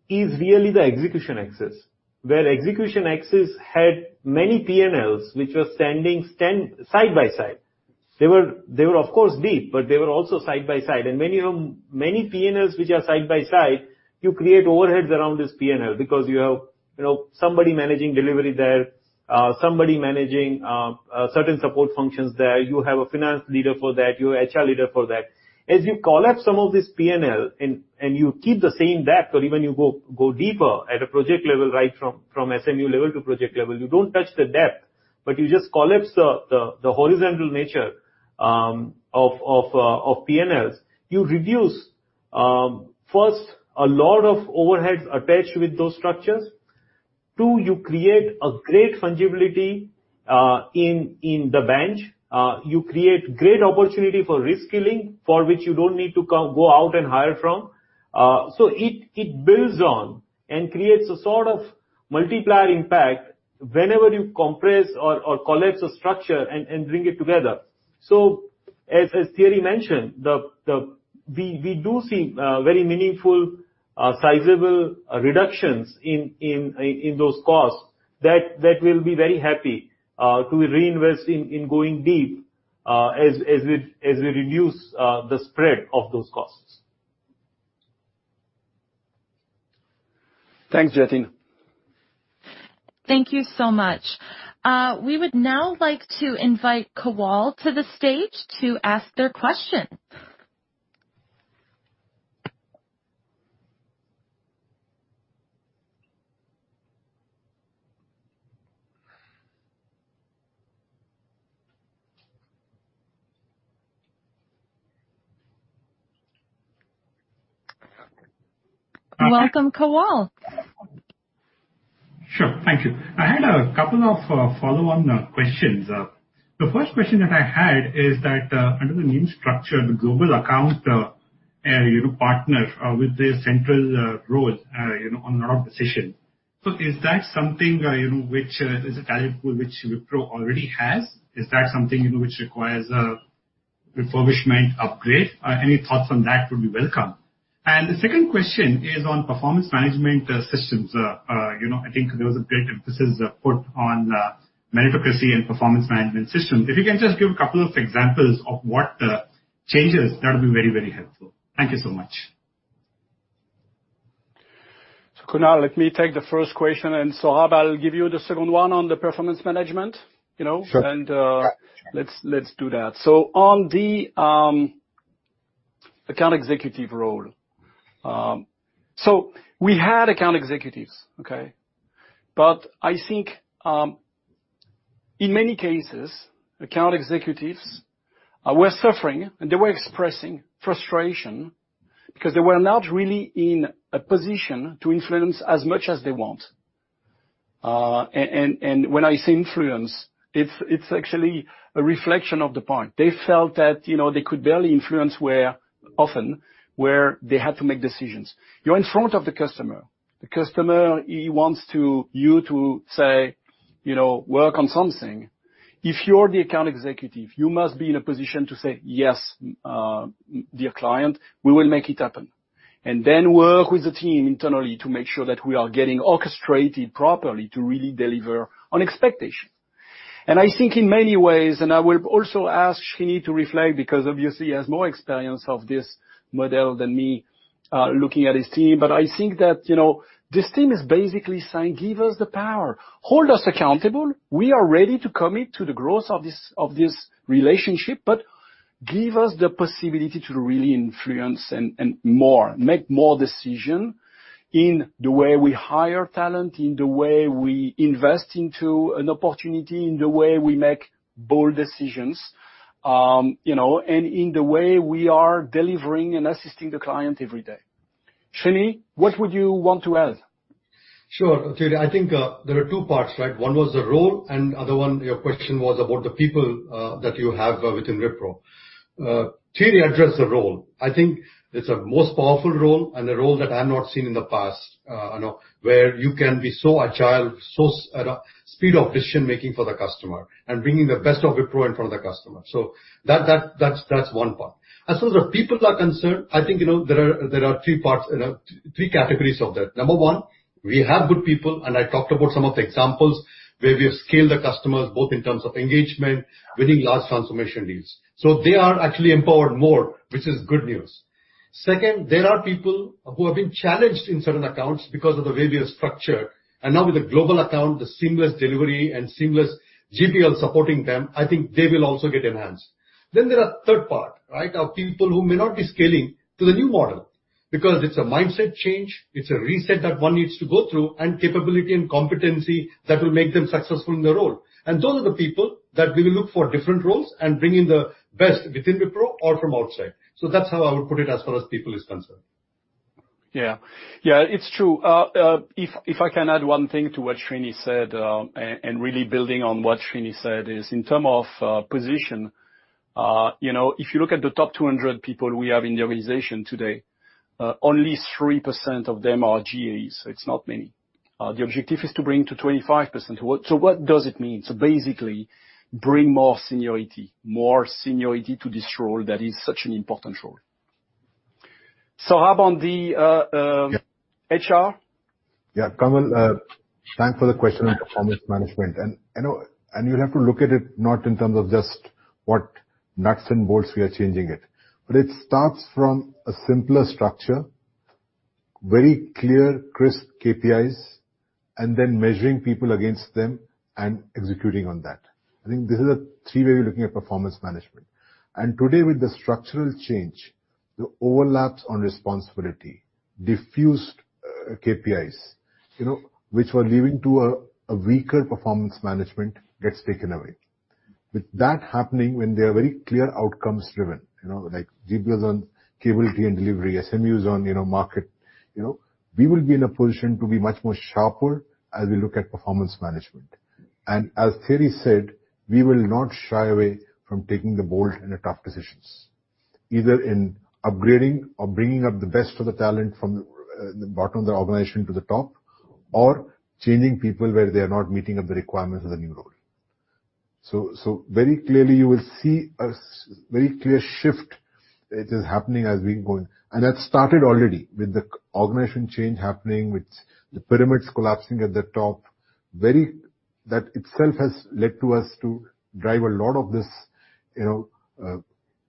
is really the execution axis, where execution axis had many P&Ls which were standing side by side. They were, of course, deep, but they were also side by side. And when you have many P&Ls which are side by side, you create overheads around this P&L because you have somebody managing delivery there, somebody managing certain support functions there. You have a finance leader for that. You have an HR leader for that. As you collapse some of these P&L and you keep the same depth, or even you go deeper at a project level, right from SMU level to project level, you don't touch the depth, but you just collapse the horizontal nature of P&Ls. You reduce, first, a lot of overheads attached with those structures. Two, you create a great fungibility in the bench. You create great opportunity for reskilling for which you don't need to go out and hire from. So it builds on and creates a sort of multiplier impact whenever you compress or collapse a structure and bring it together. So as Srini mentioned, we do see very meaningful, sizable reductions in those costs that will be very happy to reinvest in going deep as we reduce the spread of those costs. Thanks, Jatin. Thank you so much. We would now like to invite Kawal to the stage to ask their question. Welcome, Kawal. Sure. Thank you. I had a couple of follow-on questions. The first question that I had is that under the new structure, the global account partner with the central role on a lot of decisions. So is that something which is a talent pool which Wipro already has? Is that something which requires a refurbishment upgrade? Any thoughts on that would be welcome. And the second question is on performance management systems. I think there was a great emphasis put on meritocracy and performance management systems. If you can just give a couple of examples of what the changes, that would be very, very helpful. Thank you so much. So Kunal, let me take the first question. And Saurabh, I'll give you the second one on the performance management. And let's do that. So on the account executive role. So we had account executives, okay? But I think in many cases, account executives were suffering, and they were expressing frustration because they were not really in a position to influence as much as they want. And when I say influence, it's actually a reflection of the point. They felt that they could barely influence where often they had to make decisions. You're in front of the customer. The customer, he wants you to say, "Work on something." If you're the account executive, you must be in a position to say, "Yes, dear client, we will make it happen." And then work with the team internally to make sure that we are getting orchestrated properly to really deliver on expectations. And I think in many ways, and I will also ask Srini to reflect because obviously he has more experience of this model than me looking at his team. But I think that this team is basically saying, "Give us the power. Hold us accountable. We are ready to commit to the growth of this relationship, but give us the possibility to really influence and more, make more decisions in the way we hire talent, in the way we invest into an opportunity, in the way we make bold decisions, and in the way we are delivering and assisting the client every day." Srini, what would you want to add? Sure. I think there are two parts, right? One was the role, and the other one, your question was about the people that you have within Wipro. Srini addressed the role. I think it's a most powerful role and a role that I've not seen in the past, where you can be so agile, so at a speed of decision-making for the customer and bringing the best of Wipro in front of the customer. So that's one part. As far as the people are concerned, I think there are three parts, three categories of that. Number one, we have good people, and I talked about some of the examples where we have scaled the customers both in terms of engagement, winning large transformation deals. So they are actually empowered more, which is good news. Second, there are people who have been challenged in certain accounts because of the way we are structured, and now with the global account, the seamless delivery and seamless GPL supporting them, I think they will also get enhanced, then there are third part, right, of people who may not be scaling to the new model because it's a mindset change. It's a reset that one needs to go through and capability and competency that will make them successful in their role, and those are the people that we will look for different roles and bring in the best within Wipro or from outside, so that's how I would put it as far as people is concerned. Yeah. Yeah, it's true. If I can add one thing to what Srini said and really building on what Srini said is in terms of position, if you look at the top 200 people we have in the organization today, only 3% of them are GAEs. So it's not many. The objective is to bring to 25%. So what does it mean? So basically, bring more seniority, more seniority to this role that is such an important role. Saurabh, on the HR? Yeah. Kawal, thanks for the question on performance management. You'll have to look at it not in terms of just what nuts and bolts we are changing it. It starts from a simpler structure, very clear, crisp KPIs, and then measuring people against them and executing on that. I think these are the three ways we're looking at performance management. Today, with the structural change, the overlaps on responsibility, diffused KPIs, which were leading to a weaker performance management, get taken away. With that happening, when they are very clear outcomes driven, like GBLs on capability and delivery, SMUs on market, we will be in a position to be much more sharper as we look at performance management. And as Srini said, we will not shy away from taking the bold and tough decisions, either in upgrading or bringing up the best of the talent from the bottom of the organization to the top or changing people where they are not meeting the requirements of the new role. So very clearly, you will see a very clear shift that is happening as we go in. And that started already with the organization change happening with the pyramids collapsing at the top. That itself has led to us to drive a lot of this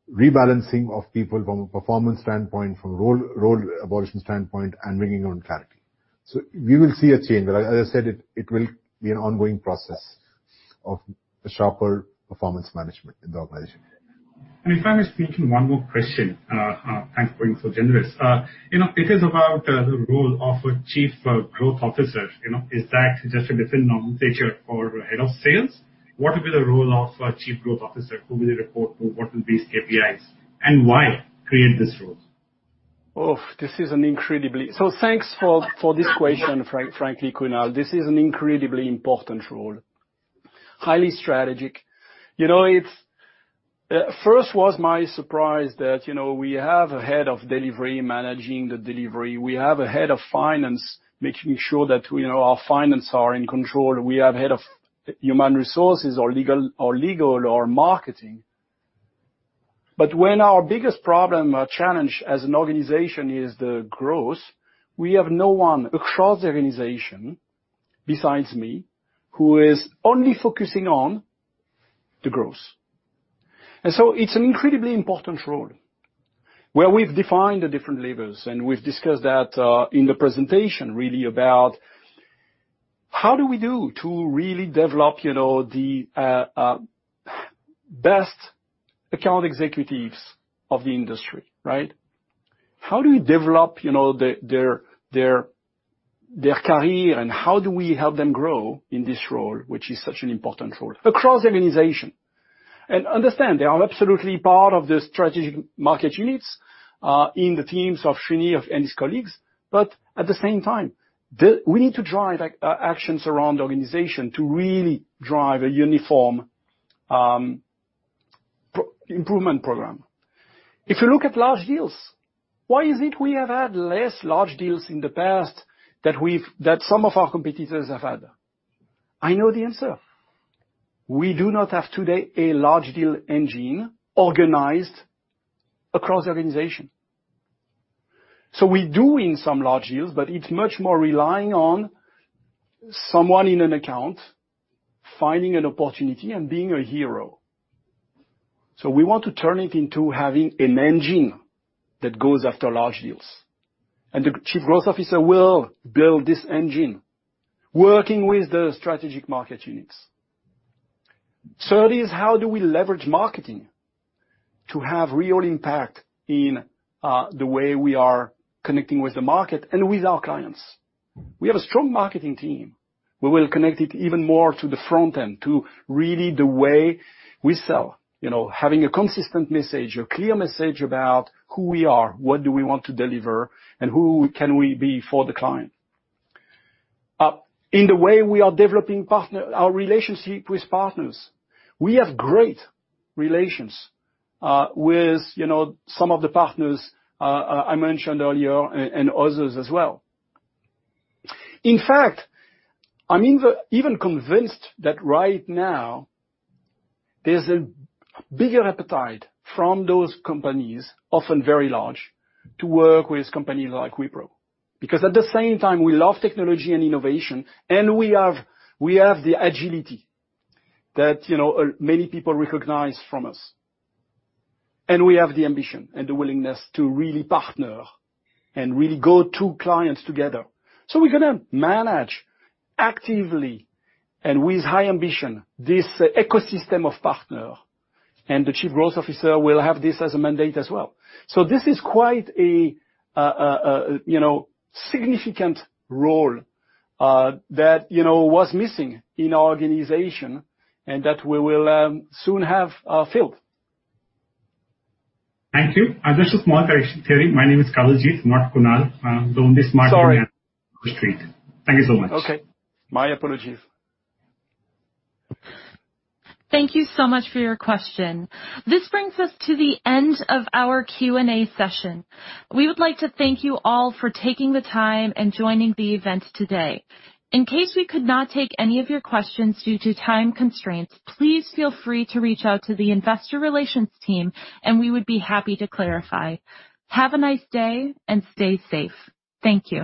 rebalancing of people from a performance standpoint, from role abolition standpoint, and bringing on clarity. So we will see a change. As I said, it will be an ongoing process of sharper performance management in the organization. And if I may speak to one more question, thanks for being so generous. It is about the role of a Chief Growth Officer. Is that just a different nomenclature for head of sales? What would be the role of a Chief Growth Officer? Who will report to whom? What will be his KPIs? And why create this role? Oh, this is an incredibly—so thanks for this question, frankly, Kunal. This is an incredibly important role. Highly strategic. First, it was my surprise that we have a head of delivery managing the delivery. We have a head of finance making sure that our finance are in control. We have a head of human resources or legal or marketing. But when our biggest problem or challenge as an organization is the growth, we have no one across the organization besides me who is only focusing on the growth. And so it's an incredibly important role where we've defined the different levels. And we've discussed that in the presentation, really, about how do we do to really develop the best account executives of the industry, right? How do we develop their career and how do we help them grow in this role, which is such an important role across the organization? Understand they are absolutely part of the Strategic Market Units in the teams of Srini and his colleagues. But at the same time, we need to drive actions around the organization to really drive a uniform improvement program. If you look at large deals, why is it we have had less large deals in the past that some of our competitors have had? I know the answer. We do not have today a large deal engine organized across the organization. So we do win some large deals, but it's much more relying on someone in an account finding an opportunity and being a hero. So we want to turn it into having an engine that goes after large deals. And the Chief Growth Officer will build this engine working with the Strategic Market Units. Third is, how do we leverage marketing to have real impact in the way we are connecting with the market and with our clients? We have a strong marketing team. We will connect it even more to the front end, to really the way we sell, having a consistent message, a clear message about who we are, what do we want to deliver, and who can we be for the client. In the way we are developing our relationship with partners, we have great relations with some of the partners I mentioned earlier and others as well. In fact, I'm even convinced that right now there's a bigger appetite from those companies, often very large, to work with companies like Wipro. Because at the same time, we love technology and innovation, and we have the agility that many people recognize from us. And we have the ambition and the willingness to really partner and really go to clients together. So we're going to manage actively and with high ambition this ecosystem of partners. And the Chief Growth Officer will have this as a mandate as well. So this is quite a significant role that was missing in our organization and that we will soon have filled. Thank you. I just have one correction, Thierry. My name is Kawaljeet, not Kunal. Don't dismiss me as. <audio distortion> Thank you so much. Okay. My apologies. Thank you so much for your question. This brings us to the end of our Q&A session. We would like to thank you all for taking the time and joining the event today. In case we could not take any of your questions due to time constraints, please feel free to reach out to the Investor Relations team, and we would be happy to clarify. Have a nice day and stay safe. Thank you.